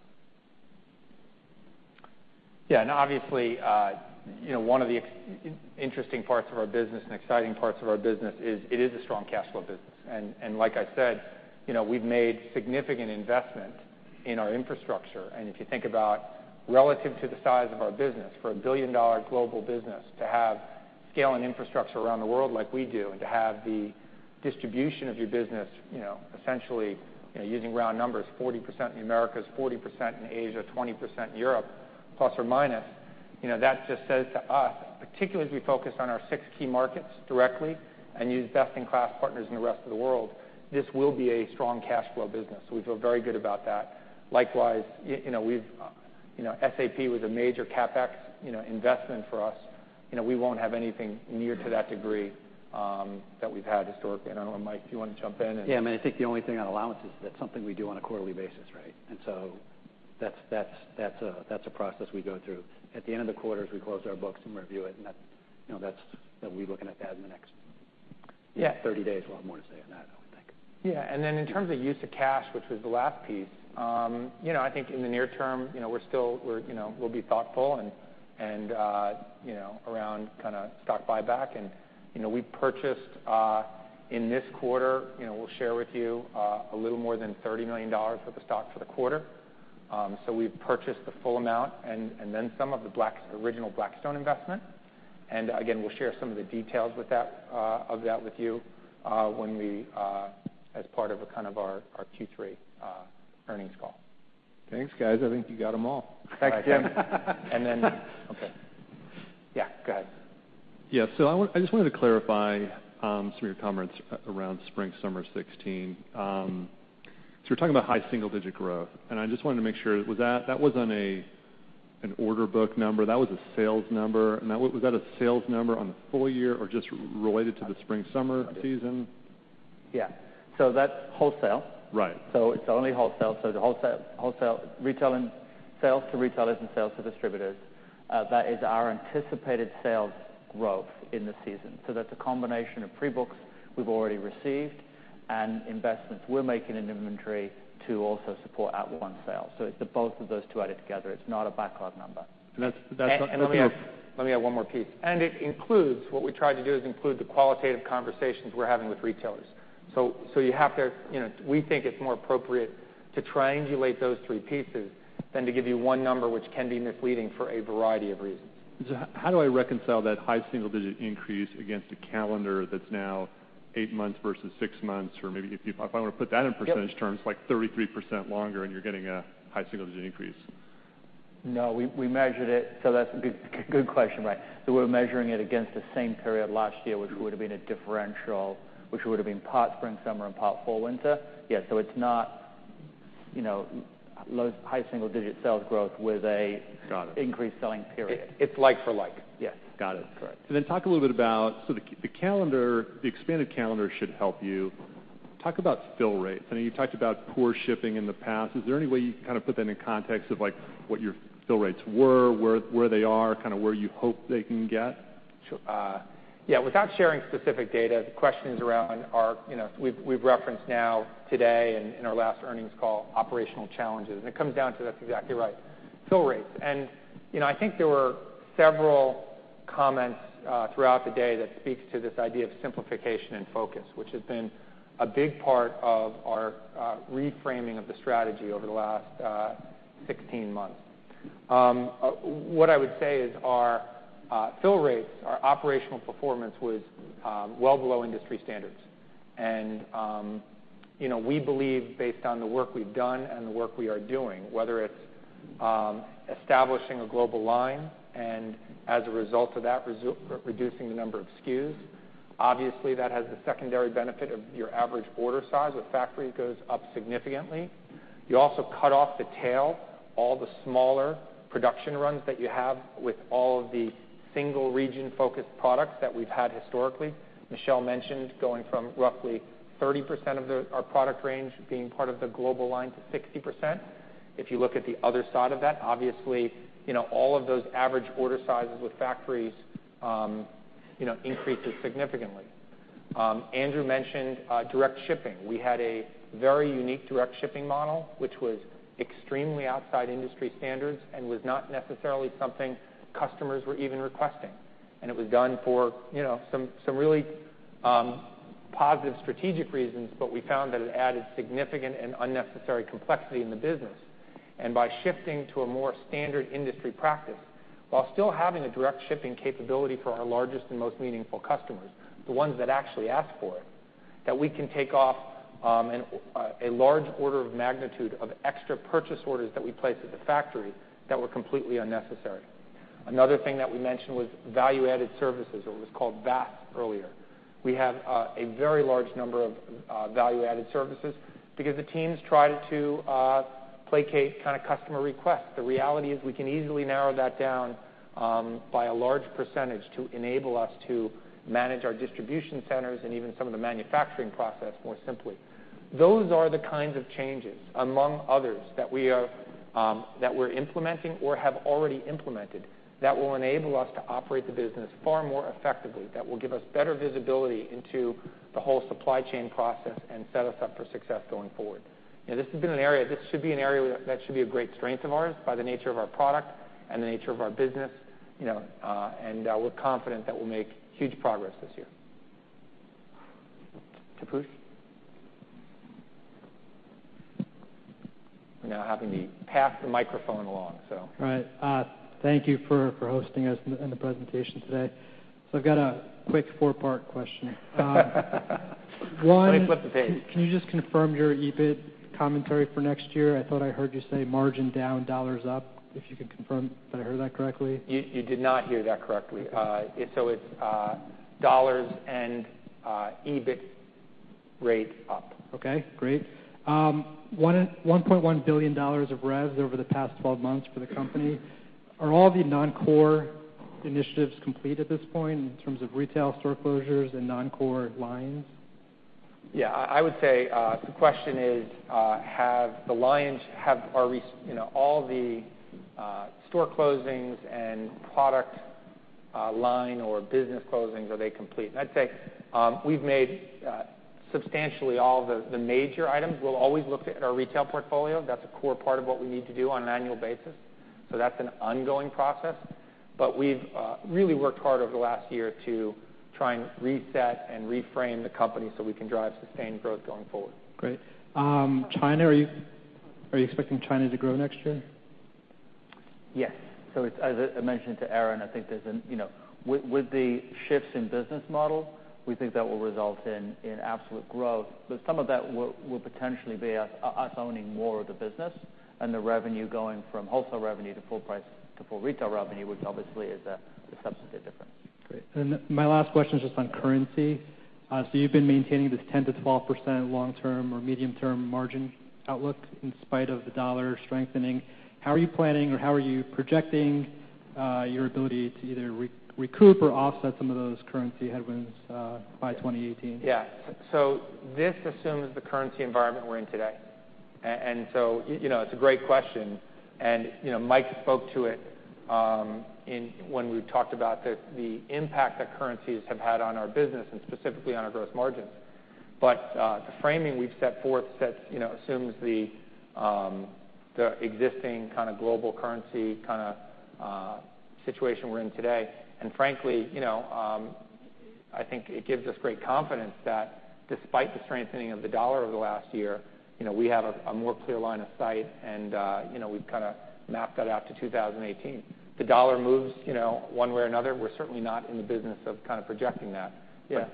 Obviously, one of the interesting parts of our business and exciting parts of our business is it is a strong cash flow business. Like I said, we've made significant investment in our infrastructure. If you think about relative to the size of our business, for a $1 billion global business to have scale and infrastructure around the world like we do, and to have the distribution of your business, essentially, using round numbers, 40% in the Americas, 40% in Asia, 20% in Europe, plus or minus. That just says to us, particularly as we focus on our six key markets directly and use best-in-class partners in the rest of the world, this will be a strong cash flow business. We feel very good about that. Likewise, SAP was a major CapEx investment for us. We won't have anything near to that degree that we've had historically. I don't know, Mike, do you want to jump in and- I think the only thing on allowances, that's something we do on a quarterly basis, right? That's a process we go through. At the end of the quarters, we close our books and review it, and we'll be looking at that in the next- Yeah 30 days. We'll have more to say on that, I would think. In terms of use of cash, which was the last piece, I think in the near term, we'll be thoughtful around stock buyback. We purchased, in this quarter, we'll share with you a little more than $30 million worth of stock for the quarter. We've purchased the full amount and then some of the original Blackstone investment. Again, we'll share some of the details of that with you as part of our Q3 earnings call. Thanks, guys. I think you got them all. Thanks, Jim. Okay. Yeah, go ahead. Yeah. I just wanted to clarify some of your comments around spring/summer 2016. You're talking about high single-digit growth, and I just wanted to make sure. That wasn't an order book number. That was a sales number. Was that a sales number on the full year or just related to the spring/summer season? Yeah. That's wholesale. Right. It's only wholesale. The sales to retailers and sales to distributors. That is our anticipated sales growth in the season. That's a combination of pre-books we've already received and investments we're making in inventory to also support at-one sales. It's the both of those two added together. It's not a backlog number. That's. Let me add one more piece. It includes, what we try to do is include the qualitative conversations we're having with retailers. We think it's more appropriate to triangulate those three pieces than to give you one number, which can be misleading for a variety of reasons. How do I reconcile that high single-digit increase against a calendar that's now eight months versus six months? Maybe if I want to put that in percentage terms, like 33% longer, and you're getting a high single-digit increase. No, we measured it. That's a good question. We were measuring it against the same period last year, which would have been a differential, which would have been part spring, summer, and part fall, winter. Yeah. It's not high single-digit sales growth with a- Got it. increased selling period. It's like for like. Yes. Got it. Correct. Talk a little bit about, the expanded calendar should help you. Talk about fill rates. I know you talked about poor shipping in the past. Is there any way you can put that into context of what your fill rates were, where they are, where you hope they can get? Sure. Without sharing specific data, the question is around our, we've referenced now today and in our last earnings call, operational challenges. It comes down to, that's exactly right, fill rates. I think there were several comments throughout the day that speaks to this idea of simplification and focus, which has been a big part of our reframing of the strategy over the last 16 months. What I would say is our fill rates, our operational performance was well below industry standards. We believe based on the work we've done and the work we are doing, whether it's establishing a global line and as a result of that, reducing the number of SKUs. Obviously, that has the secondary benefit of your average order size with factory goes up significantly. You also cut off the tail, all the smaller production runs that you have with all of the single region-focused products that we've had historically. Michelle mentioned going from roughly 30% of our product range being part of the global line to 60%. If you look at the other side of that, obviously, all of those average order sizes with factories increases significantly. Andrew mentioned direct shipping. We had a very unique direct shipping model, which was extremely outside industry standards and was not necessarily something customers were even requesting. It was done for some really positive strategic reasons, but we found that it added significant and unnecessary complexity in the business. By shifting to a more standard industry practice, while still having a direct shipping capability for our largest and most meaningful customers, the ones that actually ask for it, that we can take off a large order of magnitude of extra purchase orders that we place at the factory that were completely unnecessary. Another thing that we mentioned was value-added services, or it was called VAS earlier. We have a very large number of value-added services because the teams tried to placate customer requests. The reality is we can easily narrow that down by a large percentage to enable us to manage our distribution centers and even some of the manufacturing process more simply. Those are the kinds of changes, among others, that we're implementing or have already implemented that will enable us to operate the business far more effectively, that will give us better visibility into the whole supply chain process and set us up for success going forward. This should be an area that should be a great strength of ours by the nature of our product and the nature of our business. We're confident that we'll make huge progress this year. Kapush. We're now having to pass the microphone along. Right. Thank you for hosting us in the presentation today. I've got a quick four-part question. Let me flip the page. Can you just confirm your EBIT commentary for next year? I thought I heard you say margin down, dollars up. If you could confirm that I heard that correctly. You did not hear that correctly. It's dollars and EBIT rate up. Okay, great. $1.1 billion of revs over the past 12 months for the company. Are all the non-core initiatives complete at this point in terms of retail store closures and non-core lines? I would say the question is, have all the store closings and product line or business closings, are they complete? I'd say we've made substantially all the major items. We'll always look at our retail portfolio. That's a core part of what we need to do on an annual basis. That's an ongoing process. We've really worked hard over the last year to try and reset and reframe the company so we can drive sustained growth going forward. Great. China, are you expecting China to grow next year? Yes. As I mentioned to Erin, I think with the shifts in business model, we think that will result in absolute growth. Some of that will potentially be us owning more of the business and the revenue going from wholesale revenue to full retail revenue, which obviously is a substantive difference. Great. My last question is just on currency. You've been maintaining this 10%-12% long-term or medium-term margin outlook in spite of the dollar strengthening. How are you planning or how are you projecting your ability to either recoup or offset some of those currency headwinds by 2018? This assumes the currency environment we're in today. It's a great question, and Mike spoke to it when we talked about the impact that currencies have had on our business and specifically on our gross margins. The framing we've set forth assumes the existing kind of global currency kind of situation we're in today. Frankly, I think it gives us great confidence that despite the strengthening of the dollar over the last year, we have a more clear line of sight and we've kind of mapped that out to 2018. The dollar moves one way or another. We're certainly not in the business of kind of projecting that. Yeah.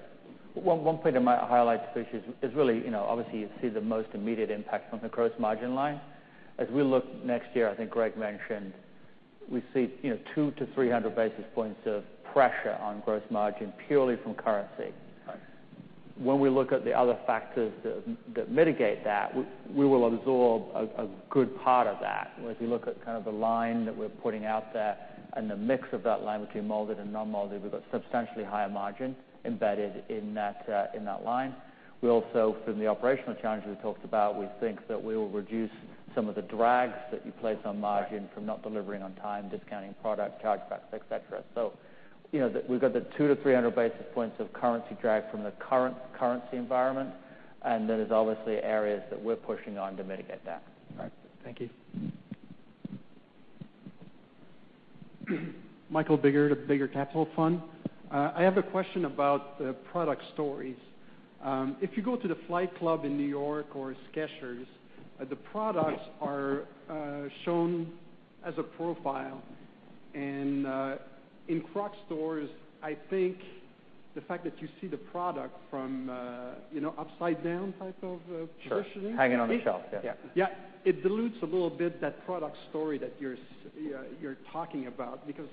One point I might highlight, especially, is really, obviously, you see the most immediate impact from the gross margin line. As we look next year, I think Gregg mentioned we see 200 to 300 basis points of pressure on gross margin purely from currency. Right. When we look at the other factors that mitigate that, we will absorb a good part of that. If you look at the line that we're putting out there and the mix of that line between molded and non-molded, we've got substantially higher margin embedded in that line. We also, from the operational challenges we talked about, we think that we will reduce some of the drags that you place on margin from not delivering on time, discounting product, chargebacks, et cetera. We've got the 200 to 300 basis points of currency drag from the current currency environment, and there is obviously areas that we're pushing on to mitigate that. Right. Thank you. Michael Biggar, at Bigger Capital Fund. I have a question about product stories. If you go to the Flight Club in N.Y. or Skechers, the products are shown as a profile. In Crocs stores, I think the fact that you see the product from upside down type of positioning- Sure. Hanging on the shelf. Yeah. Yeah. It dilutes a little bit that product story that you're talking about because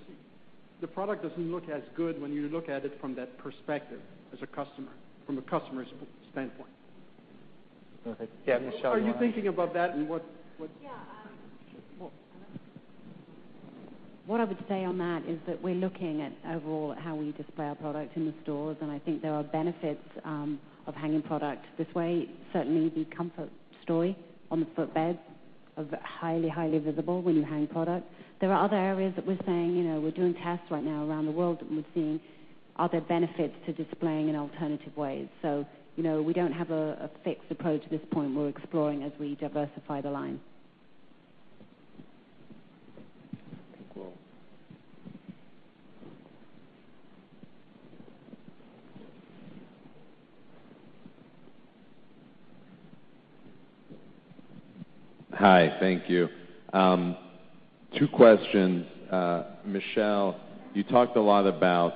the product doesn't look as good when you look at it from that perspective, as a customer, from a customer's standpoint. Okay. Do you have any Are you thinking about that, and what's- Yeah. What I would say on that is that we're looking at overall how we display our product in the stores, and I think there are benefits of hanging product this way. Certainly, the comfort story on the footbed are highly visible when you hang product. There are other areas that we're saying, we're doing tests right now around the world, and we're seeing, are there benefits to displaying in alternative ways? We don't have a fixed approach at this point. We're exploring as we diversify the line. Thank you. Hi. Thank you. Two questions. Michelle, you talked a lot about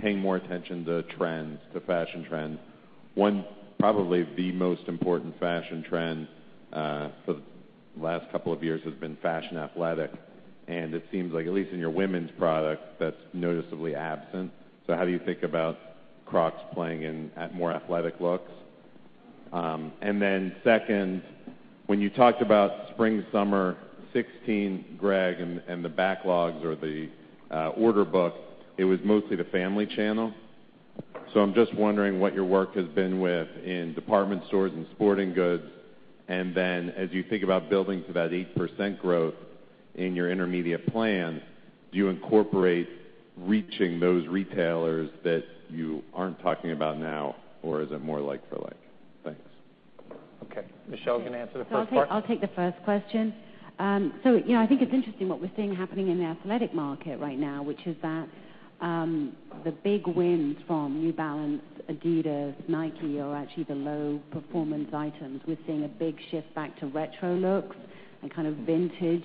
paying more attention to trends, to fashion trends. One, probably the most important fashion trend for the last couple of years has been fashion athletic, and it seems like at least in your women's product, that's noticeably absent. How do you think about Crocs playing in more athletic looks? Second, when you talked about spring-summer 2016, Gregg, and the backlogs or the order book, it was mostly the family channel. I'm just wondering what your work has been with in department stores and sporting goods. As you think about building to that 8% growth in your intermediate plan, do you incorporate reaching those retailers that you aren't talking about now, or is it more like for like? Thanks. Okay. Michelle can answer the first part. I'll take the first question. Yeah, I think it's interesting what we're seeing happening in the athletic market right now, which is that the big wins from New Balance, Adidas, Nike are actually the low-performance items. We're seeing a big shift back to retro looks and kind of vintage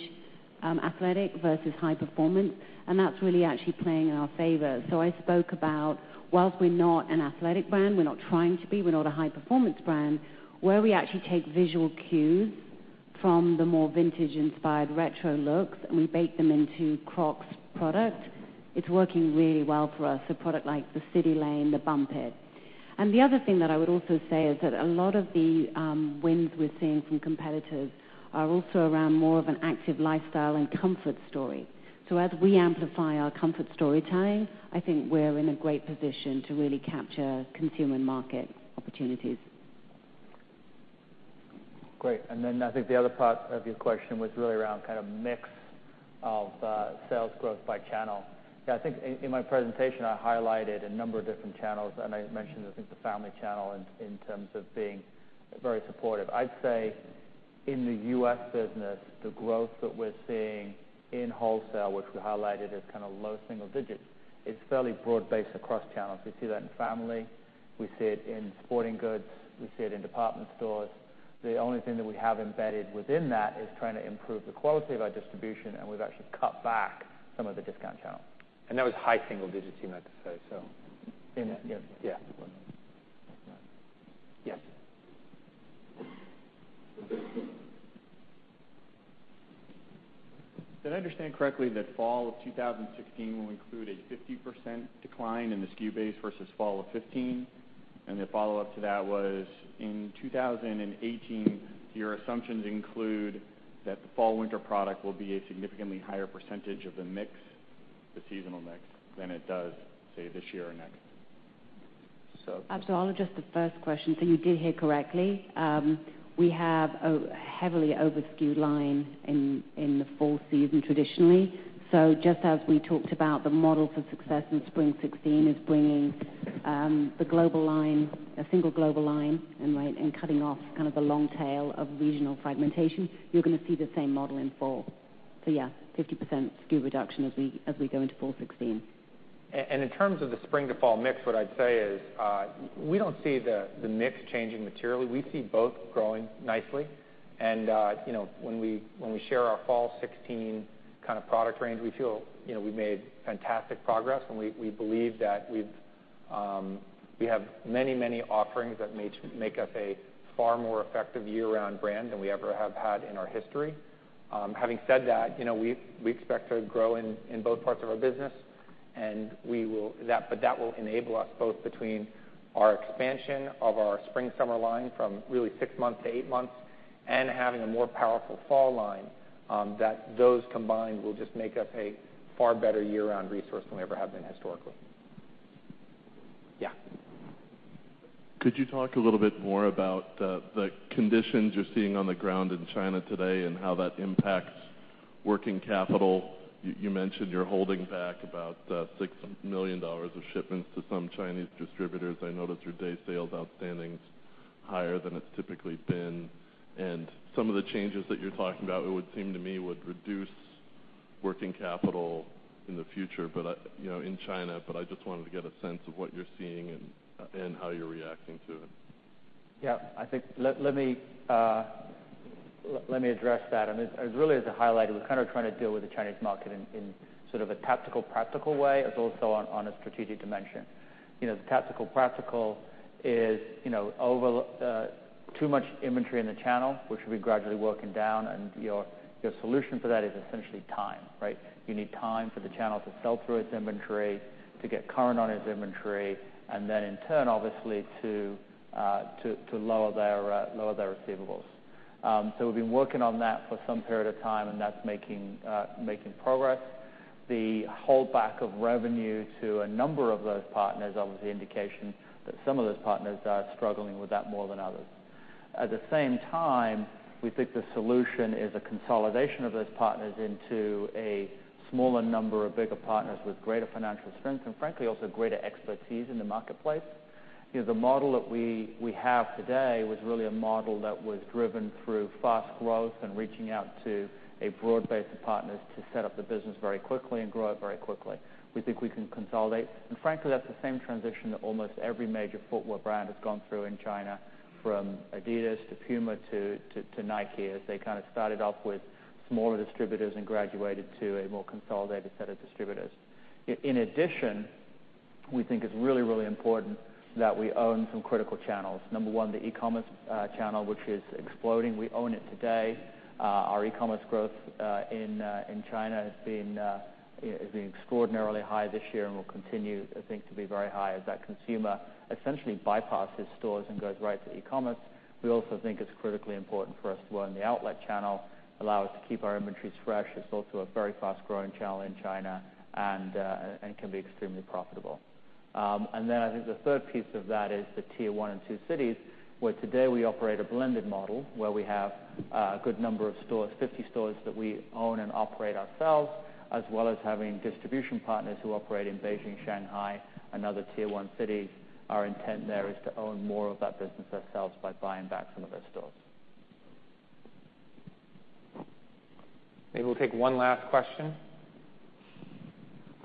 athletic versus high performance. That's really actually playing in our favor. I spoke about whilst we're not an athletic brand, we're not trying to be, we're not a high-performance brand, where we actually take visual cues from the more vintage-inspired retro looks, and we bake them into Crocs product. It's working really well for us. A product like the CitiLane, the Bump It. The other thing that I would also say is that a lot of the wins we're seeing from competitors are also around more of an active lifestyle and comfort story. As we amplify our comfort storytelling, I think we're in a great position to really capture consumer market opportunities. Great. I think the other part of your question was really around kind of mix of sales growth by channel. I think in my presentation, I highlighted a number of different channels, and I mentioned, I think, the family channel in terms of being very supportive. I'd say in the U.S. business, the growth that we're seeing in wholesale, which we highlighted as kind of low single digits, is fairly broad-based across channels. We see that in family, we see it in sporting goods, we see it in department stores. The only thing that we have embedded within that is trying to improve the quality of our distribution, and we've actually cut back some of the discount channels. That was high single digits, you meant to say so. Yes. Yes. Yes. Did I understand correctly that fall of 2016 will include a 50% decline in the SKU base versus fall of 2015? The follow-up to that was, in 2018, your assumptions include that the fall/winter product will be a significantly higher percentage of the mix, the seasonal mix, than it does, say, this year or next. I'll address the first question. You did hear correctly. We have a heavily over-SKU'd line in the fall season traditionally. Just as we talked about the model for success in spring 2016 is bringing the global line, a single global line, and cutting off kind of the long tail of regional fragmentation. You're going to see the same model in fall. Yeah, 50% SKU reduction as we go into fall 2016. In terms of the spring to fall mix, what I'd say is we don't see the mix changing materially. We see both growing nicely. When we share our fall 2016 product range, we feel we've made fantastic progress, and we believe that we have many offerings that make us a far more effective year-round brand than we ever have had in our history. Having said that, we expect to grow in both parts of our business, but that will enable us both between our expansion of our spring-summer line from really six months to eight months and having a more powerful fall line, those combined will just make us a far better year-round resource than we ever have been historically. Yeah. Could you talk a little bit more about the conditions you're seeing on the ground in China today and how that impacts working capital? You mentioned you're holding back about $6 million of shipments to some Chinese distributors. I notice your day sales outstanding's higher than it's typically been. Some of the changes that you're talking about, it would seem to me, would reduce working capital in the future in China, but I just wanted to get a sense of what you're seeing and how you're reacting to it. Yeah. Let me address that. Really as a highlight, we're kind of trying to deal with the Chinese market in sort of a tactical, practical way as also on a strategic dimension. The tactical practical is, too much inventory in the channel, which we've been gradually working down, your solution for that is essentially time, right? You need time for the channel to sell through its inventory, to get current on its inventory, and then in turn, obviously, to lower their receivables. We've been working on that for some period of time, and that's making progress. The holdback of revenue to a number of those partners, obviously an indication that some of those partners are struggling with that more than others. At the same time, we think the solution is a consolidation of those partners into a smaller number of bigger partners with greater financial strength and frankly, also greater expertise in the marketplace. The model that we have today was really a model that was driven through fast growth and reaching out to a broad base of partners to set up the business very quickly and grow it very quickly. We think we can consolidate. Frankly, that's the same transition that almost every major footwear brand has gone through in China, from Adidas to Puma to Nike, as they kind of started off with smaller distributors and graduated to a more consolidated set of distributors. In addition, we think it's really important that we own some critical channels. Number 1, the e-commerce channel, which is exploding. We own it today. Our e-commerce growth in China has been extraordinarily high this year and will continue, I think, to be very high as that consumer essentially bypasses stores and goes right to e-commerce. We also think it's critically important for us to own the outlet channel, allow us to keep our inventories fresh. It's also a very fast-growing channel in China and can be extremely profitable. I think the third piece of that is the tier 1 and 2 cities, where today we operate a blended model where we have a good number of stores, 50 stores that we own and operate ourselves, as well as having distribution partners who operate in Beijing, Shanghai, and other tier 1 cities. Our intent there is to own more of that business ourselves by buying back some of those stores. Maybe we'll take one last question.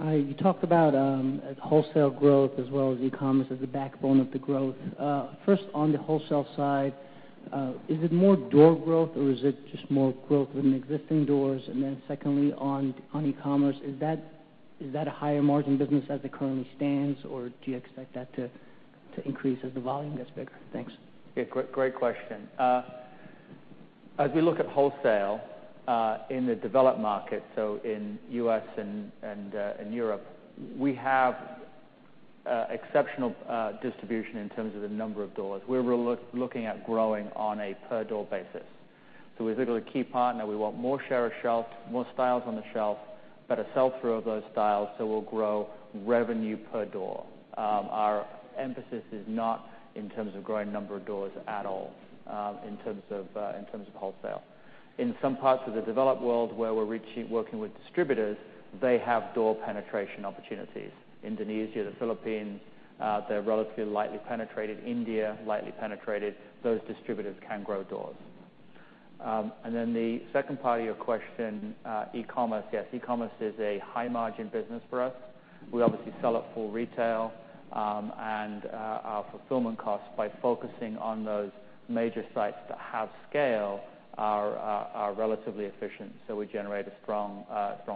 You talked about wholesale growth as well as e-commerce as the backbone of the growth. First on the wholesale side, is it more door growth or is it just more growth in existing doors? Secondly, on e-commerce, is that a higher margin business as it currently stands or do you expect that to increase as the volume gets bigger? Thanks. Yeah, great question. As we look at wholesale in the developed market, so in U.S. and Europe, we have exceptional distribution in terms of the number of doors. We're really looking at growing on a per-door basis. We think with a key partner, we want more share of shelf, more styles on the shelf, better sell-through of those styles, so we'll grow revenue per door. Our emphasis is not in terms of growing number of doors at all in terms of wholesale. In some parts of the developed world where we're working with distributors, they have door penetration opportunities. Indonesia, the Philippines, they're relatively lightly penetrated. India, lightly penetrated. Those distributors can grow doors. The second part of your question, e-commerce. Yes, e-commerce is a high-margin business for us. We obviously sell at full retail and our fulfillment costs by focusing on those major sites that have scale are relatively efficient. We generate a strong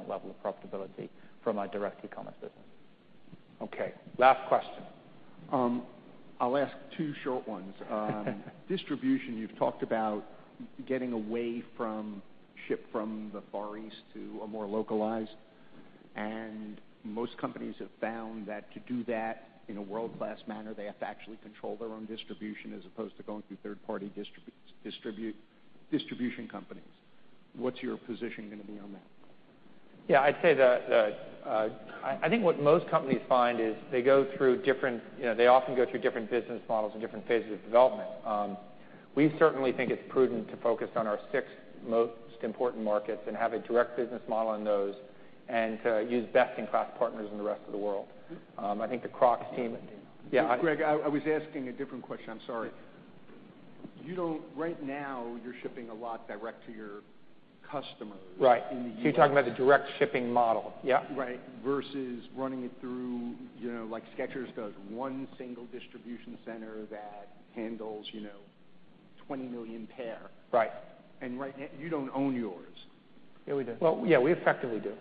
level of profitability from our direct e-commerce business. Okay. Last question. I'll ask two short ones. Distribution, you've talked about getting away from ship from the Far East to a more localized, and most companies have found that to do that in a world-class manner, they have to actually control their own distribution as opposed to going through third-party distribution companies. What's your position going to be on that? Yeah, I'd say that I think what most companies find is they often go through different business models and different phases of development. We certainly think it's prudent to focus on our six most important markets and have a direct business model in those and to use best-in-class partners in the rest of the world. I think the Crocs team- Gregg, I was asking a different question. I'm sorry. Right now, you're shipping a lot direct to your customers in the U.S. Right. You're talking about the direct shipping model. Yeah. Right. Versus running it through, like Skechers does, one single distribution center that handles- 20 million pair. Right. Right now, you don't own yours. Yeah, we do. Well, yeah, we effectively do.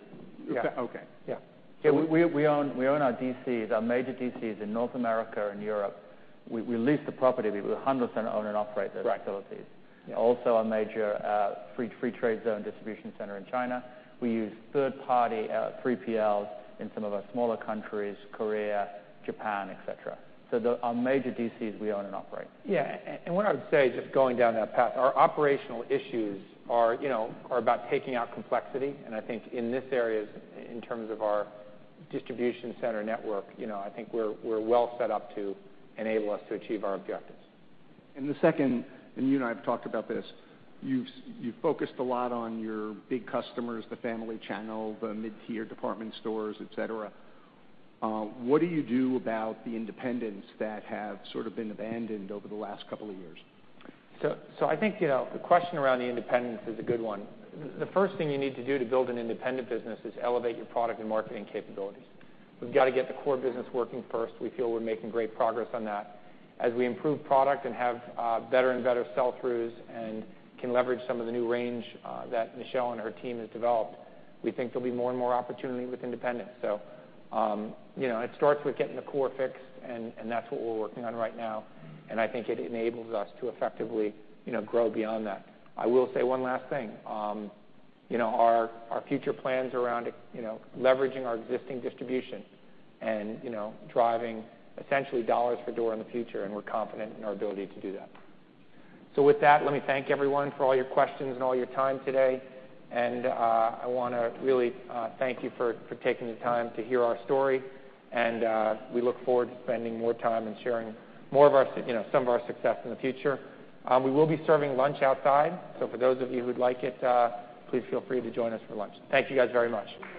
Yeah. Okay. Yeah. We own our DCs, our major DCs in North America and Europe. We lease the property, but we 100% own and operate those facilities. Right. Yeah. Our major free trade zone distribution center in China. We use third-party 3PLs in some of our smaller countries, Korea, Japan, et cetera. Our major DCs we own and operate. What I would say, just going down that path, our operational issues are about taking out complexity, and I think in this area, in terms of our distribution center network, we're well set up to enable us to achieve our objectives. The second, and you and I have talked about this, you've focused a lot on your big customers, the family channel, the mid-tier department stores, et cetera. What do you do about the independents that have sort of been abandoned over the last couple of years? I think, the question around the independents is a good one. The first thing you need to do to build an independent business is elevate your product and marketing capabilities. We've got to get the core business working first. We feel we're making great progress on that. As we improve product and have better and better sell-throughs and can leverage some of the new range that Michelle and her team have developed, we think there'll be more and more opportunity with independents. It starts with getting the core fixed, and that's what we're working on right now. I think it enables us to effectively grow beyond that. I will say one last thing. Our future plans around leveraging our existing distribution and driving essentially dollars for door in the future, we're confident in our ability to do that. With that, let me thank everyone for all your questions and all your time today. I want to really thank you for taking the time to hear our story, and we look forward to spending more time and sharing some of our success in the future. We will be serving lunch outside. For those of you who'd like it, please feel free to join us for lunch. Thank you guys very much.